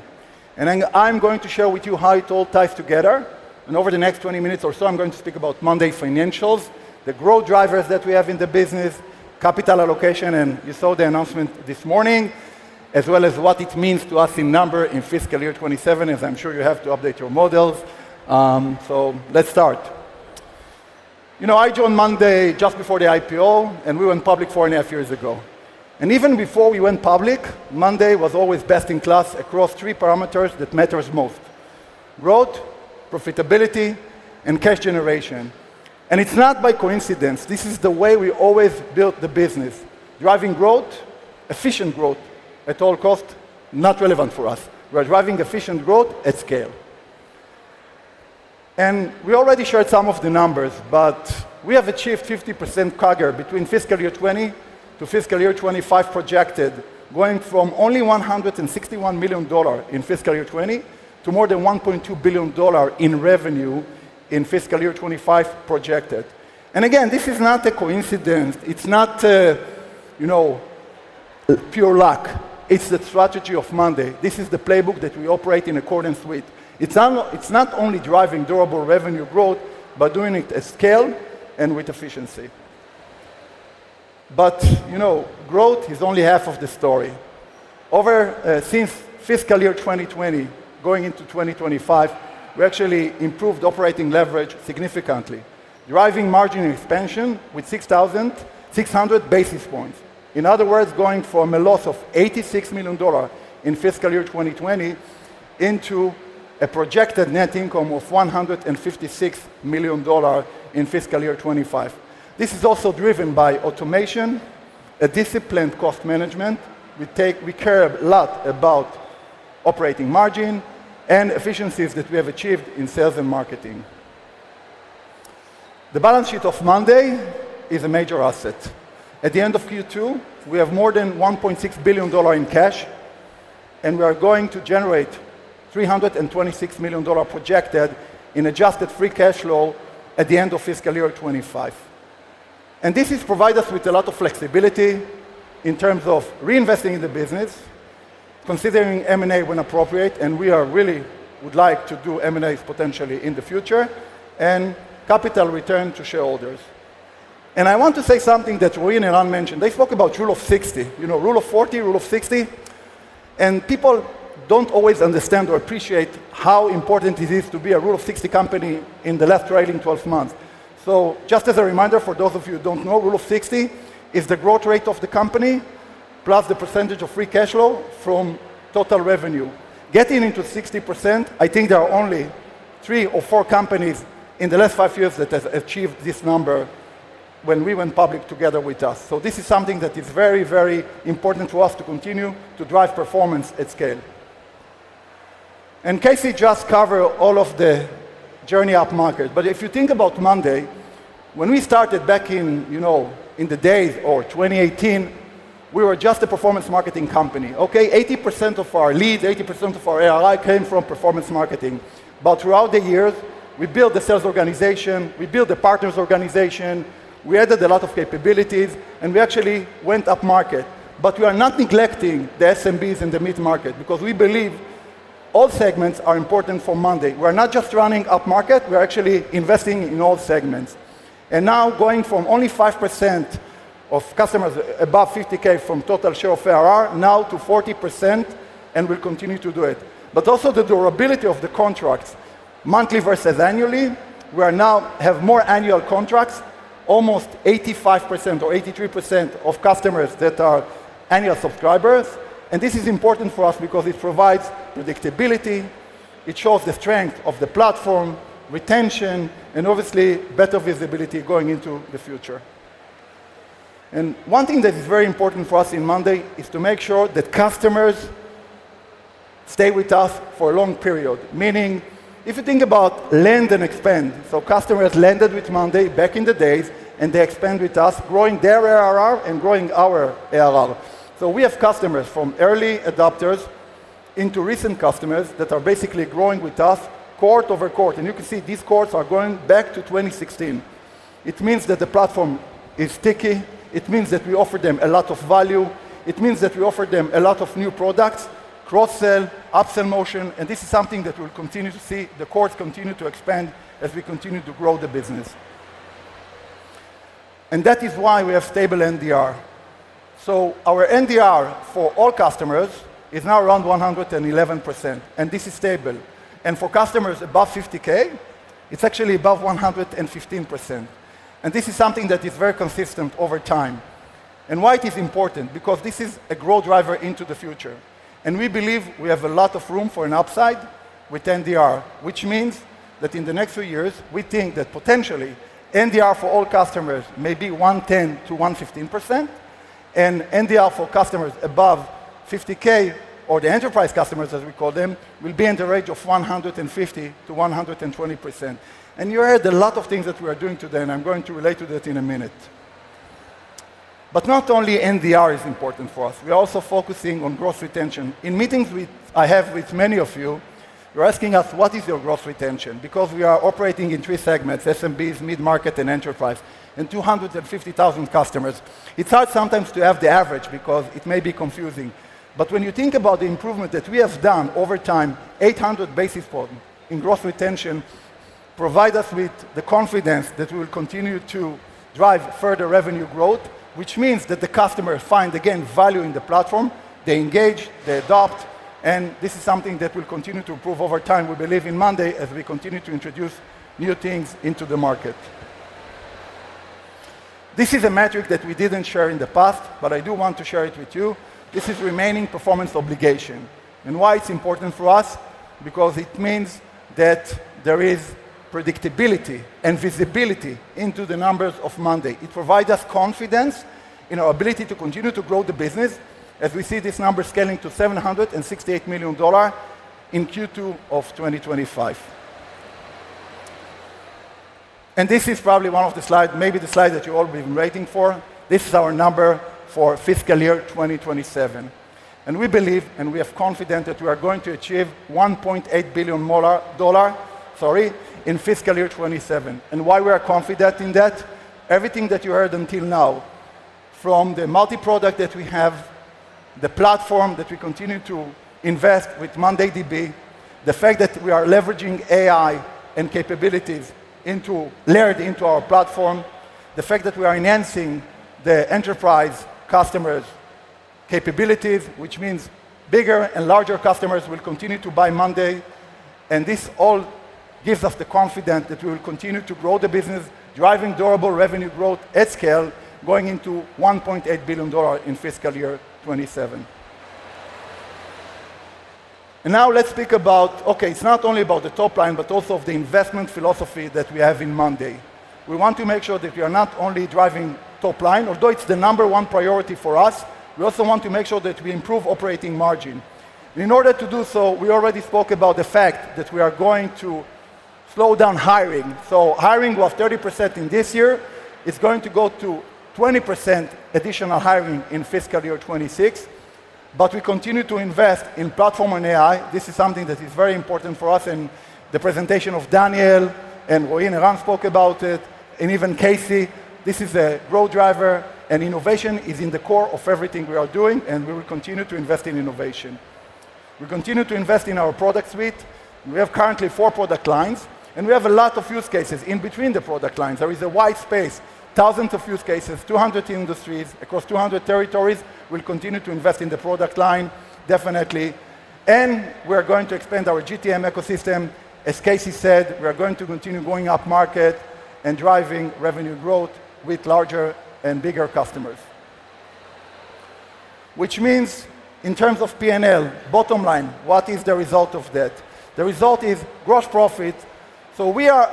I'm going to share with you how it all ties together. Over the next 20 minutes or so, I'm going to speak about monday.com financials, the growth drivers that we have in the business, capital allocation. You saw the announcement this morning, as well as what it means to us in number in fiscal year 2027, as I'm sure you have to update your models. Let's start. I joined monday.com just before the IPO, and we went public four and a half years ago. Even before we went public, monday.com was always best in class across three parameters that mattered most: growth, profitability, and cash generation. It's not by coincidence. This is the way we always built the business. Driving growth, efficient growth at all costs, not relevant for us. We're driving efficient growth at scale. We already shared some of the numbers, but we have achieved 50% CAGR between fiscal year 2020 to fiscal year 2025 projected, going from only $161 million in fiscal year 2020 to more than $1.2 billion in revenue in fiscal year 2025 projected. Again, this is not a coincidence. It's not pure luck. It's the strategy of monday.com. This is the playbook that we operate in accordance with. It's not only driving durable revenue growth, but doing it at scale and with efficiency. Growth is only half of the story. Since fiscal year 2020, going into 2025, we actually improved operating leverage significantly, driving margin expansion with 6,600 basis points. In other words, going from a loss of $86 million in fiscal year 2020 into a projected net income of $156 million in fiscal year 2025. This is also driven by automation, a disciplined cost management. We care a lot about operating margin and efficiencies that we have achieved in sales and marketing. The balance sheet of monday.com is a major asset. At the end of Q2, we have more than $1.6 billion in cash, and we are going to generate $326 million projected in adjusted free cash flow at the end of fiscal year 2025. This has provided us with a lot of flexibility in terms of reinvesting in the business, considering M&A when appropriate. We really would like to do M&As potentially in the future and capital return to shareholders. I want to say something that Roy and Eran mentioned. They spoke about Rule of 60, you know, Rule of 40, Rule of 60. People don't always understand or appreciate how important it is to be a Rule of 60 company in the last trailing 12 months. Just as a reminder for those of you who don't know, Rule of 60 is the growth rate of the company plus the percentage of free cash flow from total revenue. Getting into 60%, I think there are only three or four companies in the last five years that have achieved this number when we went public together with us. This is something that is very, very important to us to continue to drive performance at scale. Casey just covered all of the journey upmarket. If you think about monday.com, when we started back in, you know, in the days of 2018, we were just a performance marketing company. 80% of our leads, 80% of our ARR came from performance marketing. Throughout the years, we built the sales organization. We built the partners organization. We added a lot of capabilities. We actually went upmarket. We are not neglecting the SMBs in the mid-market because we believe all segments are important for monday.com. We're not just running upmarket. We're actually investing in all segments. Now going from only 5% of customers above $50,000 from total share of ARR now to 40%, and we'll continue to do it. Also, the durability of the contracts, monthly versus annually, we now have more annual contracts, almost 85% or 83% of customers that are annual subscribers. This is important for us because it provides predictability. It shows the strength of the platform, retention, and obviously better visibility going into the future. One thing that is very important for us in monday.com is to make sure the customers stay with us for a long period. Meaning, if you think about land and expand, so customers landed with monday.com back in the days, and they expand with us, growing their ARR and growing our ARR. We have customers from early adopters into recent customers that are basically growing with us, quarter over quarter. You can see these cohorts are going back to 2016. It means that the platform is sticky. It means that we offer them a lot of value. It means that we offer them a lot of new products, cross-sell, upsell motion. This is something that we'll continue to see. The cohorts continue to expand as we continue to grow the business. That is why we have stable NDR. Our NDR for all customers is now around 111%, and this is stable. For customers above $50,000, it's actually above 115%, and this is something that is very consistent over time. Why is it important? This is a growth driver into the future. We believe we have a lot of room for an upside with NDR, which means that in the next few years, we think that potentially NDR for all customers may be 110%-115%. NDR for customers above $50,000, or the enterprise customers, as we call them, will be in the range of 115%-120%. You heard a lot of things that we are doing today. I'm going to relate to that in a minute. Not only is NDR important for us, we are also focusing on growth retention. In meetings I have with many of you, you're asking us, what is your growth retention? We are operating in three segments: SMBs, mid-market, and enterprise, and 250,000 customers. It's hard sometimes to have the average because it may be confusing. When you think about the improvement that we have done over time, 800 basis points in growth retention provide us with the confidence that we will continue to drive further revenue growth, which means that the customers find, again, value in the platform. They engage, they adopt. This is something that will continue to improve over time, we believe, in monday.com, as we continue to introduce new things into the market. This is a metric that we didn't share in the past, but I do want to share it with you. This is remaining performance obligation. Why is it important for us? It means that there is predictability and visibility into the numbers of monday.com. It provides us confidence in our ability to continue to grow the business as we see this number scaling to $768 million in Q2 of 2025. This is probably one of the slides, maybe the slide that you've all been waiting for. This is our number for fiscal year 2027. We believe, and we are confident that we are going to achieve $1.8 billion in fiscal year 2027. Why are we confident in that? Everything that you heard until now, from the multi-product that we have, the platform that we continue to invest with MondayDB, the fact that we are leveraging AI and capabilities layered into our platform, the fact that we are enhancing the enterprise customers' capabilities, which means bigger and larger customers will continue to buy Monday. This all gives us the confidence that we will continue to grow the business, driving durable revenue growth at scale, going into $1.8 billion in fiscal year 2027. Now let's speak about, okay, it's not only about the top line, but also of the investment philosophy that we have in Monday. We want to make sure that we are not only driving top line, although it's the number one priority for us. We also want to make sure that we improve operating margin. In order to do so, we already spoke about the fact that we are going to slow down hiring. Hiring was 30% in this year. It's going to go to 20% additional hiring in fiscal year 2026. We continue to invest in platform and AI. This is something that is very important for us. The presentation of Daniel and Roy and Eran spoke about it, and even Casey, this is a growth driver. Innovation is in the core of everything we are doing, and we will continue to invest in innovation. We continue to invest in our product suite. We have currently four product lines, and we have a lot of use cases in between the product lines. There is a wide space, thousands of use cases, 200 industries across 200 territories. We'll continue to invest in the product line, definitely. We're going to expand our GTM ecosystem. As Casey said, we're going to continue going upmarket and driving revenue growth with larger and bigger customers, which means in terms of P&L, bottom line, what is the result of that? The result is gross profit. We are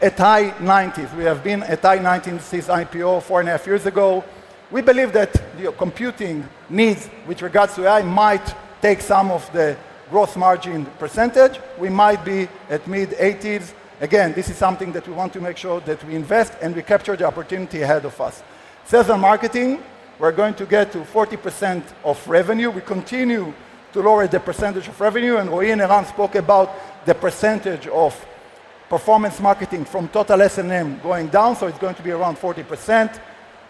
at high 90s. We have been at high 90s since IPO four and a half years ago. We believe that your computing needs with regards to AI might take some of the gross margin percentage. We might be at mid 80s. This is something that we want to make sure that we invest and we capture the opportunity ahead of us. Sales and marketing, we're going to get to 40% of revenue. We continue to lower the percentage of revenue. Roy and Eran spoke about the percentage of performance marketing from total S&M going down. It's going to be around 40%.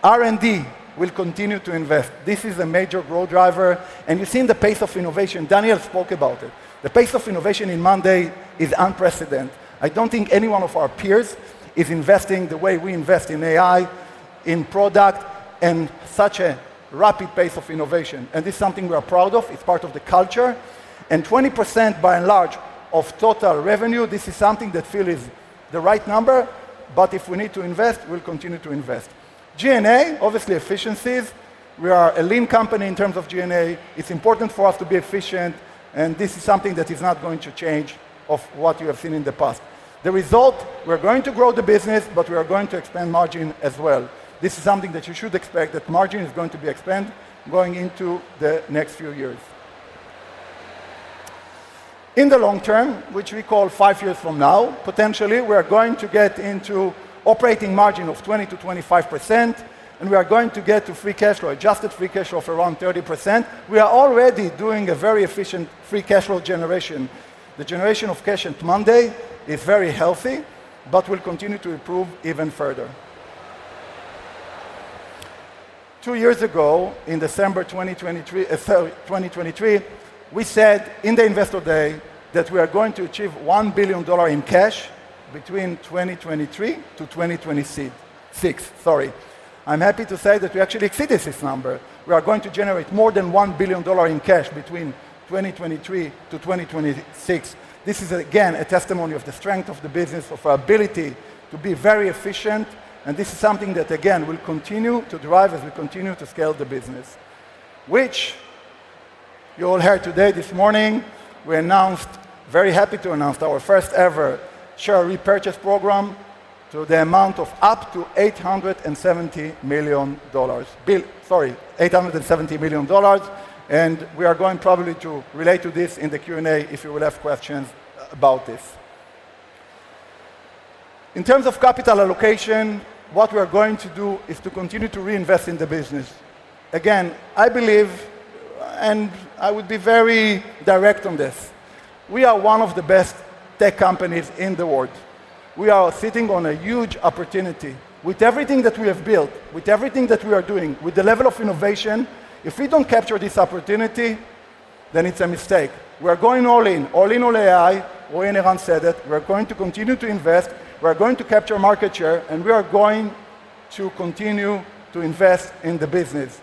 R&D, we'll continue to invest. This is a major growth driver. You have seen the pace of innovation. Daniel spoke about it. The pace of innovation in monday.com is unprecedented. I do not think any one of our peers is investing the way we invest in AI, in product, and such a rapid pace of innovation. This is something we are proud of. It is part of the culture. 20% by and large of total revenue, this is something that feels the right number. If we need to invest, we will continue to invest. G&A, obviously efficiencies. We are a lean company in terms of G&A. It is important for us to be efficient. This is something that is not going to change from what you have seen in the past. The result, we are going to grow the business, but we are going to expand margin as well. This is something that you should expect, that margin is going to be expanded going into the next few years. In the long term, which we call five years from now, potentially, we are going to get into operating margin of 20% to 25%. We are going to get to free cash flow, adjusted free cash flow of around 30%. We are already doing a very efficient free cash flow generation. The generation of cash at monday.com is very healthy, but we will continue to improve even further. Two years ago, in December 2023, we said in the Investor Day that we are going to achieve $1 billion in cash between 2023-2026. I am happy to say that we actually exceeded this number. We are going to generate more than $1 billion in cash between 2023-2026. This is, again, a testimony of the strength of the business, of our ability to be very efficient. This is something that, again, we will continue to drive as we continue to scale the business, which you all heard today, this morning, we announced, very happy to announce our first ever share repurchase program to the amount of up to $870 million. We are going probably to relate to this in the Q&A if you have questions about this. In terms of capital allocation, what we are going to do is to continue to reinvest in the business. I believe, and I would be very direct on this, we are one of the best tech companies in the world. We are sitting on a huge opportunity. With everything that we have built, with everything that we are doing, with the level of innovation, if we do not capture this opportunity, then it is a mistake. We are going all in, all in, all AI. Roy and Eran said it. We are going to continue to invest. We're going to capture market share, and we are going to continue to invest in the business.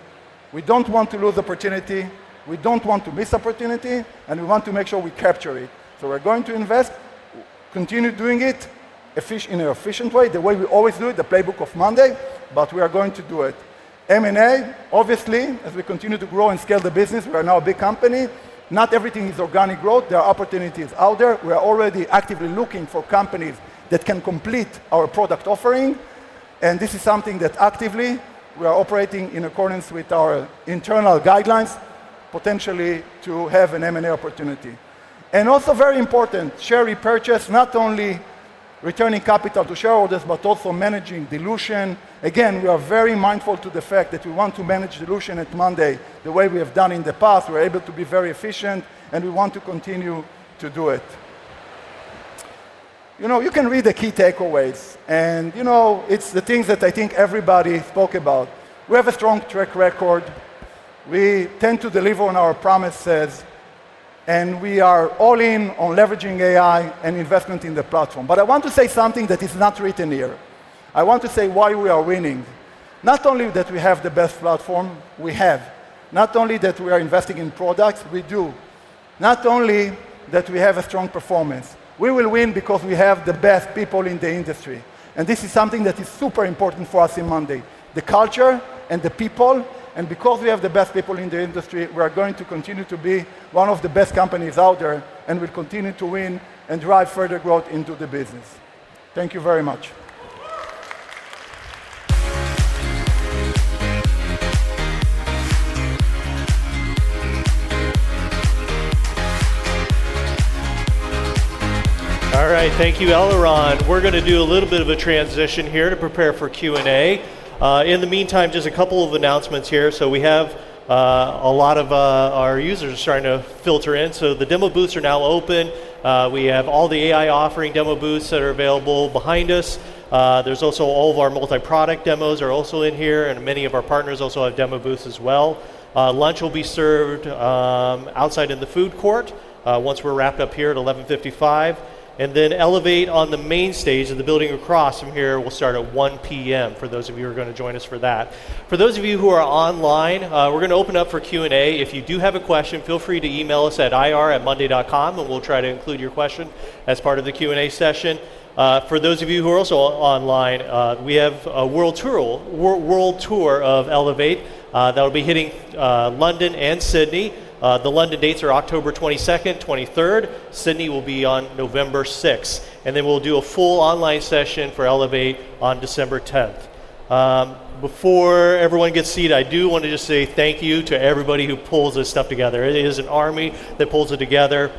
We don't want to lose opportunity. We don't want to miss opportunity, and we want to make sure we capture it. We're going to invest, continue doing it in an efficient way, the way we always do it, the playbook of monday.com, but we are going to do it. M&A, obviously, as we continue to grow and scale the business, we are now a big company. Not everything is organic growth. There are opportunities out there. We are already actively looking for companies that can complete our product offering. This is something that actively we are operating in accordance with our internal guidelines, potentially to have an M&A opportunity. Also very important, share repurchase, not only returning capital to shareholders, but also managing dilution. Again, we are very mindful to the fact that we want to manage dilution at monday.com the way we have done in the past. We're able to be very efficient, and we want to continue to do it. You can read the key takeaways, and it's the things that I think everybody spoke about. We have a strong track record. We tend to deliver on our promises, and we are all in on leveraging AI and investment in the platform. I want to say something that is not written here. I want to say why we are winning. Not only that we have the best platform, we have. Not only that we are investing in products, we do. Not only that we have a strong performance, we will win because we have the best people in the industry. This is something that is super important for us in monday.com, the culture and the people. Because we have the best people in the industry, we are going to continue to be one of the best companies out there, and we'll continue to win and drive further growth into the business. Thank you very much. All right. Thank you, Eliran. We're going to do a little bit of a transition here to prepare for Q&A. In the meantime, just a couple of announcements here. We have a lot of our users trying to filter in. The demo booths are now open. We have all the AI offering demo booths that are available behind us. There's also all of our multi-product demos that are also in here, and many of our partners also have demo booths as well. Lunch will be served outside in the food court once we're wrapped up here at 11:55 A.M. Elevate on the main stage of the building across from here will start at 1:00 P.M. for those of you who are going to join us for that. For those of you who are online, we're going to open up for Q&A. If you do have a question, feel free to email us at ir@monday.com, and we'll try to include your question as part of the Q&A session. For those of you who are also online, we have a world tour of Elevate that will be hitting London and Sydney. The London dates are October 22, 23. Sydney will be on November 6. We'll do a full online session for Elevate on December 10. Before everyone gets seated, I do want to just say thank you to everybody who pulls this stuff together. It is an army that pulls it together.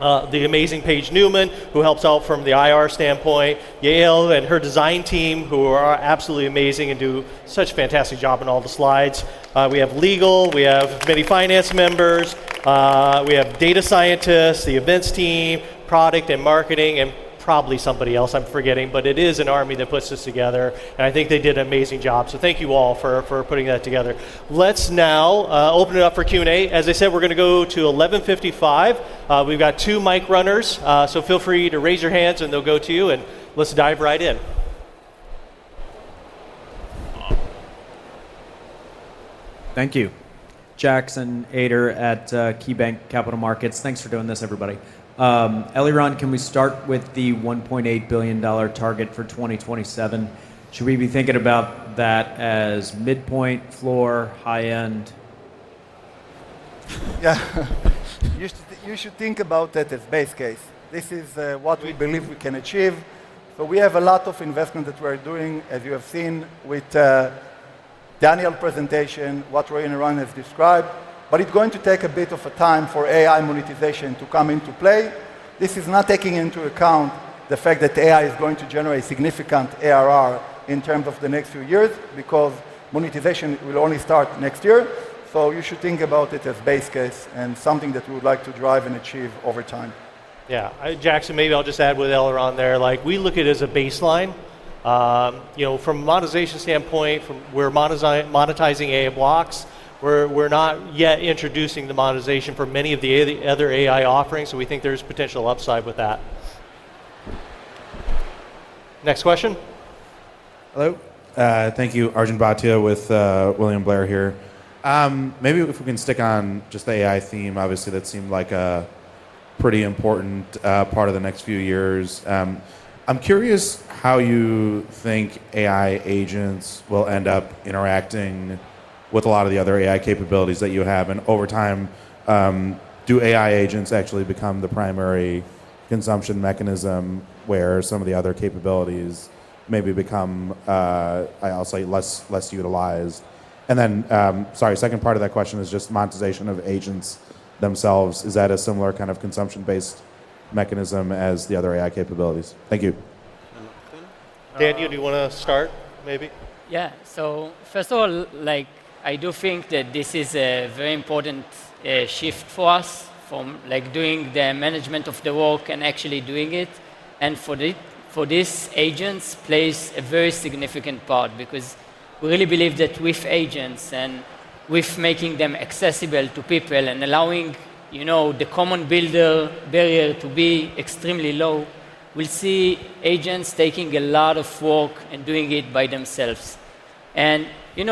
The amazing Paige Newman, who helps out from the IR standpoint, Yael and her design team, who are absolutely amazing and do such a fantastic job on all the slides. We have legal, we have many finance members, we have data scientists, the events team, product and marketing, and probably somebody else I'm forgetting, but it is an army that puts this together. I think they did an amazing job. Thank you all for putting that together. Let's now open it up for Q&A. As I said, we're going to go to 11:55. We've got two mic runners, so feel free to raise your hands and they'll go to you, and let's dive right in. Thank you. Jackson Ader at KeyBanc Capital Markets. Thanks for doing this, everybody. Eliran, can we start with the $1.8 billion target for 2027? Should we be thinking about that as midpoint, floor, high end? Yeah. You should think about that as a base case. This is what we believe we can achieve. We have a lot of investment that we are doing, as you have seen with Daniel's presentation, what Roy and Eran have described. It is going to take a bit of time for AI monetization to come into play. This is not taking into account the fact that AI is going to generate significant ARR in terms of the next few years because monetization will only start next year. You should think about it as a base case and something that we would like to drive and achieve over time. Yeah. Jackson, maybe I'll just add with Eliran there, like we look at it as a baseline. You know, from a monetization standpoint, from where monetizing AI blocks, we're not yet introducing the monetization for many of the other AI offerings. We think there's potential upside with that. Next question. Hello. Thank you. Arjun Bhatia with William Blair here. Maybe if we can stick on just the AI theme, obviously, that seemed like a pretty important part of the next few years. I'm curious how you think AI agents will end up interacting with a lot of the other AI capabilities that you have. Over time, do AI agents actually become the primary consumption mechanism where some of the other capabilities maybe become, I'll say, less utilized? Sorry, the second part of that question is just monetization of agents themselves. Is that a similar kind of consumption-based mechanism as the other AI capabilities? Thank you. Daniel, do you want to start maybe? Yeah. First of all, I do think that this is a very important shift for us from doing the management of the work and actually doing it. For this, agents play a very significant part because we really believe that with agents and with making them accessible to people and allowing the common builder barrier to be extremely low, we'll see agents taking a lot of work and doing it by themselves. At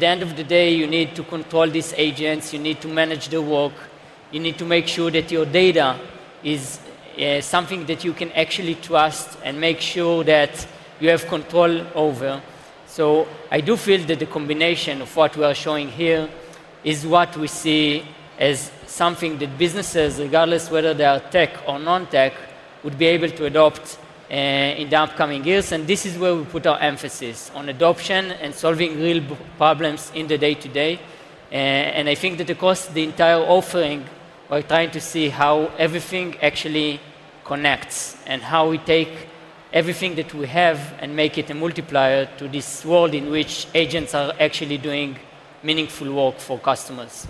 the end of the day, you need to control these agents. You need to manage the work. You need to make sure that your data is something that you can actually trust and make sure that you have control over. I do feel that the combination of what we are showing here is what we see as something that businesses, regardless of whether they are tech or non-tech, would be able to adopt in the upcoming years. This is where we put our emphasis on adoption and solving real problems in the day-to-day. I think that across the entire offering, we're trying to see how everything actually connects and how we take everything that we have and make it a multiplier to this world in which agents are actually doing meaningful work for customers.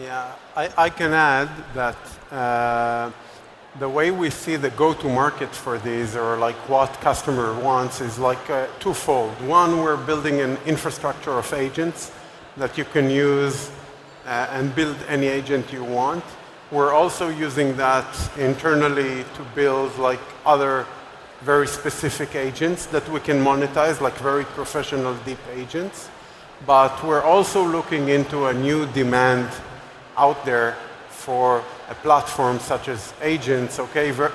Yeah. I can add that the way we see the go-to-market for these or like what customer wants is twofold. One, we're building an infrastructure of agents that you can use and build any agent you want. We're also using that internally to build other very specific agents that we can monetize, like very professional, deep agents. We're also looking into a new demand out there for a platform such as agents,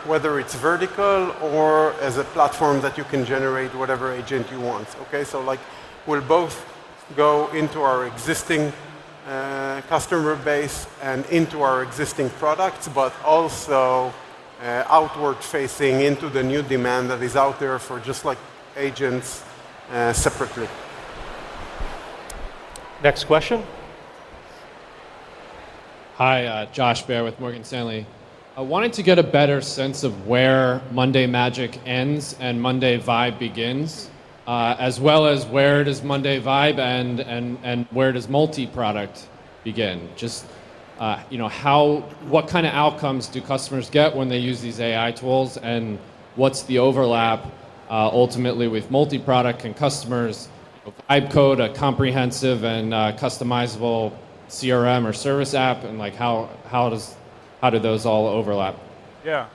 whether it's vertical or as a platform that you can generate whatever agent you want. We'll both go into our existing customer base and into our existing products, but also outward-facing into the new demand that is out there for just agents separately. Next question. Hi, Josh Baer with Morgan Stanley. I wanted to get a better sense of where Monday Magic ends and MondayVibe begins, as well as where does MondayVibe end and where does multi-product begin? Just, you know, what kind of outcomes do customers get when they use these AI tools? What's the overlap ultimately with multi-product and customers? If you code a comprehensive and customizable CRM or service app, how do those all overlap? Yeah.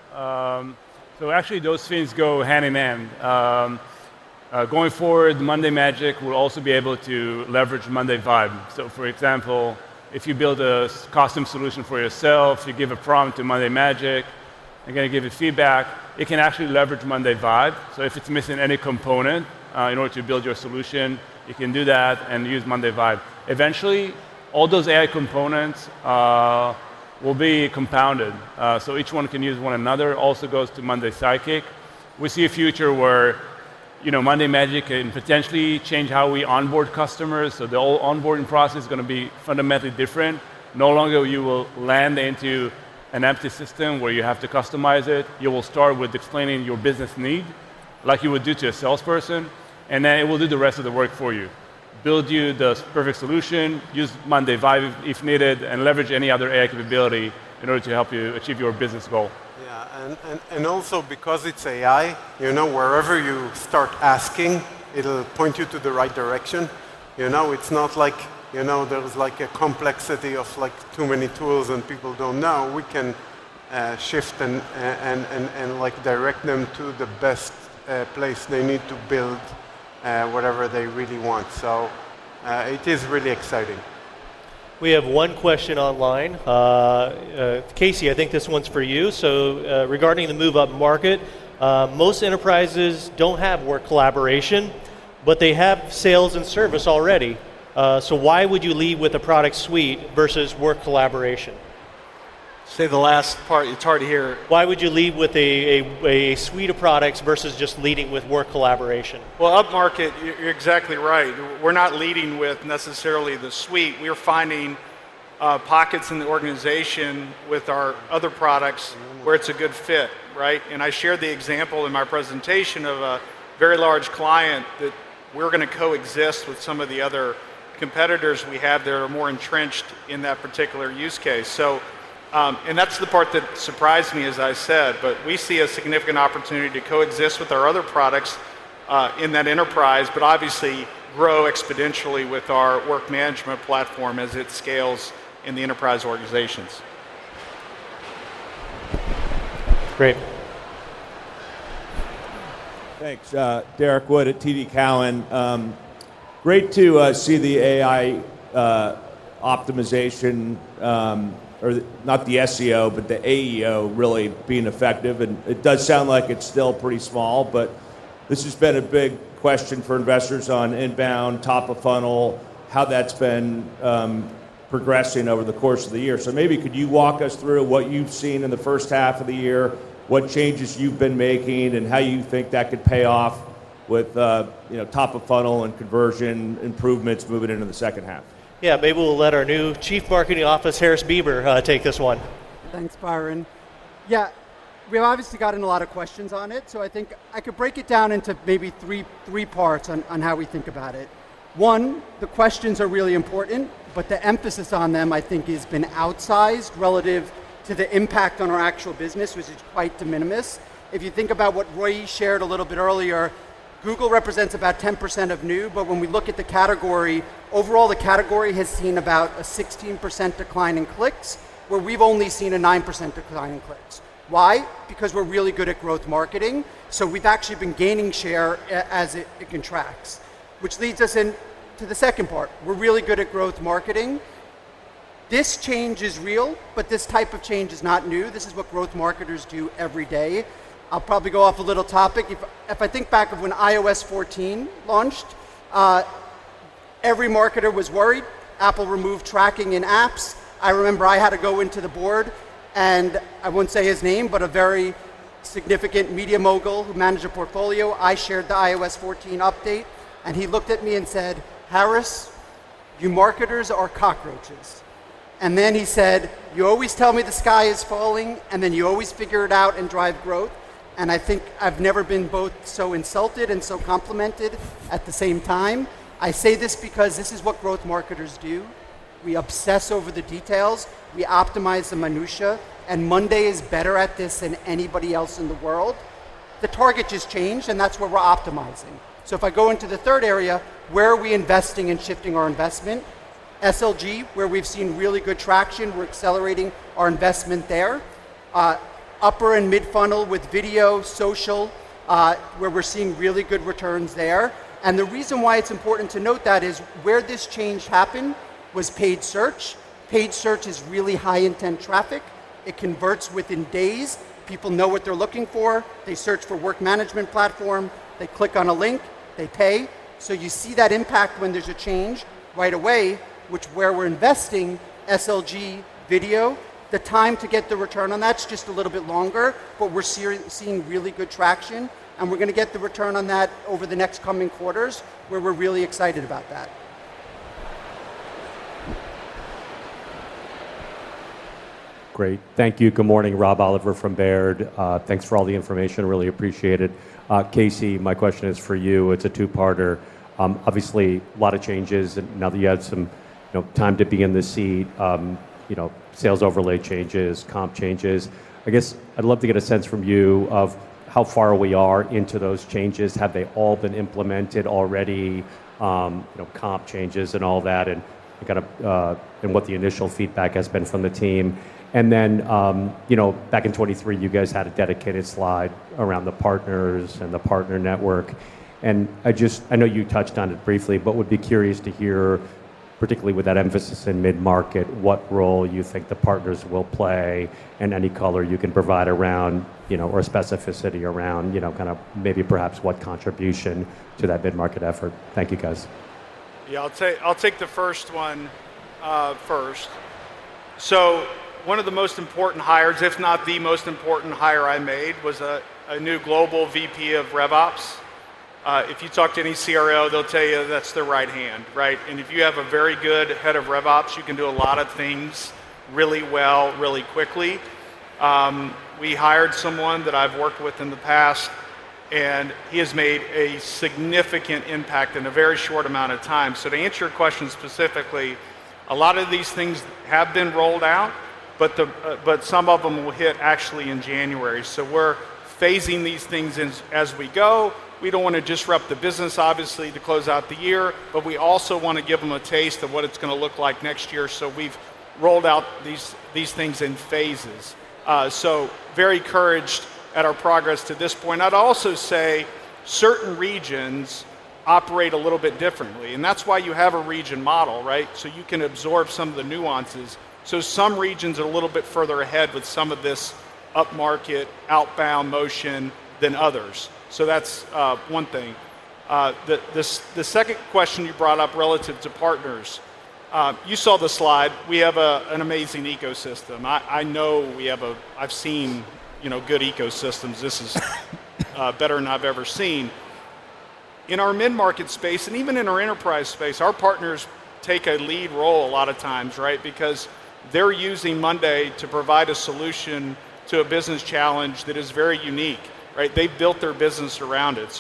Actually, those things go hand in hand. Going forward, Monday Magic will also be able to leverage MondayVibe. For example, if you build a custom solution for yourself, you give a prompt to Monday Magic, and you're going to give it feedback, it can actually leverage MondayVibe. If it's missing any component in order to build your solution, you can do that and use MondayVibe. Eventually, all those AI components will be compounded, so each one can use one another. It also goes to Monday Sidekick. We see a future where, you know, Monday Magic can potentially change how we onboard customers. The whole onboarding process is going to be fundamentally different. No longer will you land into an empty system where you have to customize it. You will start with explaining your business need, like you would do to a salesperson, and then it will do the rest of the work for you, build you the perfect solution, use MondayVibe if needed, and leverage any other AI capability in order to help you achieve your business goal. Yeah, also because it's AI, you know, wherever you start asking, it'll point you to the right direction. It's not like there's a complexity of too many tools and people don't know. We can shift and direct them to the best place they need to build whatever they really want. It is really exciting. We have one question online. Casey, I think this one's for you. Regarding the move upmarket, most enterprises don't have work collaboration, but they have sales and service already. Why would you lead with a product suite versus work collaboration? Say the last part. It's hard to hear. Why would you lead with a suite of products versus just leading with work collaboration? Upmarket, you're exactly right. We're not leading with necessarily the suite. We're finding pockets in the organization with our other products where it's a good fit, right? I shared the example in my presentation of a very large client that we're going to coexist with some of the other competitors we have that are more entrenched in that particular use case. That's the part that surprised me, as I said, but we see a significant opportunity to coexist with our other products in that enterprise, but obviously grow exponentially with our work management platform as it scales in the enterprise organizations. Great. Thanks. Derrick Wood at TD Cowen. Great to see the AI optimization, or not the SEO, but the AEO really being effective. It does sound like it's still pretty small, but this has been a big question for investors on inbound, top of funnel, how that's been progressing over the course of the year. Maybe could you walk us through what you've seen in the first half of the year, what changes you've been making, and how you think that could pay off with, you know, top of funnel and conversion improvements moving into the second half? Yeah, maybe we'll let our new Chief Marketing Officer, Harris Beber, take this one. Thanks, Byron. Yeah, we've obviously gotten a lot of questions on it. I think I could break it down into maybe three parts on how we think about it. One, the questions are really important, but the emphasis on them, I think, has been outsized relative to the impact on our actual business, which is quite de minimis. If you think about what Roy shared a little bit earlier, Google represents about 10% of new, but when we look at the category overall, the category has seen about a 16% decline in clicks, where we've only seen a 9% decline in clicks. Why? Because we're really good at growth marketing. We've actually been gaining share as it contracts, which leads us into the second part. We're really good at growth marketing. This change is real, but this type of change is not new. This is what growth marketers do every day. If I think back of when iOS 14 launched, every marketer was worried Apple removed tracking in apps. I remember I had to go into the board, and I won't say his name, but a very significant media mogul who managed a portfolio. I shared the iOS 14 update, and he looked at me and said, "Harris, you marketers are cockroaches." He said, "You always tell me the sky is falling, and then you always figure it out and drive growth." I think I've never been both so insulted and so complimented at the same time. I say this because this is what growth marketers do. We obsess over the details. We optimize the minutia, and monday.com is better at this than anybody else in the world. The target just changed, and that's where we're optimizing. If I go into the third area, where are we investing and shifting our investment? SLG, where we've seen really good traction, we're accelerating our investment there. Upper and mid-funnel with video, social, where we're seeing really good returns there. The reason why it's important to note that is where this change happened was paid search. Paid search is really high-intent traffic. It converts within days. People know what they're looking for. They search for work management platform. They click on a link. They pay. You see that impact when there's a change right away, which where we're investing SLG video, the time to get the return on that's just a little bit longer, but we're seeing really good traction. We're going to get the return on that over the next coming quarters, where we're really excited about that. Great. Thank you. Good morning, Rob Oliver from Baird. Thanks for all the information. Really appreciate it. Casey, my question is for you. It's a two-parter. Obviously, a lot of changes. Now that you had some time to be in the seat, you know, sales overlay changes, comp changes, I'd love to get a sense from you of how far we are into those changes. Have they all been implemented already? You know, comp changes and all that, and what the initial feedback has been from the team. Back in 2023, you guys had a dedicated slide around the partners and the partner network. I know you touched on it briefly, but would be curious to hear, particularly with that emphasis in mid-market, what role you think the partners will play and any color you can provide around, or specificity around, maybe perhaps what contribution to that mid-market effort. Thank you, guys. Yeah, I'll take the first one first. One of the most important hires, if not the most important hire I made, was a new global VP of RevOps. If you talk to any CRO, they'll tell you that's the right hand, right? If you have a very good head of RevOps, you can do a lot of things really well, really quickly. We hired someone that I've worked with in the past, and he has made a significant impact in a very short amount of time. To answer your question specifically, a lot of these things have been rolled out, but some of them will hit actually in January. We're phasing these things in as we go. We don't want to disrupt the business, obviously, to close out the year, but we also want to give them a taste of what it's going to look like next year. We've rolled out these things in phases. Very encouraged at our progress to this point. I'd also say certain regions operate a little bit differently. That's why you have a region model, right? You can absorb some of the nuances. Some regions are a little bit further ahead with some of this upmarket outbound motion than others. That's one thing. The second question you brought up relative to partners, you saw the slide. We have an amazing ecosystem. I know we have a, I've seen, you know, good ecosystems. This is better than I've ever seen. In our mid-market space, and even in our enterprise space, our partners take a lead role a lot of times, right? They're using monday.com to provide a solution to a business challenge that is very unique, right? They built their business around it.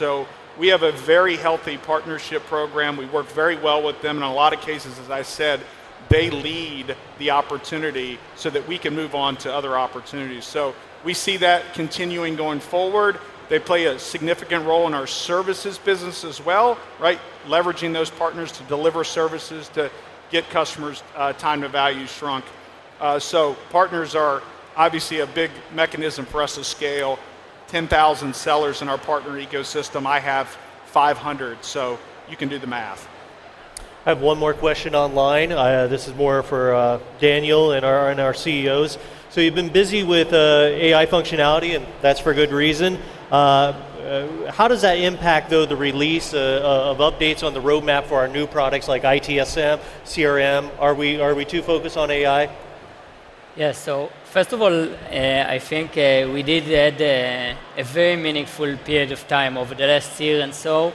We have a very healthy partnership program. We work very well with them. In a lot of cases, as I said, they lead the opportunity so that we can move on to other opportunities. We see that continuing going forward. They play a significant role in our services business as well, right? Leveraging those partners to deliver services to get customers' time to value shrunk. Partners are obviously a big mechanism for us to scale. 10,000 sellers in our partner ecosystem. I have 500. You can do the math. I have one more question online. This is more for Daniel and our CEOs. You've been busy with AI functionality, and that's for good reason. How does that impact, though, the release of updates on the roadmap for our new products like ITSM, CRM? Are we too focused on AI? Yeah. First of all, I think we did add a very meaningful period of time over the last year and so.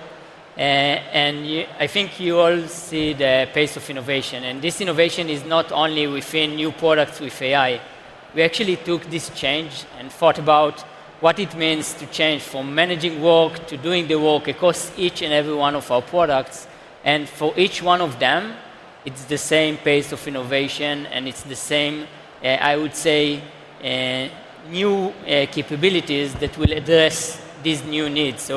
I think you all see the pace of innovation. This innovation is not only within new products with AI. We actually took this change and thought about what it means to change from managing work to doing the work across each and every one of our products. For each one of them, it's the same pace of innovation, and it's the same, I would say, new capabilities that will address these new needs.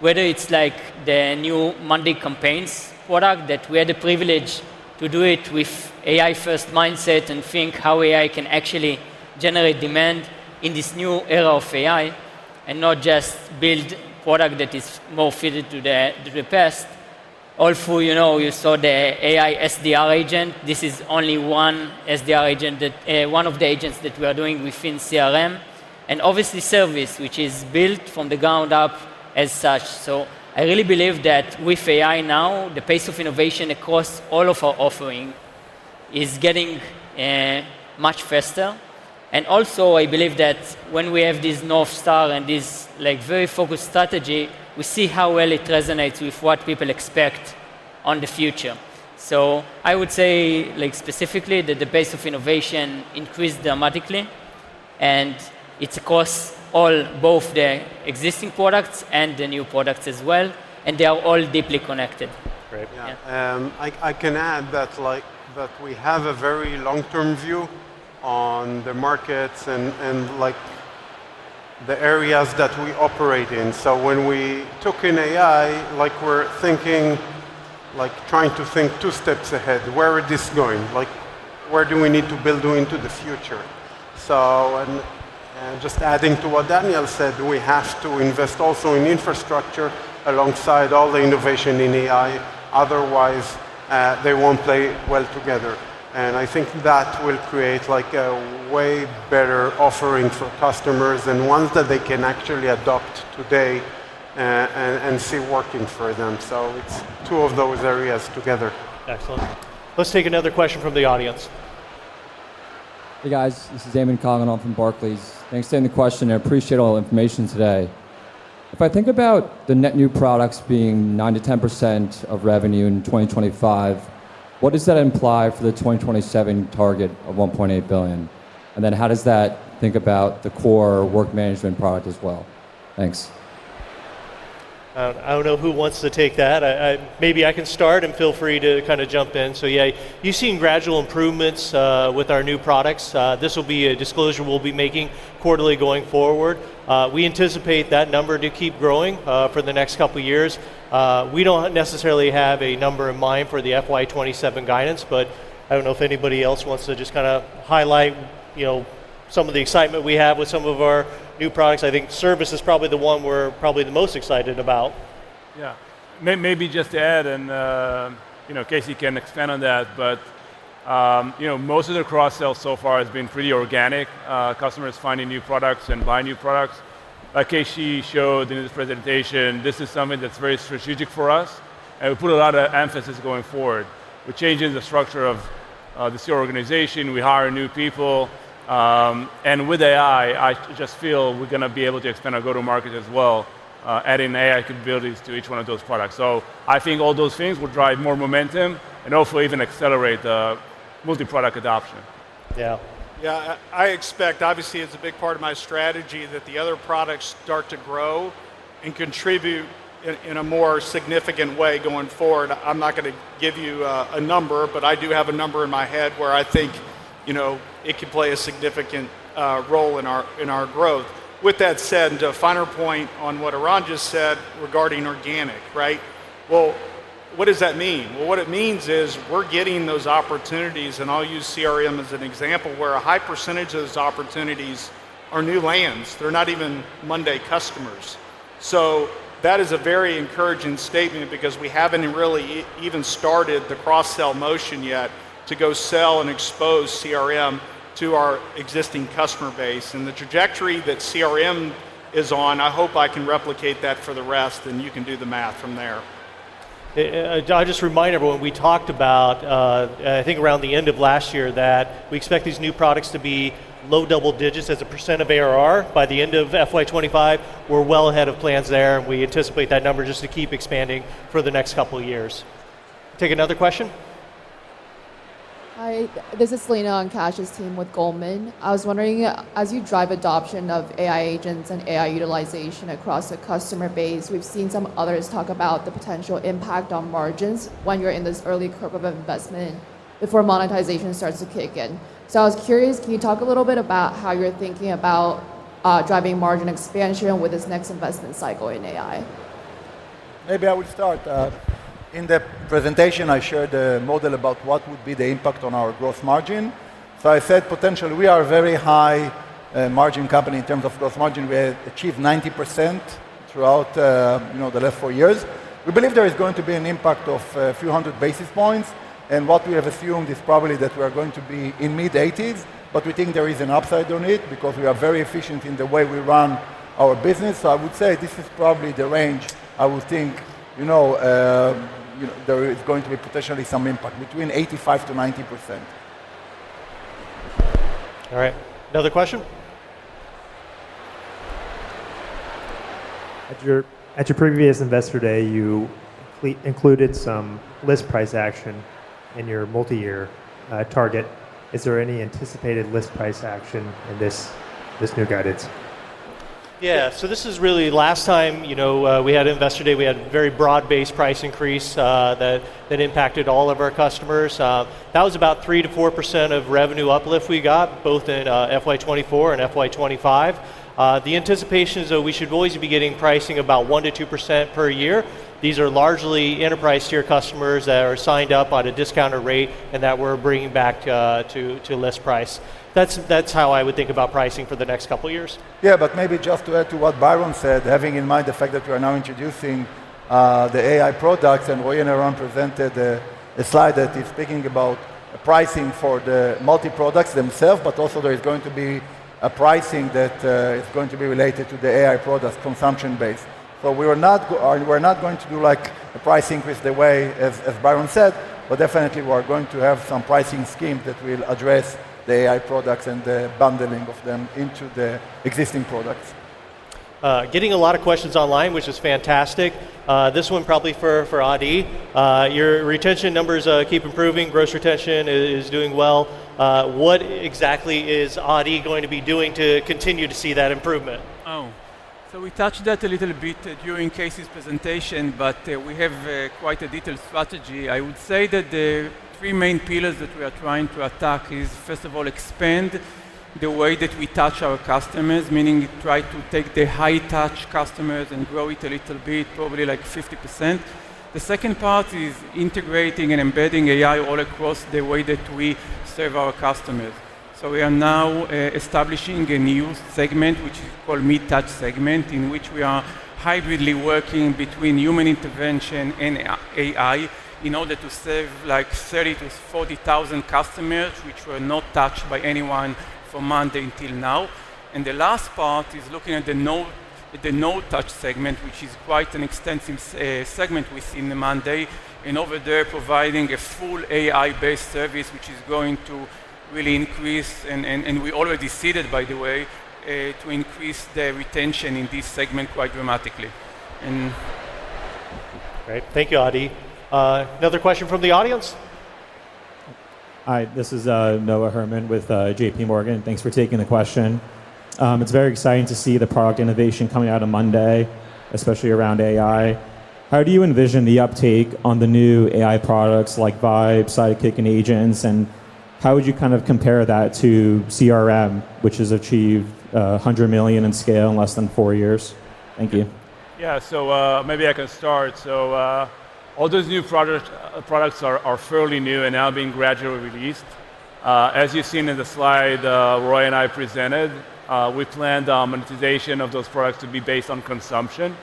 Whether it's like the new Monday campaigns product that we had the privilege to do with an AI-first mindset and think how AI can actually generate demand in this new era of AI and not just build a product that is more fitted to the past. Also, you know, you saw the AI SDR agent. This is only one SDR agent, one of the agents that we are doing within monday.com CRM. Obviously, service, which is built from the ground up as such. I really believe that with AI now, the pace of innovation across all of our offering is getting much faster. I believe that when we have this North Star and this very focused strategy, we see how well it resonates with what people expect on the future. I would say specifically that the pace of innovation increased dramatically. It's across all both the existing products and the new products as well, and they are all deeply connected. Right. Yeah. I can add that we have a very long-term view on the markets and the areas that we operate in. When we took in AI, we're thinking, trying to think two steps ahead, where is this going, where do we need to build into the future. Just adding to what Daniel said, we have to invest also in infrastructure alongside all the innovation in AI. Otherwise, they won't play well together. I think that will create a way better offering for customers and ones that they can actually adopt today and see working for them. It's two of those areas together. Excellent. Let's take another question from the audience. Hey guys, this is Damon Kahneman from Barclays. Thanks for sending the question. I appreciate all the information today. If I think about the net new products being 9 to 10% of revenue in 2025, what does that imply for the 2027 target of $1.8 billion? How does that think about the core work management product as well? Thanks. I don't know who wants to take that. Maybe I can start, and feel free to jump in. You've seen gradual improvements with our new products. This will be a disclosure we'll be making quarterly going forward. We anticipate that number to keep growing for the next couple of years. We don't necessarily have a number in mind for the FY2027 guidance. I don't know if anybody else wants to highlight some of the excitement we have with some of our new products. I think service is probably the one we're the most excited about. Maybe just to add, and you know, Casey can extend on that, but most of the cross-sell so far has been pretty organic. Customers finding new products and buying new products. Like Casey showed in his presentation, this is something that's very strategic for us. We put a lot of emphasis going forward. We're changing the structure of the CR organization. We hire new people. With AI, I just feel we're going to be able to expand our go-to-market as well, adding AI capabilities to each one of those products. I think all those things will drive more momentum and hopefully even accelerate the multi-product adoption. Yeah. Yeah. I expect, obviously, it's a big part of my strategy that the other products start to grow and contribute in a more significant way going forward. I'm not going to give you a number, but I do have a number in my head where I think, you know, it could play a significant role in our growth. That said, the finer point on what Eran just said regarding organic, right? What does that mean? It means we're getting those opportunities, and I'll use monday.com CRM as an example, where a high % of those opportunities are new lands. They're not even monday.com customers. That is a very encouraging statement because we haven't really even started the cross-sell motion yet to go sell and expose monday.com CRM to our existing customer base. The trajectory that monday.com CRM is on, I hope I can replicate that for the rest, and you can do the math from there. I just remind everyone, we talked about, I think around the end of last year, that we expect these new products to be low double digits as a % of ARR by the end of FY 2025. We're well ahead of plans there, and we anticipate that number just to keep expanding for the next couple of years. Take another question. Hi, this is Selena on Cash's team with Goldman. I was wondering, as you drive adoption of AI agents and AI utilization across the customer base, we've seen some others talk about the potential impact on margins when you're in this early curve of investment before monetization starts to kick in. I was curious, can you talk a little bit about how you're thinking about driving margin expansion with this next investment cycle in AI? Maybe I would start. In the presentation, I shared the model about what would be the impact on our gross margin. I said potentially we are a very high margin company in terms of gross margin. We achieved 90% throughout the last four years. We believe there is going to be an impact of a few hundred basis points. What we have assumed is probably that we are going to be in mid 80s, but we think there is an upside on it because we are very efficient in the way we run our business. I would say this is probably the range I would think there is going to be potentially some impact between 85%-90%. All right. Another question? At your previous Investor Day, you included some list price action in your multi-year target. Is there any anticipated list price action in this new guidance? This is really last time, you know, we had Investor Day. We had a very broad-based price increase that impacted all of our customers. That was about 3%-4% of revenue uplift we got, both in FY 2024 and FY 2025. The anticipation is that we should always be getting pricing about 1%-2% per year. These are largely enterprise-tier customers that are signed up on a discounted rate and that we're bringing back to list price. That's how I would think about pricing for the next couple of years. Yeah, but maybe just to add to what Byron said, having in mind the fact that you are now introducing the AI products and Roy and Eran presented a slide that is speaking about pricing for the multi-products themselves, but also there is going to be a pricing that is going to be related to the AI products consumption base. We're not going to do like a price increase the way as Byron said, but definitely we're going to have some pricing schemes that will address the AI products and the bundling of them into the existing products. Getting a lot of questions online, which was fantastic. This one probably for Eliran. Your retention numbers keep improving. Gross retention is doing well. What exactly is Eliran going to be doing to continue to see that improvement? Oh, we touched that a little bit during Casey George's presentation, but we have quite a detailed strategy. I would say that the three main pillars that we are trying to attack are, first of all, expand the way that we touch our customers, meaning try to take the high-touch customers and grow it a little bit, probably like 50%. The second part is integrating and embedding AI all across the way that we serve our customers. We are now establishing a new segment, which is called the mid-touch segment, in which we are hybridly working between human intervention and AI in order to serve like 30,000-40,000 customers which were not touched by anyone from monday.com until now. The last part is looking at the no-touch segment, which is quite an extensive segment we see in monday.com, and over there providing a full AI-based service, which is going to really increase, and we already see that, by the way, to increase the retention in this segment quite dramatically. Great. Thank you, Audi. Another question from the audience? Hi, this is Noah Herman with JPMorgan. Thanks for taking the question. It's very exciting to see the product innovation coming out on monday.com, especially around AI. How do you envision the uptake on the new AI products like MondayVibe, Monday Sidekick, and Monday Agents? How would you kind of compare that to monday.com CRM, which has achieved $100 million in scale in less than four years? Thank you. Yeah, Maybe I can start. All those new products are fairly new and now being gradually released. As you've seen in the slide Roy and I presented, we planned the monetization of those products to be based on consumption.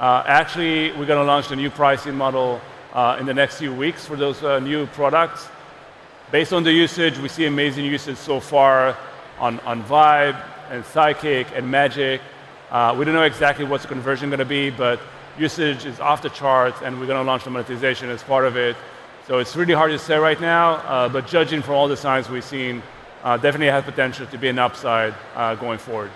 Actually, we're going to launch a new pricing model in the next few weeks for those new products. Based on the usage, we see amazing usage so far on MondayVibe, Monday Sidekick, and Monday Magic. We don't know exactly what the conversion is going to be, but usage is off the charts, and we're going to launch the monetization as part of it. It's really hard to say right now, but judging from all the signs we've seen, it definitely has potential to be an upside going forward.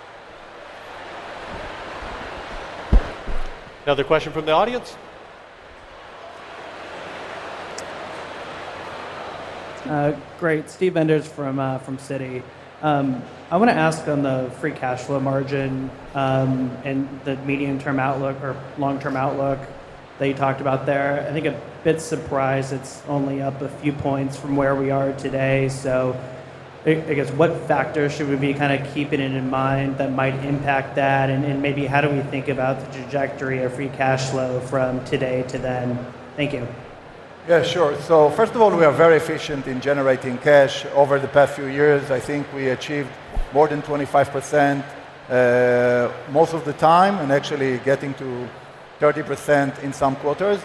Another question from the audience? Great. Steve Arand from Citi. I want to ask on the free cash flow margin and the medium-term outlook or long-term outlook that you talked about there. I think a bit surprised it's only up a few points from where we are today. I guess what factors should we be kind of keeping in mind that might impact that? Maybe how do we think about the trajectory of free cash flow from today to then? Thank you. Yeah, sure. First of all, we are very efficient in generating cash over the past few years. I think we achieved more than 25% most of the time and actually getting to 30% in some quarters.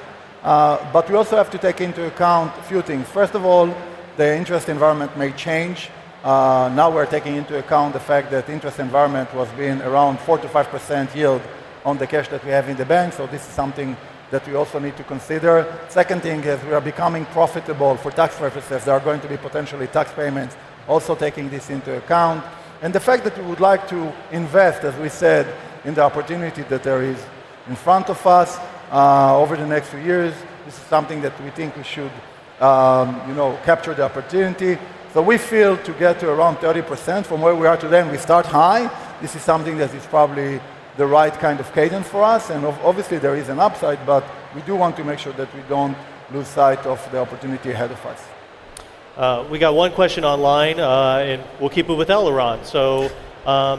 We also have to take into account a few things. First of all, the interest environment may change. Now we're taking into account the fact that the interest environment was being around 4%-5% yield on the cash that we have in the bank. This is something that we also need to consider. The second thing is we are becoming profitable for tax purposes. There are going to be potentially tax payments, also taking this into account. The fact that we would like to invest, as we said, in the opportunity that there is in front of us over the next few years, this is something that we think we should capture the opportunity. We feel to get to around 30% from where we are today and we start high, this is something that is probably the right kind of cadence for us. Obviously, there is an upside, but we do want to make sure that we don't lose sight of the opportunity ahead of us. We got one question online, and we'll keep it with Eliran.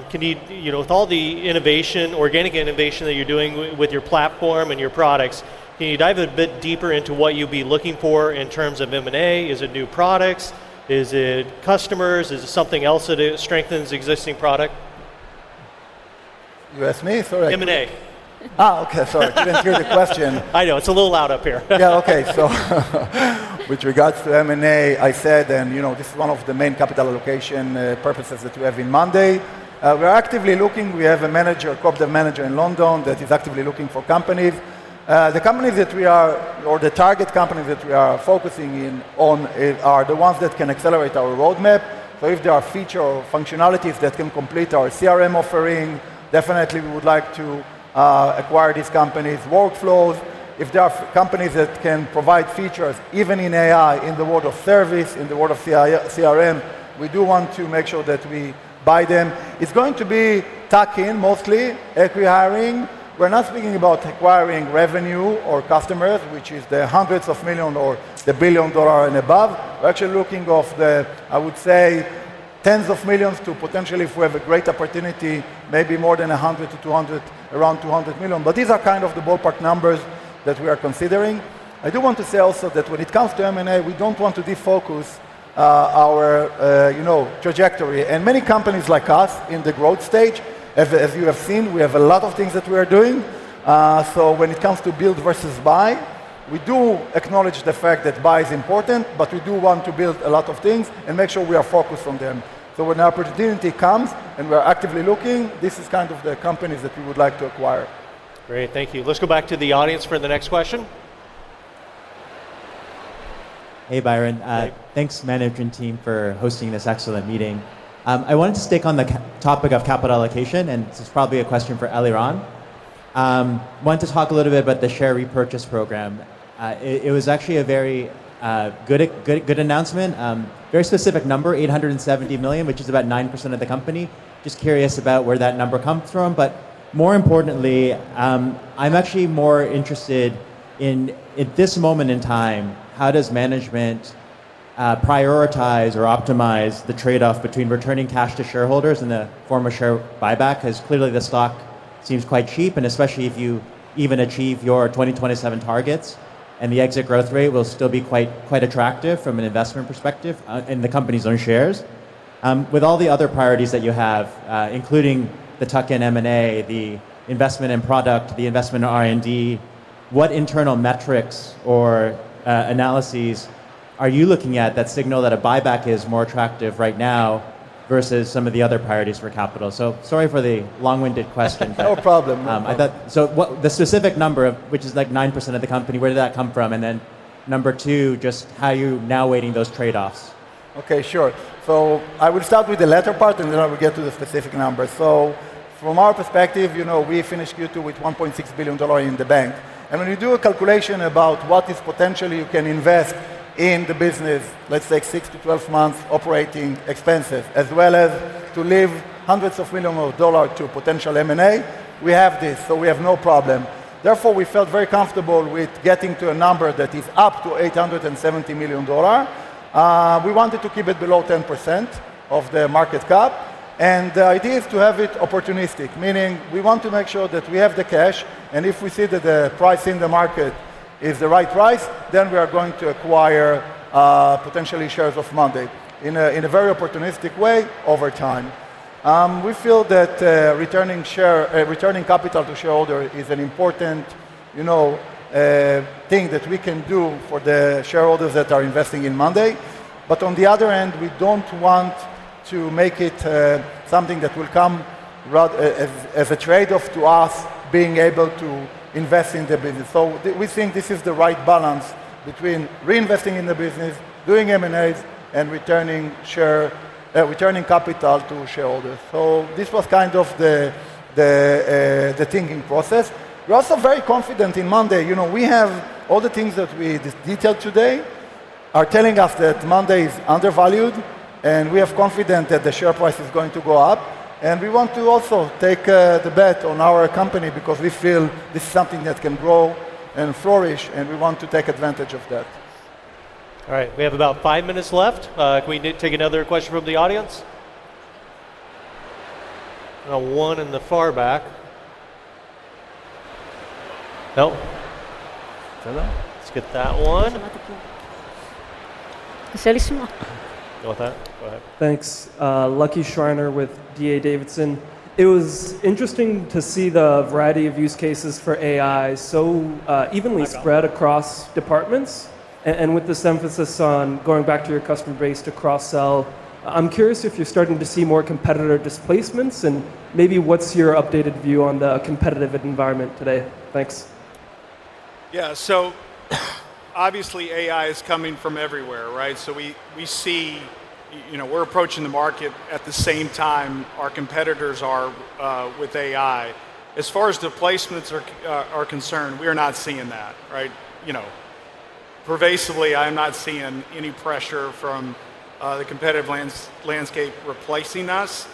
Can you, you know, with all the innovation, organic innovation that you're doing with your platform and your products, dive a bit deeper into what you'd be looking for in terms of M&A? Is it new products? Is it customers? Is it something else that strengthens existing product? You asked me, sorry? M&A. OK, sorry. I didn't hear the question. I know it's a little loud up here. Yeah, OK. With regards to M&A, I said this is one of the main capital allocation purposes that we have in monday.com. We are actively looking. We have a corporate manager in London that is actively looking for companies. The companies that we are, or the target companies that we are focusing on, are the ones that can accelerate our roadmap. If there are features or functionalities that can complete our CRM offering, definitely we would like to acquire these companies' workflows. If there are companies that can provide features, even in AI, in the world of service, in the world of CRM, we do want to make sure that we buy them. It's going to be tuck-in, mostly acquiring. We're not speaking about acquiring revenue or customers, which is the hundreds of millions or the billion dollars and above. We're actually looking off the, I would say, tens of millions to potentially, if we have a great opportunity, maybe more than $100 million-$200 million, around $200 million. These are kind of the ballpark numbers that we are considering. I do want to say also that when it comes to M&A, we don't want to defocus our trajectory. Many companies like us in the growth stage, as you have seen, we have a lot of things that we are doing. When it comes to build versus buy, we do acknowledge the fact that buy is important, but we do want to build a lot of things and make sure we are focused on them. When the opportunity comes and we're actively looking, this is kind of the companies that we would like to acquire. Great. Thank you. Let's go back to the audience for the next question. Hey, Byron. Thanks, manager and team, for hosting this excellent meeting. I wanted to stick on the topic of capital allocation, and this is probably a question for Eliran. Wanted to talk a little bit about the share repurchase program. It was actually a very good announcement, very specific number, $870 million, which is about 9% of the company. Just curious about where that number comes from. More importantly, I'm actually more interested in, at this moment in time, how does management prioritize or optimize the trade-off between returning cash to shareholders in the form of share buyback? Clearly, the stock seems quite cheap, especially if you even achieve your 2027 targets, and the exit growth rate will still be quite attractive from an investment perspective in the company's own shares. With all the other priorities that you have, including the tuck-in M&A, the investment in product, the investment in R&D, what internal metrics or analyses are you looking at that signal that a buyback is more attractive right now versus some of the other priorities for capital? Sorry for the long-winded question. No problem. I thought, the specific number, which is like 9% of the company, where did that come from? Number two, just how are you now weighting those trade-offs? OK, sure. I would start with the latter part, and then I would get to the specific numbers. From our perspective, we finished Q2 with $1.6 billion in the bank. When you do a calculation about what is potentially you can invest in the business, let's say 6months-12 months operating expenses, as well as to leave hundreds of millions of dollars to potential M&A, we have this. We have no problem. Therefore, we felt very comfortable with getting to a number that is up to $870 million. We wanted to keep it below 10% of the market cap. The idea is to have it opportunistic, meaning we want to make sure that we have the cash. If we see that the price in the market is the right price, then we are going to acquire potentially shares of monday.com in a very opportunistic way over time. We feel that returning capital to shareholders is an important thing that we can do for the shareholders that are investing in monday.com. On the other end, we don't want to make it something that will come as a trade-off to us being able to invest in the business. We think this is the right balance between reinvesting in the business, doing M&As, and returning capital to shareholders. This was kind of the thinking process. We're also very confident in monday.com. All the things that we detailed today are telling us that monday.com is undervalued, and we are confident that the share price is going to go up. We want to also take the bet on our company because we feel this is something that can grow and flourish, and we want to take advantage of that. All right. We have about five minutes left. Can we take another question from the audience? I don't know, one in the far back. No? It's good, that one. Thanks. Lucky Schreiner with D.A. Davidson. It was interesting to see the variety of use cases for AI so evenly spread across departments. With this emphasis on going back to your customer base to cross-sell, I'm curious if you're starting to see more competitor displacements, and maybe what's your updated view on the competitive environment today? Thanks. Obviously, AI is coming from everywhere, right? We see we're approaching the market at the same time our competitors are with AI. As far as displacements are concerned, we are not seeing that, right? Pervasively, I'm not seeing any pressure from the competitive landscape replacing us.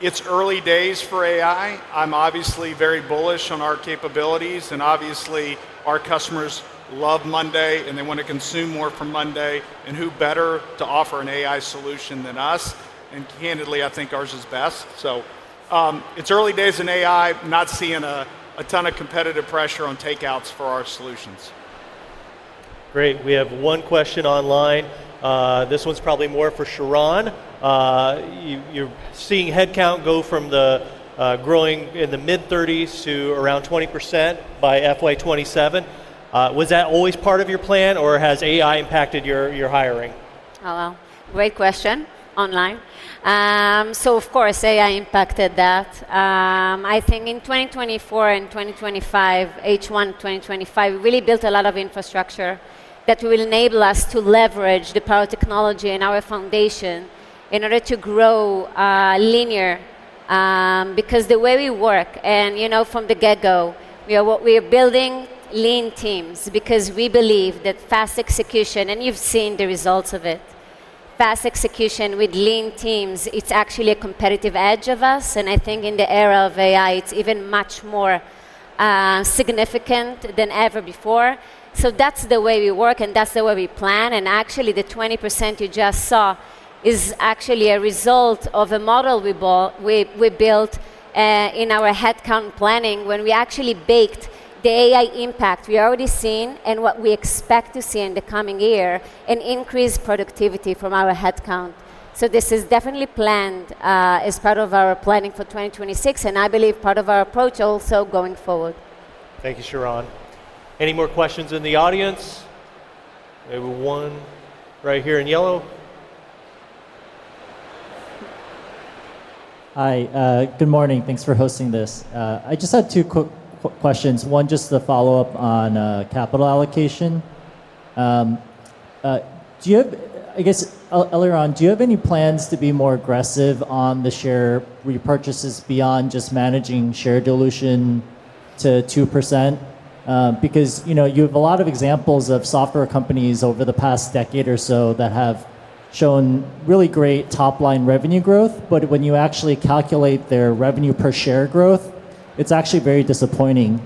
It's early days for AI. I'm obviously very bullish on our capabilities, and obviously, our customers love monday.com, and they want to consume more from monday.com. Who better to offer an AI solution than us? Candidly, I think ours is best. It's early days in AI. I'm not seeing a ton of competitive pressure on takeouts for our solutions. Great. We have one question online. This one's probably more for Shiran. You're seeing headcount go from growing in the mid-30% to around 20% by FY 2027. Was that always part of your plan, or has AI impacted your hiring? Hello. Great question online. Of course, AI impacted that. I think in 2024 and 2025, H1 2025, we really built a lot of infrastructure that will enable us to leverage the power of technology in our foundation in order to grow linear. The way we work, and you know, from the get-go, we are building lean teams because we believe that fast execution, and you've seen the results of it, fast execution with lean teams, it's actually a competitive edge of us. I think in the era of AI, it's even much more significant than ever before. That's the way we work, and that's the way we plan. Actually, the 20% you just saw is actually a result of a model we built in our headcount planning when we actually baked the AI impact we are already seeing and what we expect to see in the coming year and increase productivity from our headcount. This is definitely planned as part of our planning for 2026, and I believe part of our approach also going forward. Thank you, Shiran. Any more questions in the audience? Maybe one right here in yellow. Hi. Good morning. Thanks for hosting this. I just had two quick questions. One, just a follow-up on capital allocation. Do you have, I guess, Eliran, do you have any plans to be more aggressive on the share repurchases beyond just managing share dilution to 2%? Because you have a lot of examples of software companies over the past decade or so that have shown really great top-line revenue growth. When you actually calculate their revenue per share growth, it's actually very disappointing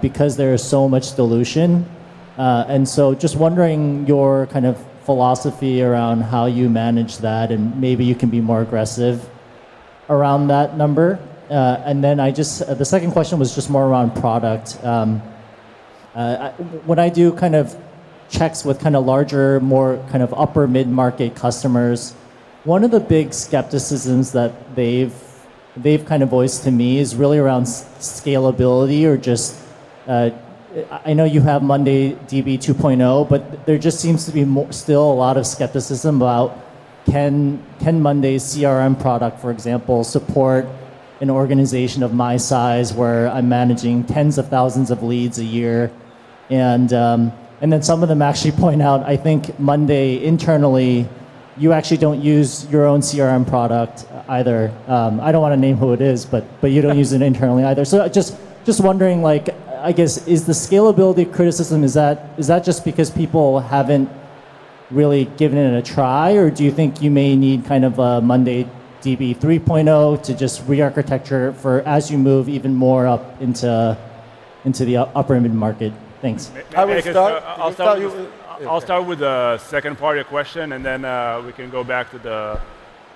because there is so much dilution. I am just wondering your kind of philosophy around how you manage that, and maybe you can be more aggressive around that number. The second question was just more around product. When I do checks with larger, more upper mid-market customers, one of the big skepticisms that they've voiced to me is really around scalability. I know you have MondayDB 2.0, but there just seems to be still a lot of skepticism about can monday.com CRM product, for example, support an organization of my size where I'm managing tens of thousands of leads a year. Some of them actually point out, I think monday.com internally, you actually don't use your own CRM product either. I don't want to name who it is, but you don't use it internally either. I am just wondering, is the scalability criticism just because people haven't really given it a try, or do you think you may need kind of a MondayDB 3.0 to just re-architecture for as you move even more up into the upper mid-market things? I'll start with the second part of the question, and then we can go back to the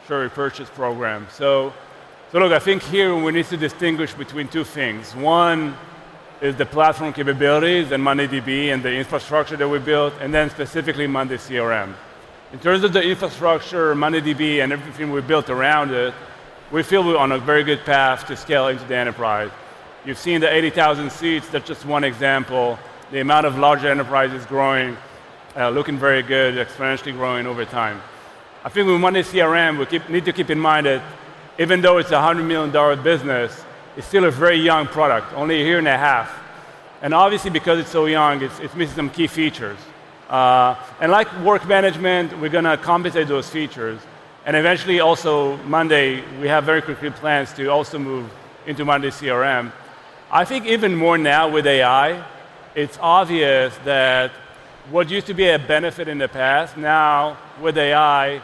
share repurchase program. Look, I think here we need to distinguish between two things. One is the platform capabilities and MondayDB and the infrastructure that we built, and then specifically monday.com CRM. In terms of the infrastructure, MondayDB, and everything we built around it, we feel we're on a very good path to scaling to the enterprise. You've seen the 80,000 seats. That's just one example. The amount of larger enterprises growing, looking very good, exponentially growing over time. I think with monday.com CRM, we need to keep in mind that even though it's a $100 million business, it's still a very young product, only a year and a half. Obviously, because it's so young, it misses some key features. Like work management, we're going to compensate those features. Eventually, also monday.com, we have very quick plans to also move into monday.com CRM. I think even more now with AI, it's obvious that what used to be a benefit in the past, now with AI,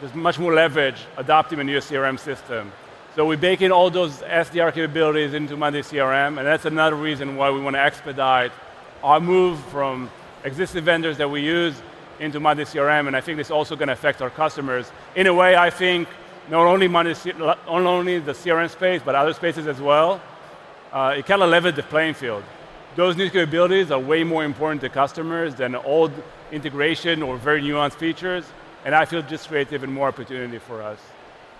there's much more leverage adopting a new CRM system. We're baking all those SDR capabilities into monday.com CRM, and that's another reason why we want to expedite our move from existing vendors that we use into monday.com CRM. I think it's also going to affect our customers. In a way, I think not only the CRM space, but other spaces as well, it kind of levels the playing field. Those new capabilities are way more important to customers than old integration or very nuanced features. I feel it just creates even more opportunity for us.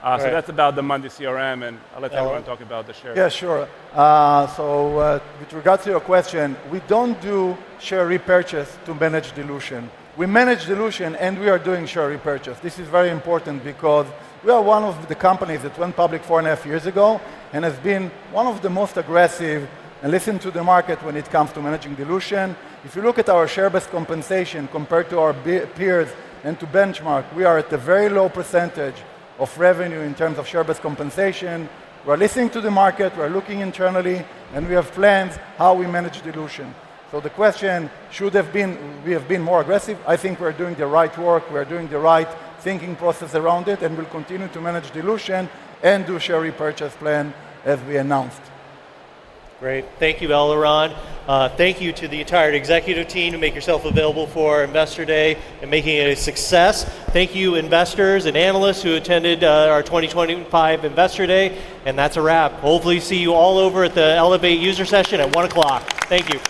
That's about the monday.com CRM, and I'll let Eliran talk about the shares. Yeah. Sure. With regards to your question, we don't do share repurchase to manage dilution. We manage dilution, and we are doing share repurchase. This is very important because we are one of the companies that went public four and a half years ago and has been one of the most aggressive and listened to the market when it comes to managing dilution. If you look at our share-based compensation compared to our peers and to benchmark, we are at a very low % of revenue in terms of share-based compensation. We're listening to the market. We're looking internally, and we have plans how we manage dilution. The question should have been, we have been more aggressive. I think we're doing the right work. We're doing the right thinking process around it, and we'll continue to manage dilution and do share repurchase plan as we announced. Great. Thank you, Eliran. Thank you to the entire executive team for making yourself available for Investor Day and making it a success. Thank you, investors and analysts who attended our 2025 Investor Day. That's a wrap. Hopefully, see you all over at the Elevate User Session at 1:00 P.M. Thank you.